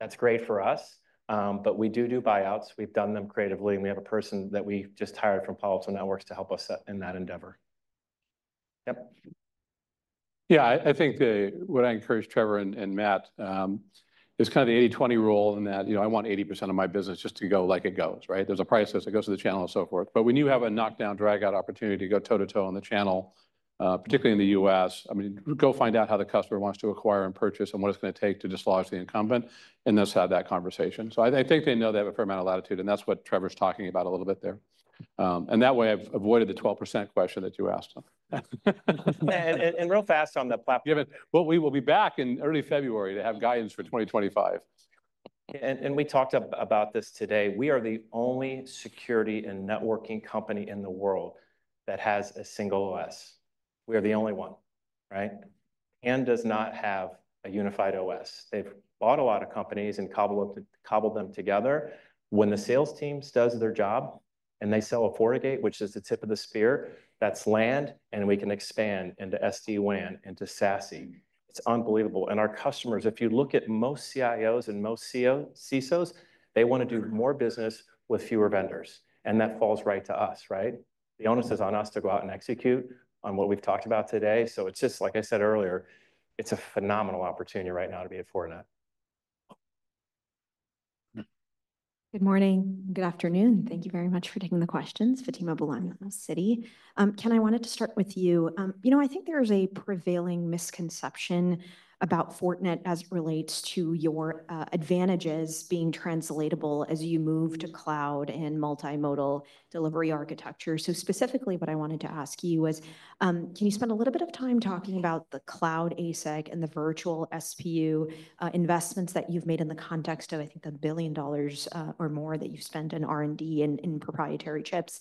that's great for us, but we do do buyouts. We've done them creatively, and we have a person that we just hired from Palo Alto Networks to help us in that endeavor. Yep. Yeah. I think what I encourage Trevor and Matt is kind of the 80/20 rule in that, you know, I want 80% of my business just to go like it goes, right? There's a price list that goes to the channel and so forth. But when you have a knockdown drag-out opportunity to go toe-to-toe on the channel, particularly in the U.S., I mean, go find out how the customer wants to acquire and purchase and what it's going to take to dislodge the incumbent and then start that conversation. So I think they know they have a fair amount of latitude, and that's what Trevor's talking about a little bit there. And that way I've avoided the 12% question that you asked him. And real fast on the platform. What we will be back in early February to have guidance for 2025. And we talked about this today. We are the only security and networking company in the world that has a single OS. We are the only one, right? PAN does not have a unified OS. They've bought a lot of companies and cobbled them together. When the sales team does their job and they sell a FortiGate, which is the tip of the spear, that's land, and we can expand into SD-WAN into SASE. It's unbelievable. And our customers, if you look at most CIOs and most CISOs, they want to do more business with fewer vendors. And that falls right to us, right? The onus is on us to go out and execute on what we've talked about today. So it's just, like I said earlier, it's a phenomenal opportunity right now to be at Fortinet. Good morning. Good afternoon. Thank you very much for taking the questions, Fatima Boolani with Citi. Ken, I wanted to start with you. You know, I think there is a prevailing misconception about Fortinet as it relates to your advantages being translatable as you move to cloud and multimodal delivery architecture. So specifically, what I wanted to ask you is, can you spend a little bit of time talking about the cloud ASIC and the virtual SPU investments that you've made in the context of, I think, $1 billion or more that you've spent in R&D and proprietary chips?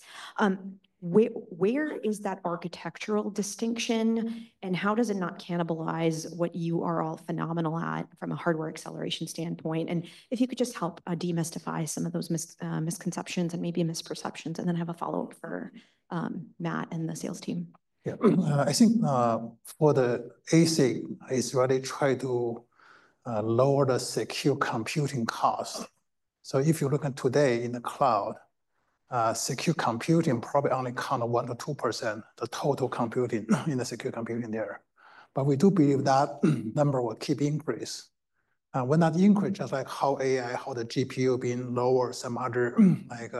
Where is that architectural distinction and how does it not cannibalize what you are all phenomenal at from a hardware acceleration standpoint? And if you could just help demystify some of those misconceptions and maybe misperceptions and then have a follow-up for Matt and the sales team. Yeah. I think for the ASIC, it's really try to lower the secure computing cost. So if you look at today in the cloud, secure computing probably only counted 1%-2%, the total computing in the secure computing there. But we do believe that number will keep increasing. When that increases, just like how AI, how the GPU being lowered, some other like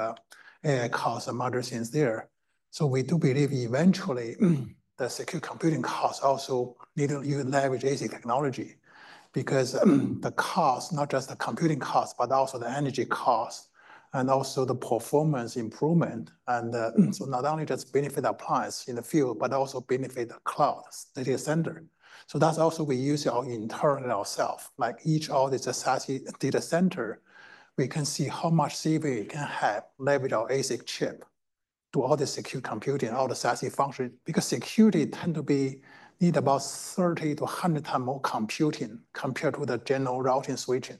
AI cost, some other things there. So we do believe eventually the secure computing cost also need to leverage ASIC technology because the cost, not just the computing cost, but also the energy cost and also the performance improvement. And so not only just benefit our clients in the field, but also benefit the cloud data center. So that's also [how] we use our internal ourselves, like in all these SASE data centers. We can see how much we can leverage our ASIC chip to all the secure computing, all the SASE functions because security tends to need about 30-100 times more computing compared to the general routing switching.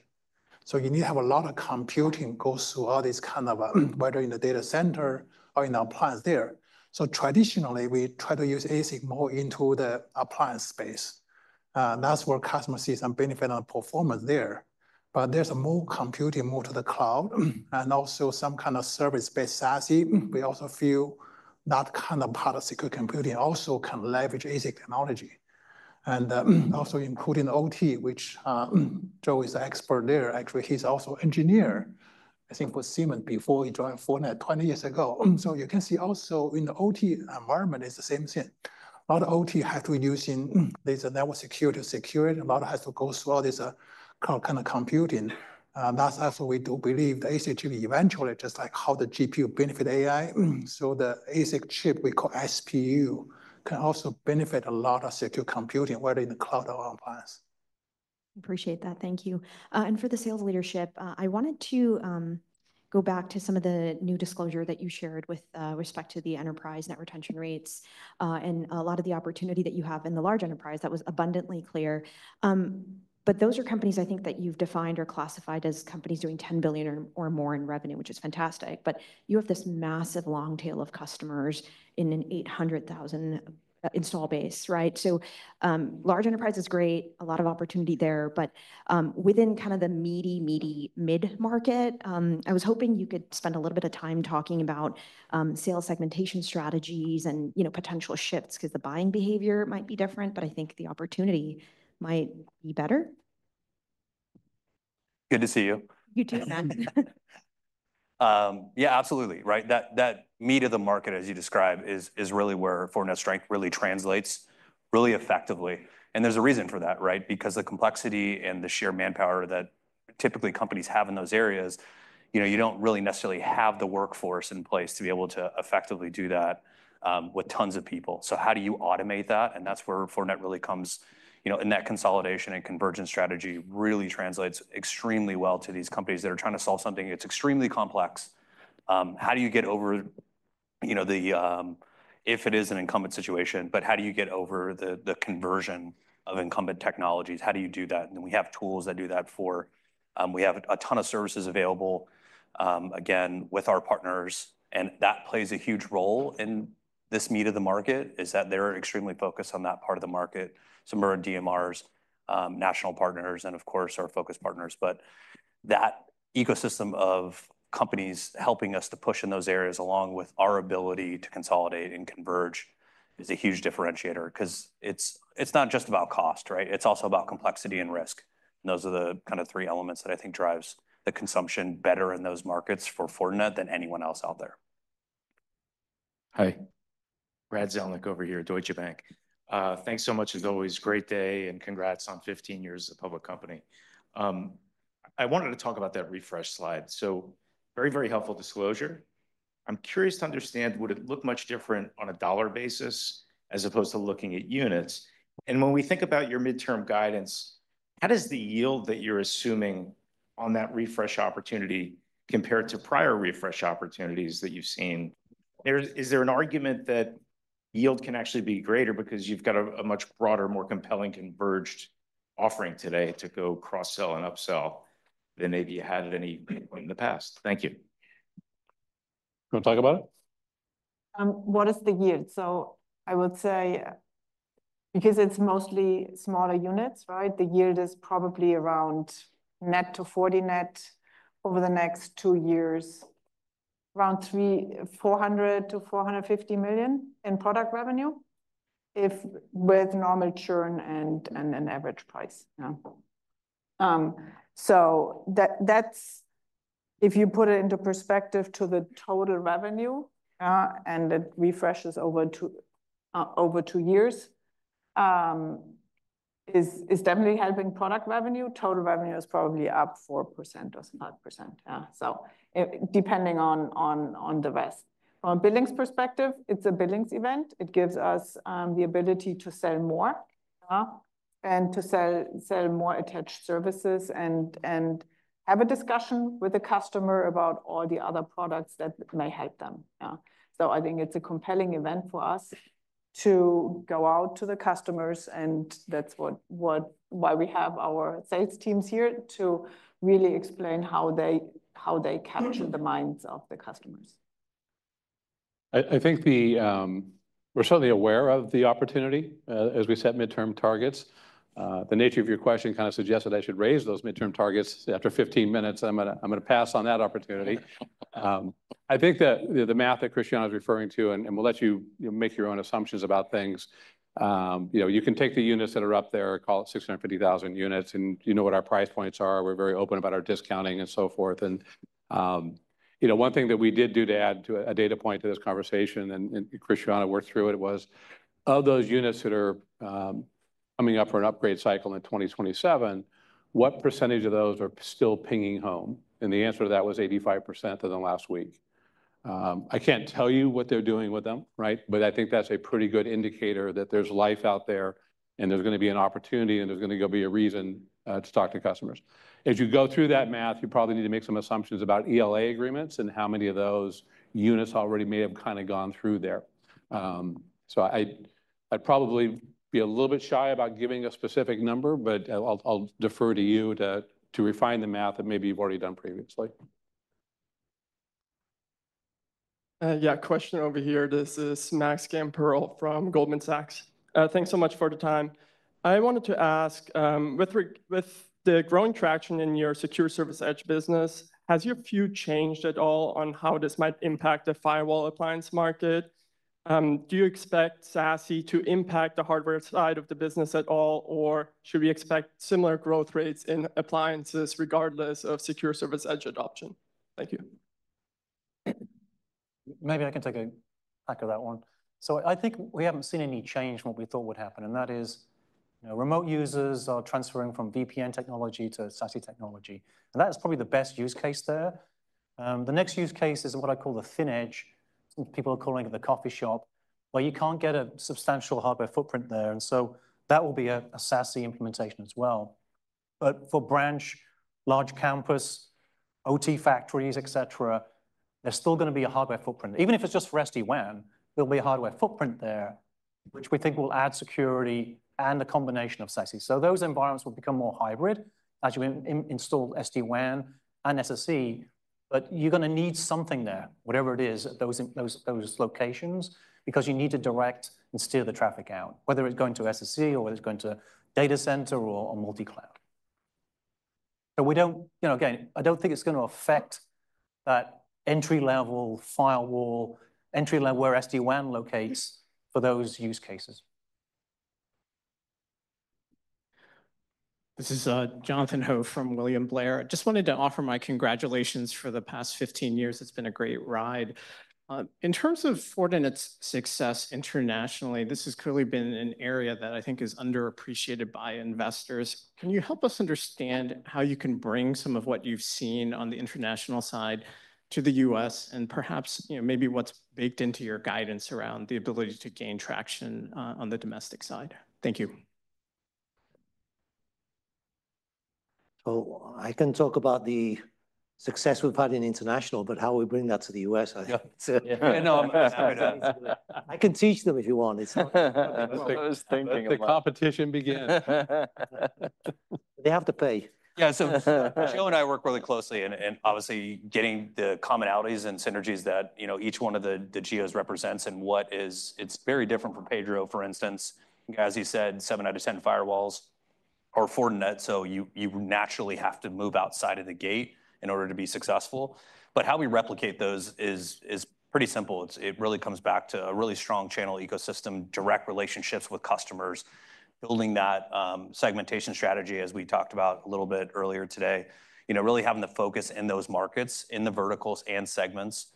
So you need to have a lot of computing go through all this kind of, whether in the data center or in our clients there. So traditionally, we try to use ASIC more into the appliance space. That's where customer sees some benefit on performance there. But there's more computing to the cloud and also some kind of service-based SASE. We also feel that kind of part of secure computing also can leverage ASIC technology. And also including the OT, which Joe is an expert there. Actually, he's also an engineer, I think, for Siemens before he joined Fortinet 20 years ago. So you can see also in the OT environment is the same thing. A lot of OT have to be using legacy network security to secure it. A lot has to go through all this kind of computing. That's also we do believe the ASIC chip eventually, just like how the GPU benefit AI. So the ASIC chip we call SPU can also benefit a lot of secure computing, whether in the cloud or appliance. Appreciate that. Thank you. And for the sales leadership, I wanted to go back to some of the new disclosure that you shared with respect to the enterprise net retention rates and a lot of the opportunity that you have in the large enterprise. That was abundantly clear. But those are companies I think that you've defined or classified as companies doing 10 billion or more in revenue, which is fantastic. But you have this massive long tail of customers in an 800,000 install base, right? So large enterprise is great, a lot of opportunity there. But within kind of the meaty, meaty mid-market, I was hoping you could spend a little bit of time talking about sales segmentation strategies and, you know, potential shifts because the buying behavior might be different, but I think the opportunity might be better. Good to see you. You too, Matt. Yeah, absolutely. Right. That meat of the market, as you describe, is really where Fortinet's strength really translates really effectively. And there's a reason for that, right? Because the complexity and the sheer manpower that typically companies have in those areas, you know, you don't really necessarily have the workforce in place to be able to effectively do that with tons of people. So how do you automate that? And that's where Fortinet really comes, you know, in that consolidation and convergence strategy really translates extremely well to these companies that are trying to solve something. It's extremely complex. How do you get over, you know, the if it is an incumbent situation, but how do you get over the conversion of incumbent technologies? How do you do that? And we have tools that do that for. We have a ton of services available, again, with our partners. And that plays a huge role in this mid-market is that they're extremely focused on that part of the market. So we're DMRs, national partners, and of course, our focus partners. But that ecosystem of companies helping us to push in those areas along with our ability to consolidate and converge is a huge differentiator because it's not just about cost, right? It's also about complexity and risk. And those are the kind of three elements that I think drives the consumption better in those markets for Fortinet than anyone else out there. Hi. Brad Zelnick over here, Deutsche Bank. Thanks so much as always. Great day and congrats on 15 years of public company. I wanted to talk about that refresh slide. So very, very helpful disclosure. I'm curious to understand, would it look much different on a dollar basis as opposed to looking at units? When we think about your midterm guidance, how does the yield that you're assuming on that refresh opportunity compare to prior refresh opportunities that you've seen? Is there an argument that yield can actually be greater because you've got a much broader, more compelling converged offering today to go cross-sell and upsell than maybe you had at any point in the past? Thank you. Want to talk about it? What is the yield? So I would say because it's mostly smaller units, right? The yield is probably around net to Fortinet over the next two years, around $400 million-$450 million in product revenue with normal churn and an average price. So that's, if you put it into perspective to the total revenue and it refreshes over two years, is definitely helping product revenue. Total revenue is probably up 4% or 5%. So depending on the rest. From a billings perspective, it's a billings event. It gives us the ability to sell more and to sell more attached services and have a discussion with the customer about all the other products that may help them. So I think it's a compelling event for us to go out to the customers. And that's why we have our sales teams here to really explain how they capture the minds of the customers. I think we're certainly aware of the opportunity as we set midterm targets. The nature of your question kind of suggested I should raise those midterm targets. After 15 minutes, I'm going to pass on that opportunity. I think that the math that Christiane is referring to, and we'll let you make your own assumptions about things, you can take the units that are up there, call it 650,000 units, and you know what our price points are. We're very open about our discounting and so forth. And one thing that we did do to add to a data point to this conversation, and Christiane worked through it, was of those units that are coming up for an upgrade cycle in 2027, what percentage of those are still pinging home? And the answer to that was 85% in the last week. I can't tell you what they're doing with them, right? But I think that's a pretty good indicator that there's life out there and there's going to be an opportunity and there's going to be a reason to talk to customers. As you go through that math, you probably need to make some assumptions about ELA agreements and how many of those units already may have kind of gone through there. So I'd probably be a little bit shy about giving a specific number, but I'll defer to you to refine the math that maybe you've already done previously. Yeah. Question over here. This is Max Gamperl from Goldman Sachs. Thanks so much for the time. I wanted to ask, with the growing traction in your secure service edge business, has your view changed at all on how this might impact the firewall appliance market? Do you expect SASE to impact the hardware side of the business at all, or should we expect similar growth rates in appliances regardless of secure service edge adoption? Thank you. Maybe I can tackle that one. So I think we haven't seen any change in what we thought would happen. And that is remote users are transferring from VPN technology to SASE technology. And that's probably the best use case there. The next use case is what I call the thin edge. People are calling it the coffee shop, where you can't get a substantial hardware footprint there. And so that will be a SASE implementation as well. But for branch, large campus, OT factories, etc., there's still going to be a hardware footprint. Even if it's just for SD-WAN, there'll be a hardware footprint there, which we think will add security and the combination of SASE. So those environments will become more hybrid as you install SD-WAN and SSE. But you're going to need something there, whatever it is at those locations, because you need to direct and steer the traffic out, whether it's going to SSE or whether it's going to data center or multi-cloud. But again, I don't think it's going to affect that entry-level firewall, entry-level where SD-WAN locates for those use cases. This is Jonathan Ho from William Blair. I just wanted to offer my congratulations for the past 15 years. It's been a great ride. In terms of Fortinet's success internationally, this has clearly been an area that I think is underappreciated by investors. Can you help us understand how you can bring some of what you've seen on the international side to the U.S. and perhaps maybe what's baked into your guidance around the ability to gain traction on the domestic side? Thank you. Oh, I can talk about the success we've had in international, but how we bring that to the U.S., I think. I can teach them if you want. I was thinking about it. The competition begins. They have to pay. Yeah. So Joe and I work really closely in obviously getting the commonalities and synergies that each one of the geos represents and what it is, it's very different for Pedro, for instance. As he said, seven out of 10 firewalls are Fortinet, so you naturally have to move outside of the Gate in order to be successful. But how we replicate those is pretty simple. It really comes back to a really strong channel ecosystem, direct relationships with customers, building that segmentation strategy, as we talked about a little bit earlier today, really having the focus in those markets, in the verticals and segments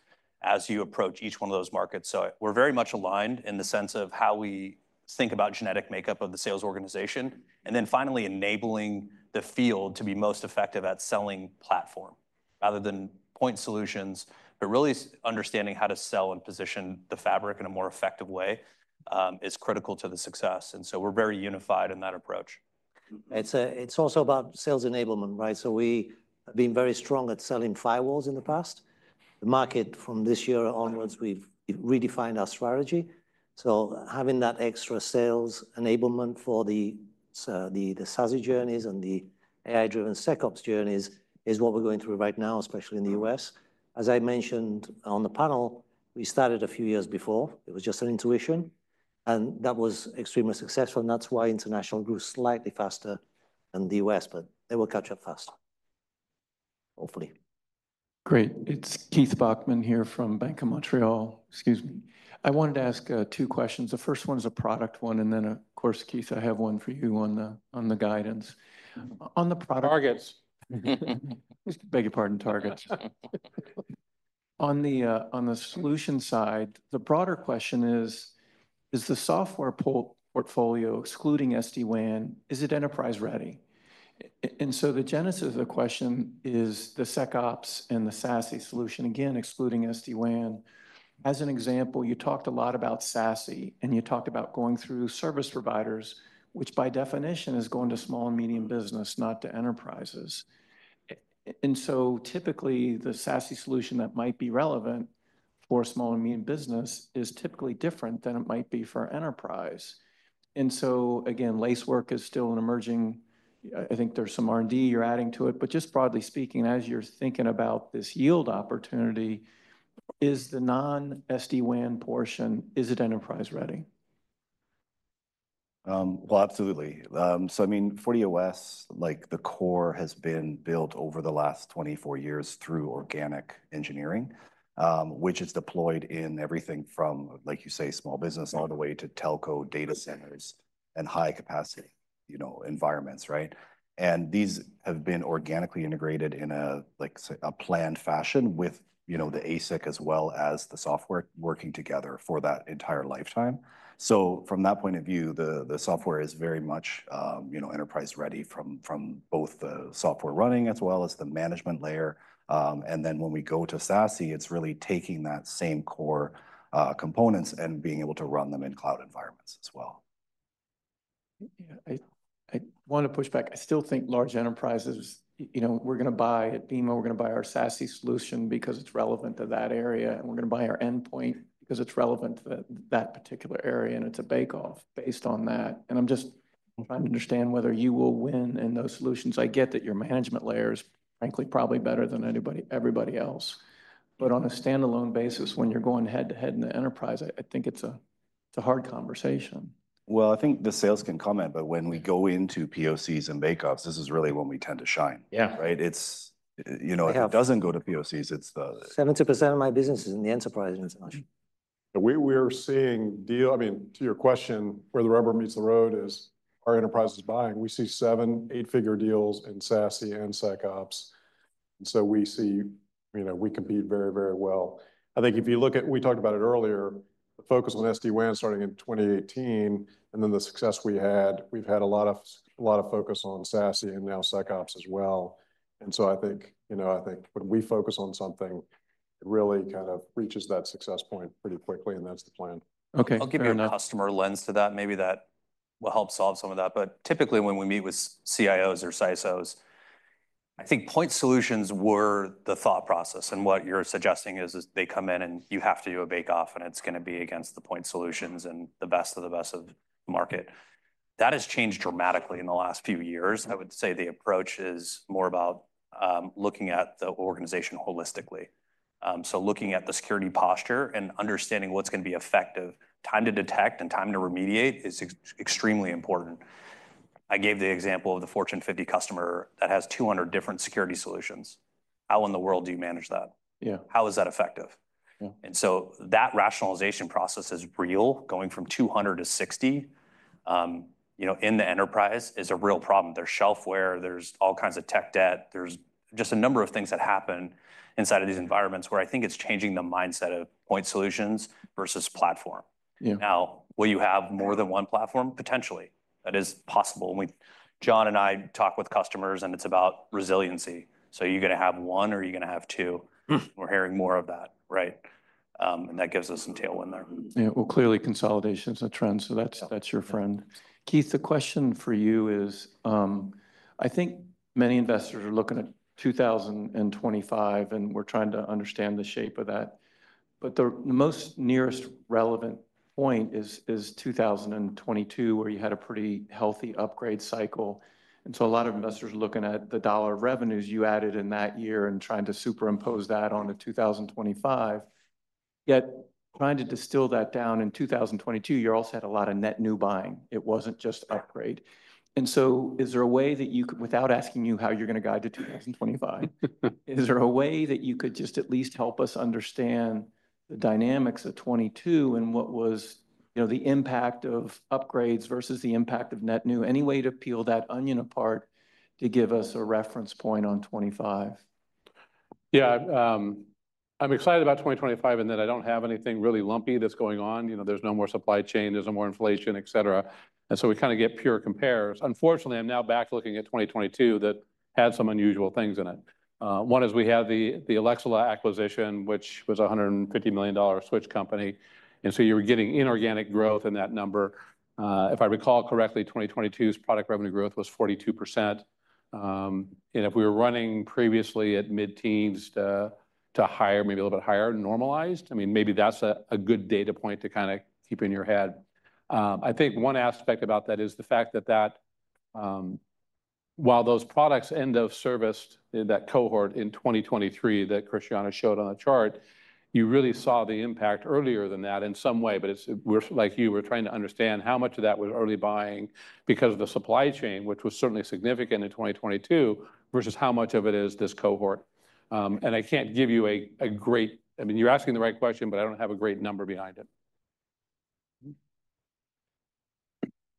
as you approach each one of those markets. So we're very much aligned in the sense of how we think about genetic makeup of the sales organization. And then finally, enabling the field to be most effective at selling platform rather than point solutions, but really understanding how to sell and position the fabric in a more effective way is critical to the success. And so we're very unified in that approach. It's also about sales enablement, right? So we have been very strong at selling firewalls in the past. The market from this year onwards, we've redefined our strategy. Having that extra sales enablement for the SASE journeys and the AI-driven SecOps journeys is what we're going through right now, especially in the U.S. As I mentioned on the panel, we started a few years before. It was just an intuition. And that was extremely successful. And that's why international grew slightly faster than the U.S. But they will catch up fast, hopefully. Great. It's Keith Bachman here from Bank of Montreal. Excuse me. I wanted to ask two questions. The first one is a product one. And then, of course, Keith, I have one for you on the guidance. On the product targets, just beg your pardon, targets. On the solution side, the broader question is, is the software portfolio excluding SD-WAN, is it enterprise ready? And so the genesis of the question is the SecOps and the SASE solution, again, excluding SD-WAN. As an example, you talked a lot about SASE, and you talked about going through service providers, which by definition is going to small and medium business, not to enterprises. And so typically, the SASE solution that might be relevant for small and medium business is typically different than it might be for enterprise. And so, again, Lacework is still an emerging. I think there's some R&D you're adding to it. But just broadly speaking, as you're thinking about this yield opportunity, is the non-SD-WAN portion, is it enterprise ready? Well, absolutely. So, I mean, for the U.S., like the core has been built over the last 24 years through organic engineering, which is deployed in everything from, like you say, small business all the way to telco, data centers, and high-capacity environments, right? These have been organically integrated in a planned fashion with the ASIC as well as the software working together for that entire lifetime. From that point of view, the software is very much enterprise ready from both the software running as well as the management layer. When we go to SASE, it's really taking that same core components and being able to run them in cloud environments as well. I want to push back. I still think large enterprises, we're going to buy at BMO, we're going to buy our SASE solution because it's relevant to that area. And we're going to buy our endpoint because it's relevant to that particular area. And it's a bake-off based on that. And I'm just trying to understand whether you will win in those solutions. I get that your management layer is frankly probably better than everybody else. But on a standalone basis, when you're going head-to-head in the enterprise, I think it's a hard conversation. Well, I think the sales can comment, but when we go into POCs and bake-offs, this is really when we tend to shine. Yeah, right? It doesn't go to POCs. It's the 70% of my business is in the enterprise business. We are seeing deals. I mean, to your question, where the rubber meets the road is our enterprise is buying. We see seven, eight-figure deals in SASE and SecOps. And so we see we compete very, very well. I think if you look at, we talked about it earlier, the focus on SD-WAN starting in 2018, and then the success we had, we've had a lot of focus on SASE and now SecOps as well. And so I think when we focus on something, it really kind of reaches that success point pretty quickly. And that's the plan. Okay. I'll give you a customer lens to that. Maybe that will help solve some of that. But typically, when we meet with CIOs or CISOs, I think point solutions were the thought process. And what you're suggesting is they come in and you have to do a bake-off and it's going to be against the point solutions and the best of the best of the market. That has changed dramatically in the last few years. I would say the approach is more about looking at the organization holistically. So looking at the security posture and understanding what's going to be effective, time to detect and time to remediate is extremely important. I gave the example of the Fortune 50 customer that has 200 different security solutions. How in the world do you manage that? Yeah. How is that effective, and so that rationalization process is real. Going from 200 to 60 in the enterprise is a real problem. There's shelfware, there's all kinds of tech debt, there's just a number of things that happen inside of these environments where I think it's changing the mindset of point solutions versus platform. Now, will you have more than one platform? Potentially. That is possible. John and I talk with customers and it's about resiliency, so you're going to have one or you're going to have two. We're hearing more of that, right, and that gives us some tailwind there. Yeah, well, clearly, consolidation is a trend, so that's your friend. Keith, the question for you is, I think many investors are looking at 2025 and we're trying to understand the shape of that. But the most nearest relevant point is 2022, where you had a pretty healthy upgrade cycle. And so a lot of investors are looking at the dollar revenues you added in that year and trying to superimpose that on to 2025. Yet trying to distill that down in 2022, you also had a lot of net new buying. It wasn't just upgrade. And so is there a way that you, without asking you how you're going to guide to 2025, is there a way that you could just at least help us understand the dynamics of 2022 and what was the impact of upgrades versus the impact of net new? Any way to peel that onion apart to give us a reference point on 2025? Yeah. I'm excited about 2025 in that I don't have anything really lumpy that's going on. There's no more supply chain, there's no more inflation, etc. And so we kind of get pure compares. Unfortunately, I'm now back looking at 2022 that had some unusual things in it. One is we had the Alaxala acquisition, which was a $150 million switch company. And so you were getting inorganic growth in that number. If I recall correctly, 2022's product revenue growth was 42%. And if we were running previously at mid-teens to higher, maybe a little bit higher, normalized, I mean, maybe that's a good data point to kind of keep in your head. I think one aspect about that is the fact that while those products end of serviced that cohort in 2023 that Christiane showed on the chart, you really saw the impact earlier than that in some way. But like you, we're trying to understand how much of that was early buying because of the supply chain, which was certainly significant in 2022, versus how much of it is this cohort. And I can't give you a great—I mean, you're asking the right question, but I don't have a great number behind it.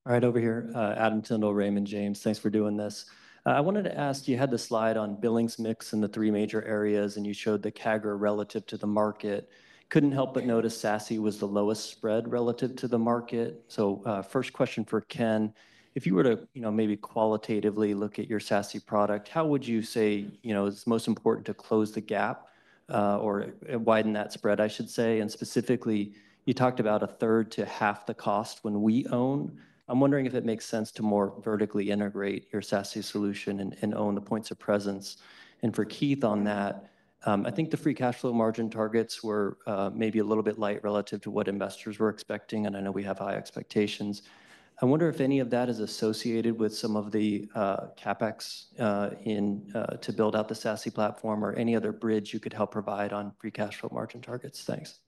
All right. Over here, Adam Tindle, Raymond James, thanks for doing this. I wanted to ask, you had the slide on billings mix in the three major areas, and you showed the CAGR relative to the market. Couldn't help but notice SASE was the lowest spread relative to the market. So first question for Ken, if you were to maybe qualitatively look at your SASE product, how would you say it's most important to close the gap or widen that spread, I should say? And specifically, you talked about a third to half the cost when we own. I'm wondering if it makes sense to more vertically integrate your SASE solution and own the points of presence. And for Keith on that, I think the free cash flow margin targets were maybe a little bit light relative to what investors were expecting. And I know we have high expectations. I wonder if any of that is associated with some of the CapEx to build out the SASE platform or any other bridge you could help provide on free cash flow margin targets. Thanks.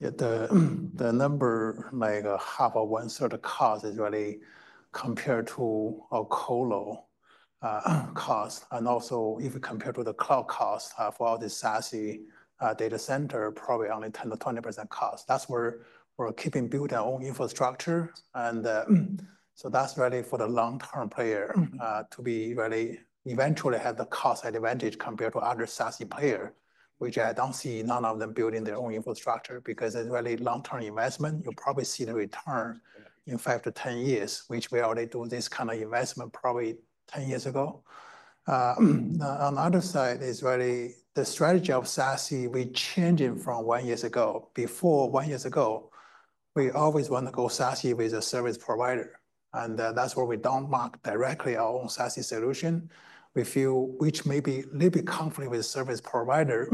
Yeah. The number, like a half of one-third of cost is really compared to a colo cost. And also, if we compare to the cloud cost for all the SASE data center, probably only 10%-20% cost. That's where we're keeping building our own infrastructure. And so that's really for the long-term player to be really eventually have the cost advantage compared to other SASE players, which I don't see none of them building their own infrastructure because it's really long-term investment. You'll probably see the return in five to 10 years, which we already do this kind of investment probably 10 years ago. On the other side, it's really the strategy of SASE, we're changing from one year ago. Before one year ago, we always want to go SASE with a service provider. And that's where we don't market directly our own SASE solution. We feel which may be a little bit conflict with service provider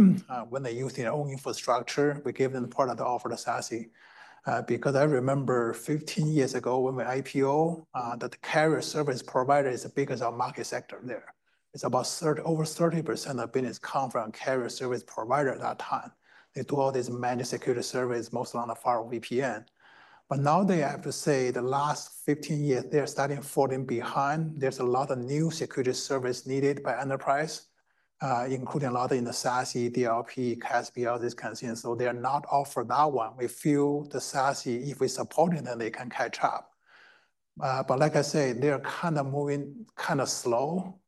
when they use their own infrastructure. We give them part of the offer to SASE. Because I remember 15 years ago when we IPO, that the carrier service provider is the biggest market sector there. It's about over 30% of business comes from carrier service provider at that time. They do all this managed security service, mostly on the firewall VPN. But now, over the last 15 years, they're starting to fall behind. There's a lot of new security service needed by enterprise, including a lot in the SASE, DLP, CASB, all these kinds of things. So they are not offering that one. We feel the SASE, if we support it, then they can catch up. But like I say, they're kind of moving kind of slow.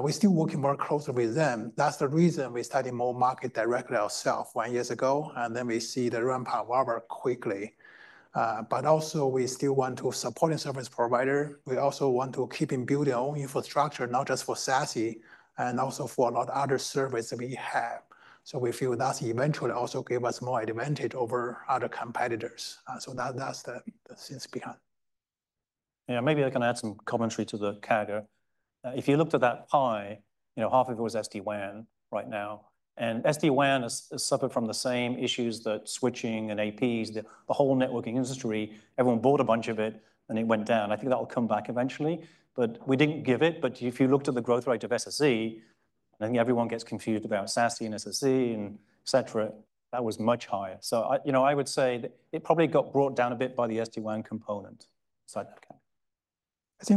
We're still working more closely with them. That's the reason we started to market directly ourselves one year ago. And then we see the ramp-up quickly. But also, we still want to support a service provider. We also want to keep in building our own infrastructure, not just for SASE, and also for a lot of other service that we have. So we feel that eventually also gave us more advantage over other competitors. So that's the things behind. Yeah. Maybe I can add some commentary to the CAGR. If you looked at that pie, half of it was SD-WAN right now. And SD-WAN is suffered from the same issues that switching and APs, the whole networking industry. Everyone bought a bunch of it, and it went down. I think that will come back eventually. But we didn't give it. But if you looked at the growth rate of SSE, and I think everyone gets confused about SASE and SSE, etc., that was much higher. So I would say it probably got brought down a bit by the SD-WAN component. And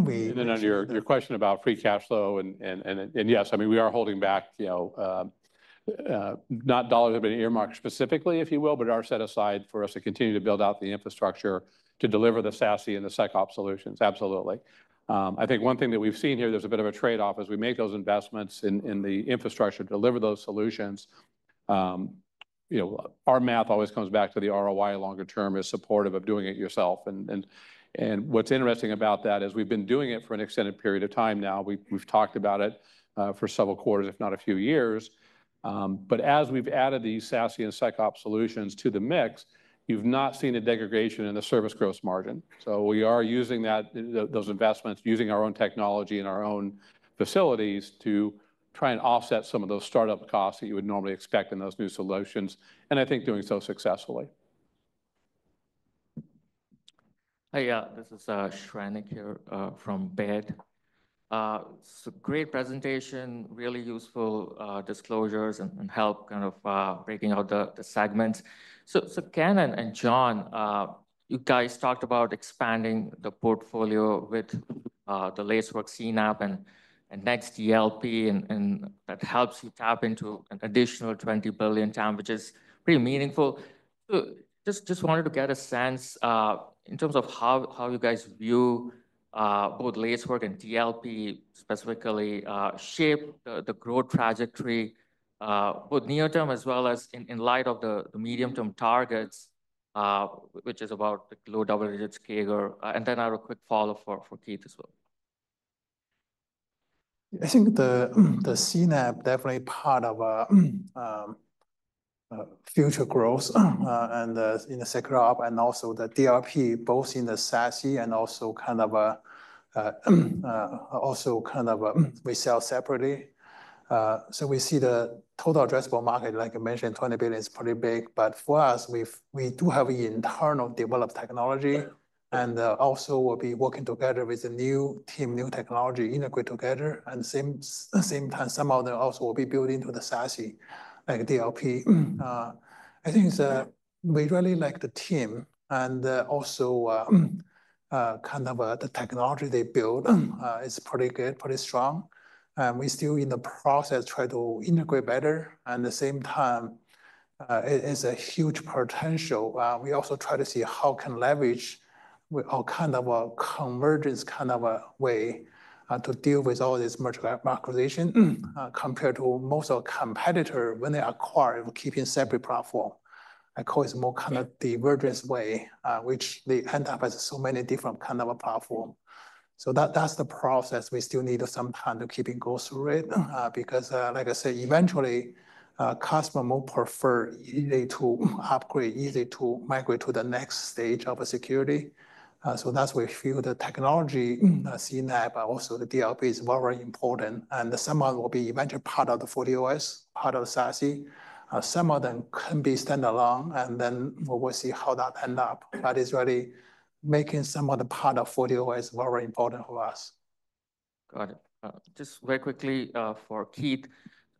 then on your question about free cash flow, and yes, I mean, we are holding back, not dollars have been earmarked specifically, if you will, but are set aside for us to continue to build out the infrastructure to deliver the SASE and the SecOps solutions. Absolutely. I think one thing that we've seen here. There's a bit of a trade-off as we make those investments in the infrastructure to deliver those solutions. Our math always comes back to the ROI. Longer term is supportive of doing it yourself. And what's interesting about that is we've been doing it for an extended period of time now. We've talked about it for several quarters, if not a few years. But as we've added these SASE and SecOps solutions to the mix, you've not seen a degradation in the service gross margin. So we are using those investments, using our own technology and our own facilities to try and offset some of those startup costs that you would normally expect in those new solutions. And I think doing so successfully. Hey, this is Shrani here from BTIG. So great presentation, really useful disclosures and help kind of breaking out the segments. So Ken and John, you guys talked about expanding the portfolio with the Lacework CNAPP and Next DLP, and that helps you tap into an additional $20 billion TAM, which is pretty meaningful. So just wanted to get a sense in terms of how you guys view both Lacework and DLP specifically shape the growth trajectory both near-term as well as in light of the medium-term targets, which is about the low double digits CAGR. And then I have a quick follow-up for Keith as well. I think the CNAPP is definitely part of future growth and in the sector up and also the DLP both in the SASE and also kind of we sell separately. So we see the total addressable market, like I mentioned, $20 billion is pretty big. But for us, we do have the internally developed technology. And also we'll be working together with a new team, new technology integrate together. And at the same time, some of them also will be built into the SASE, like DLP. I think we really like the team. And also kind of the technology they build is pretty good, pretty strong. And we're still in the process trying to integrate better. And at the same time, it is a huge potential. We also try to see how can leverage with all kind of a convergence kind of a way to deal with all this merger acquisition compared to most of our competitors when they acquire keeping separate platform. I call it more kind of divergence way, which they end up as so many different kind of a platform. So that's the process. We still need some time to keep it go through it. Because like I say, eventually, customer will prefer easy to upgrade, easy to migrate to the next stage of a security. So that's where we feel the technology CNAPP, but also the DLP is very, very important. And some of them will be eventually part of the FortiOS, part of SASE. Some of them can be standalone. And then we'll see how that ends up. But it's really making some of the part of FortiOS very important for us. Got it. Just very quickly for Keith,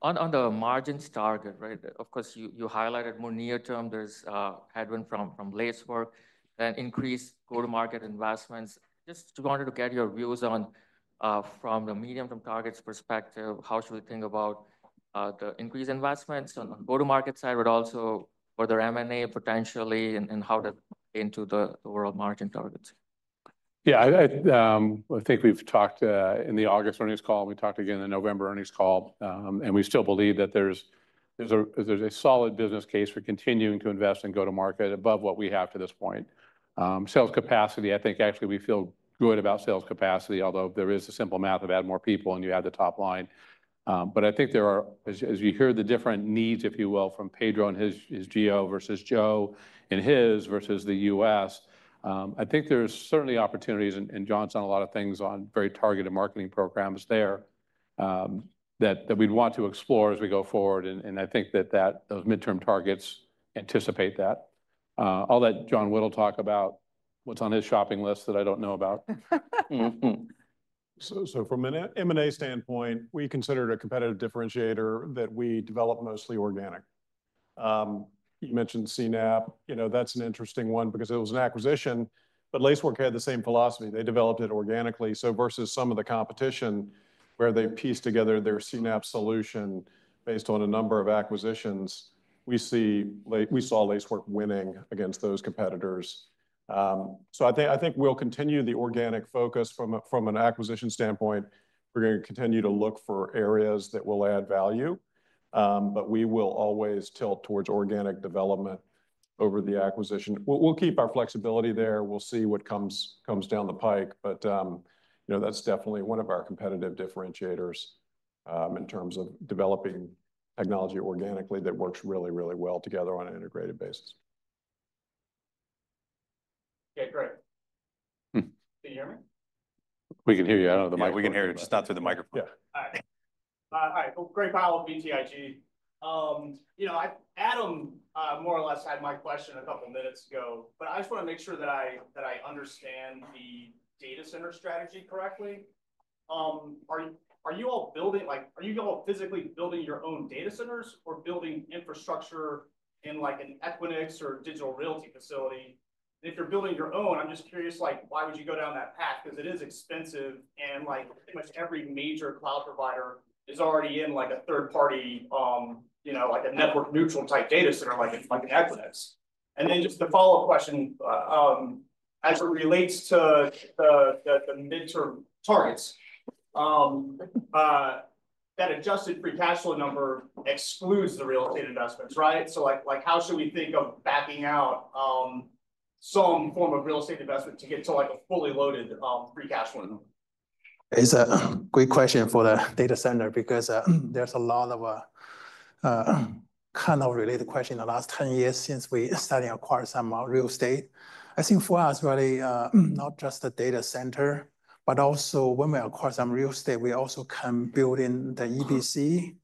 on the margins target, right? Of course, you highlighted more near-term. There's headwind from Lacework and increased go-to-market investments. Just wanted to get your views on from the medium-term targets perspective, how should we think about the increased investments on the go-to-market side, but also for the M&A potentially and how to get into the overall margin targets? Yeah, I think we've talked in the August earnings call, and we talked again in the November earnings call. And we still believe that there's a solid business case for continuing to invest in go-to-market above what we have to this point. Sales capacity, I think actually we feel good about sales capacity, although there is a simple math of add more people and you add the top line. I think there are, as you hear, the different needs, if you will, from Pedro and his geo versus Joe and his versus the US. I think there's certainly opportunities, and John's done a lot of things on very targeted marketing programs there that we'd want to explore as we go forward. I think that those midterm targets anticipate that. I'll let John Whittle talk about what's on his shopping list that I don't know about. From an M&A standpoint, we considered a competitive differentiator that we develop mostly organic. You mentioned CNAPP. That's an interesting one because it was an acquisition, but Lacework had the same philosophy. They developed it organically. Versus some of the competition where they pieced together their CNAPP solution based on a number of acquisitions, we saw Lacework winning against those competitors. So I think we'll continue the organic focus from an acquisition standpoint. We're going to continue to look for areas that will add value, but we will always tilt towards organic development over the acquisition. We'll keep our flexibility there. We'll see what comes down the pike. But that's definitely one of our competitive differentiators in terms of developing technology organically that works really, really well together on an integrated basis. Okay, great. Can you hear me? We can hear you. I don't know the mic. We can hear you. Just not through the microphone. Yeah. All right. All right. Well, great follow-up, BTIG. Adam more or less had my question a couple of minutes ago, but I just want to make sure that I understand the data center strategy correctly. Are you all physically building your own data centers or building infrastructure in an Equinix or Digital Realty facility? If you're building your own, I'm just curious, why would you go down that path? Because it is expensive and pretty much every major cloud provider is already in a third-party, like a network-neutral type data center like an Equinix. And then just the follow-up question, as it relates to the midterm targets, that adjusted free cash flow number excludes the real estate investments, right? So how should we think of backing out some form of real estate investment to get to a fully loaded free cash flow number? It's a great question for the data center because there's a lot of kind of related questions in the last 10 years since we started acquiring some real estate. I think for us, really, not just the data center, but also when we acquire some real estate, we also can build in the EBC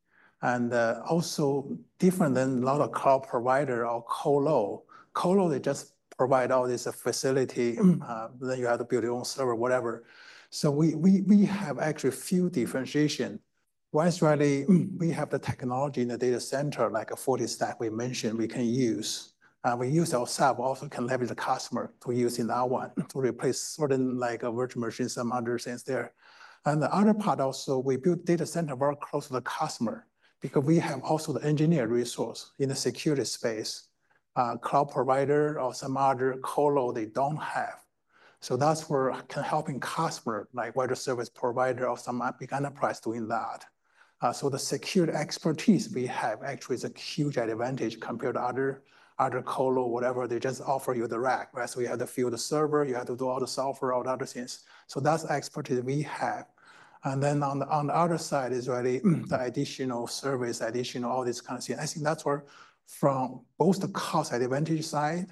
and also different than a lot of cloud providers or colo. Colo, they just provide all this facility. Then you have to build your own server, whatever. So we have actually a few differentiations. Why is it really we have the technology in the data center, like FortiStack we mentioned we can use. We use ourselves also can leverage the customer to use in that one to replace certain virtual machines, some other things there. And the other part also, we build data center very close to the customer because we have also the engineer resource in the security space. Cloud provider or some other colo, they don't have. So that's where we can help customers, like whether service provider or some big enterprise doing that. So the security expertise we have actually is a huge advantage compared to other colo, whatever. They just offer you the rack, right? So you have to rack the server, you have to do all the software, all the other things. So that's the expertise we have. And then on the other side is really the dditional service, additional all these kinds of things. I think that's where from both the cost advantage side,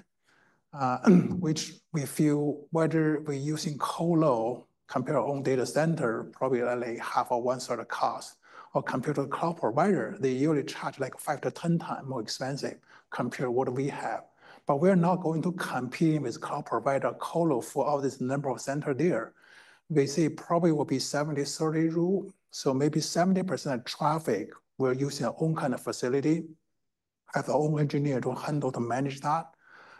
which we feel whether we're using colo compared to our own data center, probably like half or one-third sort of cost. Or compared to a cloud provider, they usually charge like five to ten times more expensive compared to what we have. But we are not going to compete with cloud provider colo for all this number of centers there. We say probably will be 70-30 rule. Maybe 70% of traffic we're using our own kind of facility as our own engineer to handle to manage that.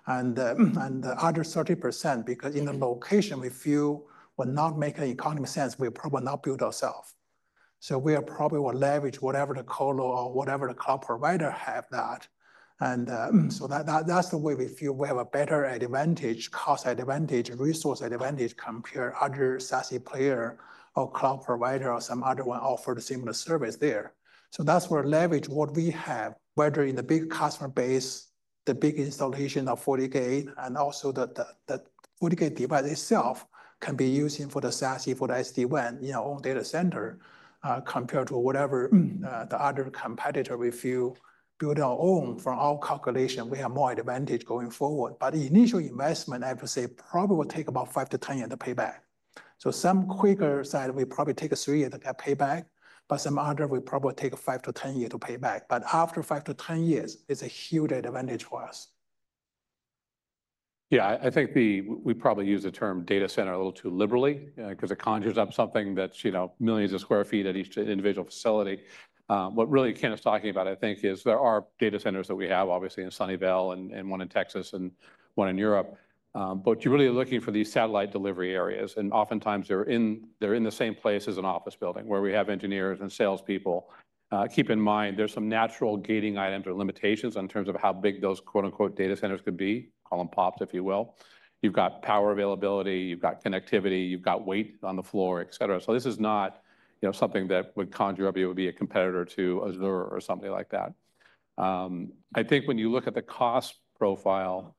The other 30%, because in the location we feel will not make economic sense, we'll probably not build ourselves. We probably will leverage whatever the colo or whatever the cloud provider have that. That's the way we feel we have a better advantage, cost advantage, resource advantage compared to other SASE player or cloud provider or some other one offered similar service there. So that's where we leverage what we have, whether in the big customer base, the big installation of FortiGate and also the FortiGate device itself can be using for the SASE, for the SD-WAN, our own data center compared to whatever the other competitor we feel build our own from our calculation, we have more advantage going forward. But the initial investment, I would say, probably will take about five to ten years to pay back. So on the quicker side, we probably take three years to get payback, but on the other we probably take five to ten years to pay back. But after five to ten years, it's a huge advantage for us. Yeah, I think we probably use the term data center a little too liberally because it conjures up something that's millions of sq ft at each individual facility. What really Ken is talking about, I think, is there are data centers that we have, obviously, in Sunnyvale and one in Texas and one in Europe. But you're really looking for these satellite delivery areas. And oftentimes they're in the same place as an office building where we have engineers and salespeople. Keep in mind, there's some natural gating items or limitations in terms of how big those quote-unquote data centers could be, call them PoPs, if you will. You've got power availability, you've got connectivity, you've got weight on the floor, et cetera. So this is not something that would conjure up, it would be a competitor to Azure or something like that. I think when you look at the cost profile,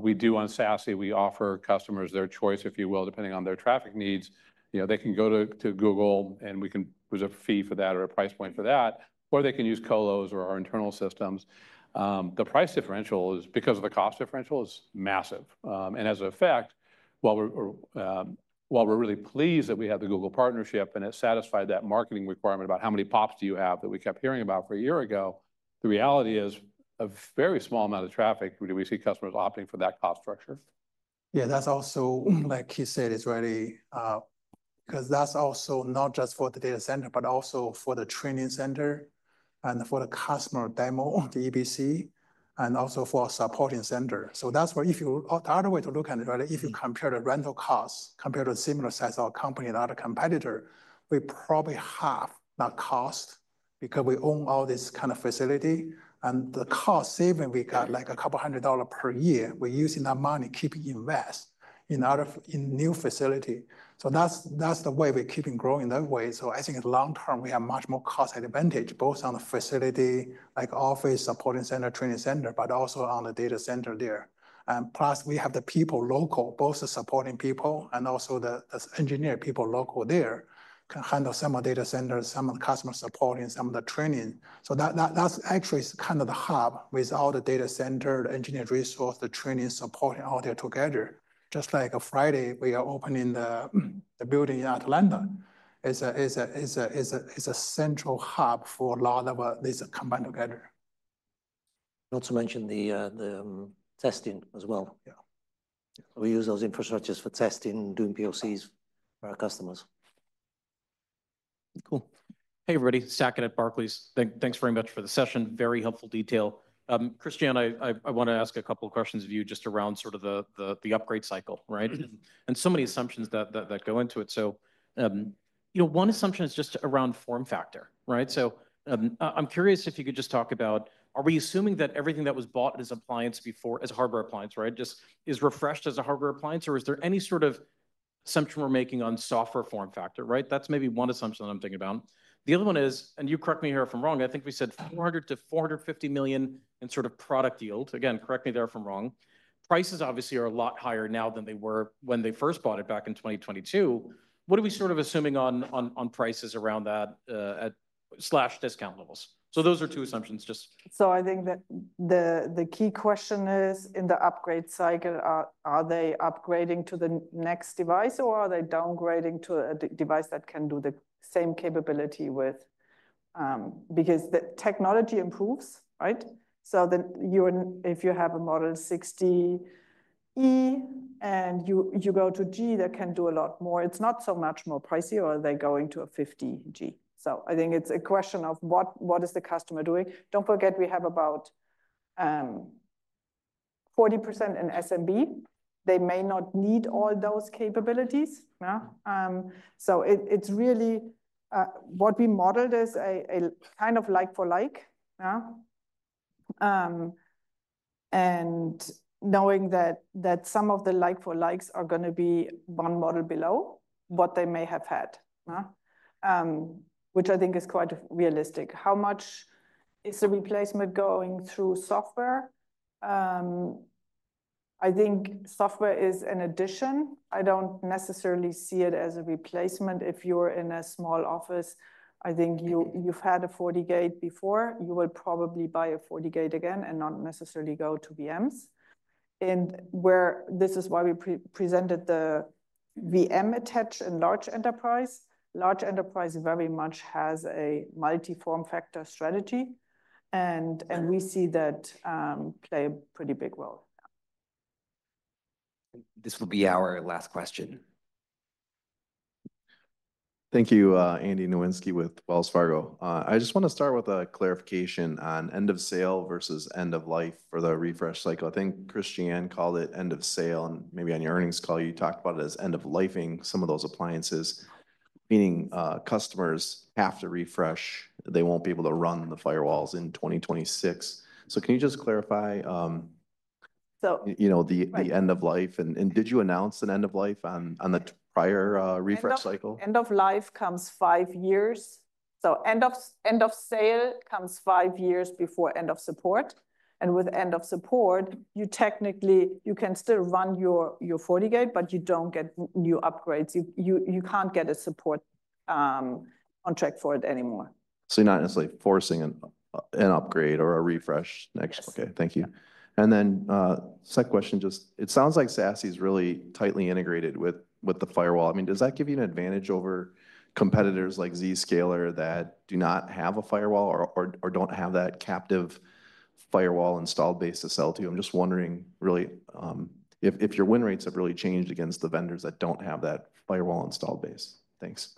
we do on SASE, we offer customers their choice, if you will, depending on their traffic needs. They can go to Google and we can; there's a fee for that or a price point for that, or they can use colos or our internal systems. The price differential is because of the cost differential is massive. And as an effect, while we're really pleased that we have the Google partnership and it satisfied that marketing requirement about how many PoPs do you have that we kept hearing about from a year ago, the reality is a very small amount of traffic; we see customers opting for that cost structure. Yeah, that's also, like he said, it's really because that's also not just for the data center, but also for the training center and for the customer demo, the EBC, and also for our supporting center. So that's where, if you look at it the other way, right, if you compare the rental costs compared to a similar size of our company and other competitor, we probably have that cost because we own all this kind of facility, and the cost saving we got like $200 per year. We're using that money, keeping invest in new facility, so that's the way we're keeping growing that way, so I think long term we have much more cost advantage both on the facility, like office, support center, training center, but also on the data center there, and plus we have the people local, both the supporting people and also the engineer people local there can handle some of the data centers, some of the customer support, some of the training. So that's actually kind of the hub with all the data center, the engineer resource, the training, supporting all there together. Just like Friday, we are opening the building in Atlanta. It's a central hub for a lot of this combined together. Not to mention the testing as well. Yeah. We use those infrastructures for testing, doing POCs for our customers. Cool. Hey, everybody, Saket at Barclays. Thanks very much for the session. Very helpful detail. Christiane, I want to ask a couple of questions of you just around sort of the upgrade cycle, right? And so many assumptions that go into it. So one assumption is just around form factor, right? I'm curious if you could just talk about, are we assuming that everything that was bought as appliance before, as hardware appliance, right, just is refreshed as a hardware appliance, or is there any sort of assumption we're making on software form factor, right? That's maybe one assumption that I'm thinking about. The other one is, and you correct me here if I'm wrong, I think we said $400 million-$450 million in sort of product yield. Again, correct me there if I'm wrong. Prices obviously are a lot higher now than they were when they first bought it back in 2022. What are we sort of assuming on prices around that at slash discount levels? So those are two assumptions just. So I think that the key question is in the upgrade cycle, are they upgrading to the next device or are they downgrading to a device that can do the same capability with? Because the technology improves, right? So if you have a model 60E and you go to G, that can do a lot more. It's not so much more pricey or they're going to a 50G. So I think it's a question of what is the customer doing? Don't forget we have about 40% in SMB. They may not need all those capabilities. So it's really what we modeled is a kind of like for like. And knowing that some of the like for likes are going to be one model below what they may have had, which I think is quite realistic. How much is the replacement going through software? I think software is an addition. I don't necessarily see it as a replacement. If you're in a small office, I think you've had a FortiGate before, you will probably buy a FortiGate again and not necessarily go to VMs. This is why we presented the VMs at scale in large enterprise. Large enterprise very much has a multi form factor strategy. We see that play a pretty big role. This will be our last question. Thank you, Andy Nowinski with Wells Fargo. I just want to start with a clarification on end of sale versus end of life for the refresh cycle. I think Christiane called it end of sale. Maybe on your earnings call, you talked about it as end of lifing some of those appliances, meaning customers have to refresh. They won't be able to run the firewalls in 2026. So can you just clarify the end of life? And did you announce an end of life on the prior refresh cycle? End of life comes five years. So end of sale comes five years before end of support. And with end of support, you technically can still run your FortiGate, but you don't get new upgrades. You can't get a support contract for it anymore. So you're not necessarily forcing an upgrade or a refresh next? Okay, thank you. And then second question, just it sounds like SASE is really tightly integrated with the firewall. I mean, does that give you an advantage over competitors like Zscaler that do not have a firewall or don't have that captive firewall installed base to sell to? I'm just wondering really if your win rates have really changed against the vendors that don't have that firewall installed base. Thanks.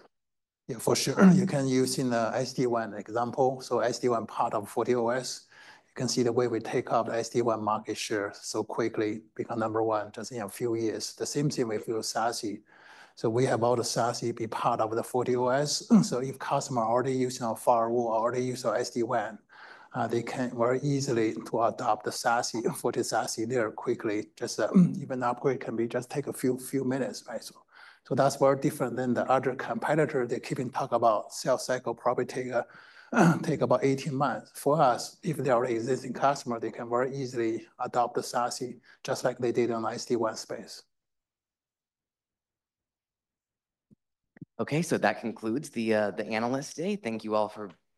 Yeah, for sure. You can use in the SD-WAN example. SD-WAN part of FortiOS. You can see the way we take out the SD-WAN market share so quickly become number one just in a few years. The same thing with SASE. We have all the SASE be part of the FortiOS. If customer already using our firewall, already use our SD-WAN, they can very easily adopt the SASE, FortiSASE there quickly. Just even upgrade can be just take a few minutes, right? That's very different than the other competitor. They keep talking about sales cycle probably take about 18 months. For us, if they are an existing customer, they can very easily adopt the SASE just like they did on the SD-WAN space. Okay, that concludes the analyst day. Thank you all for being.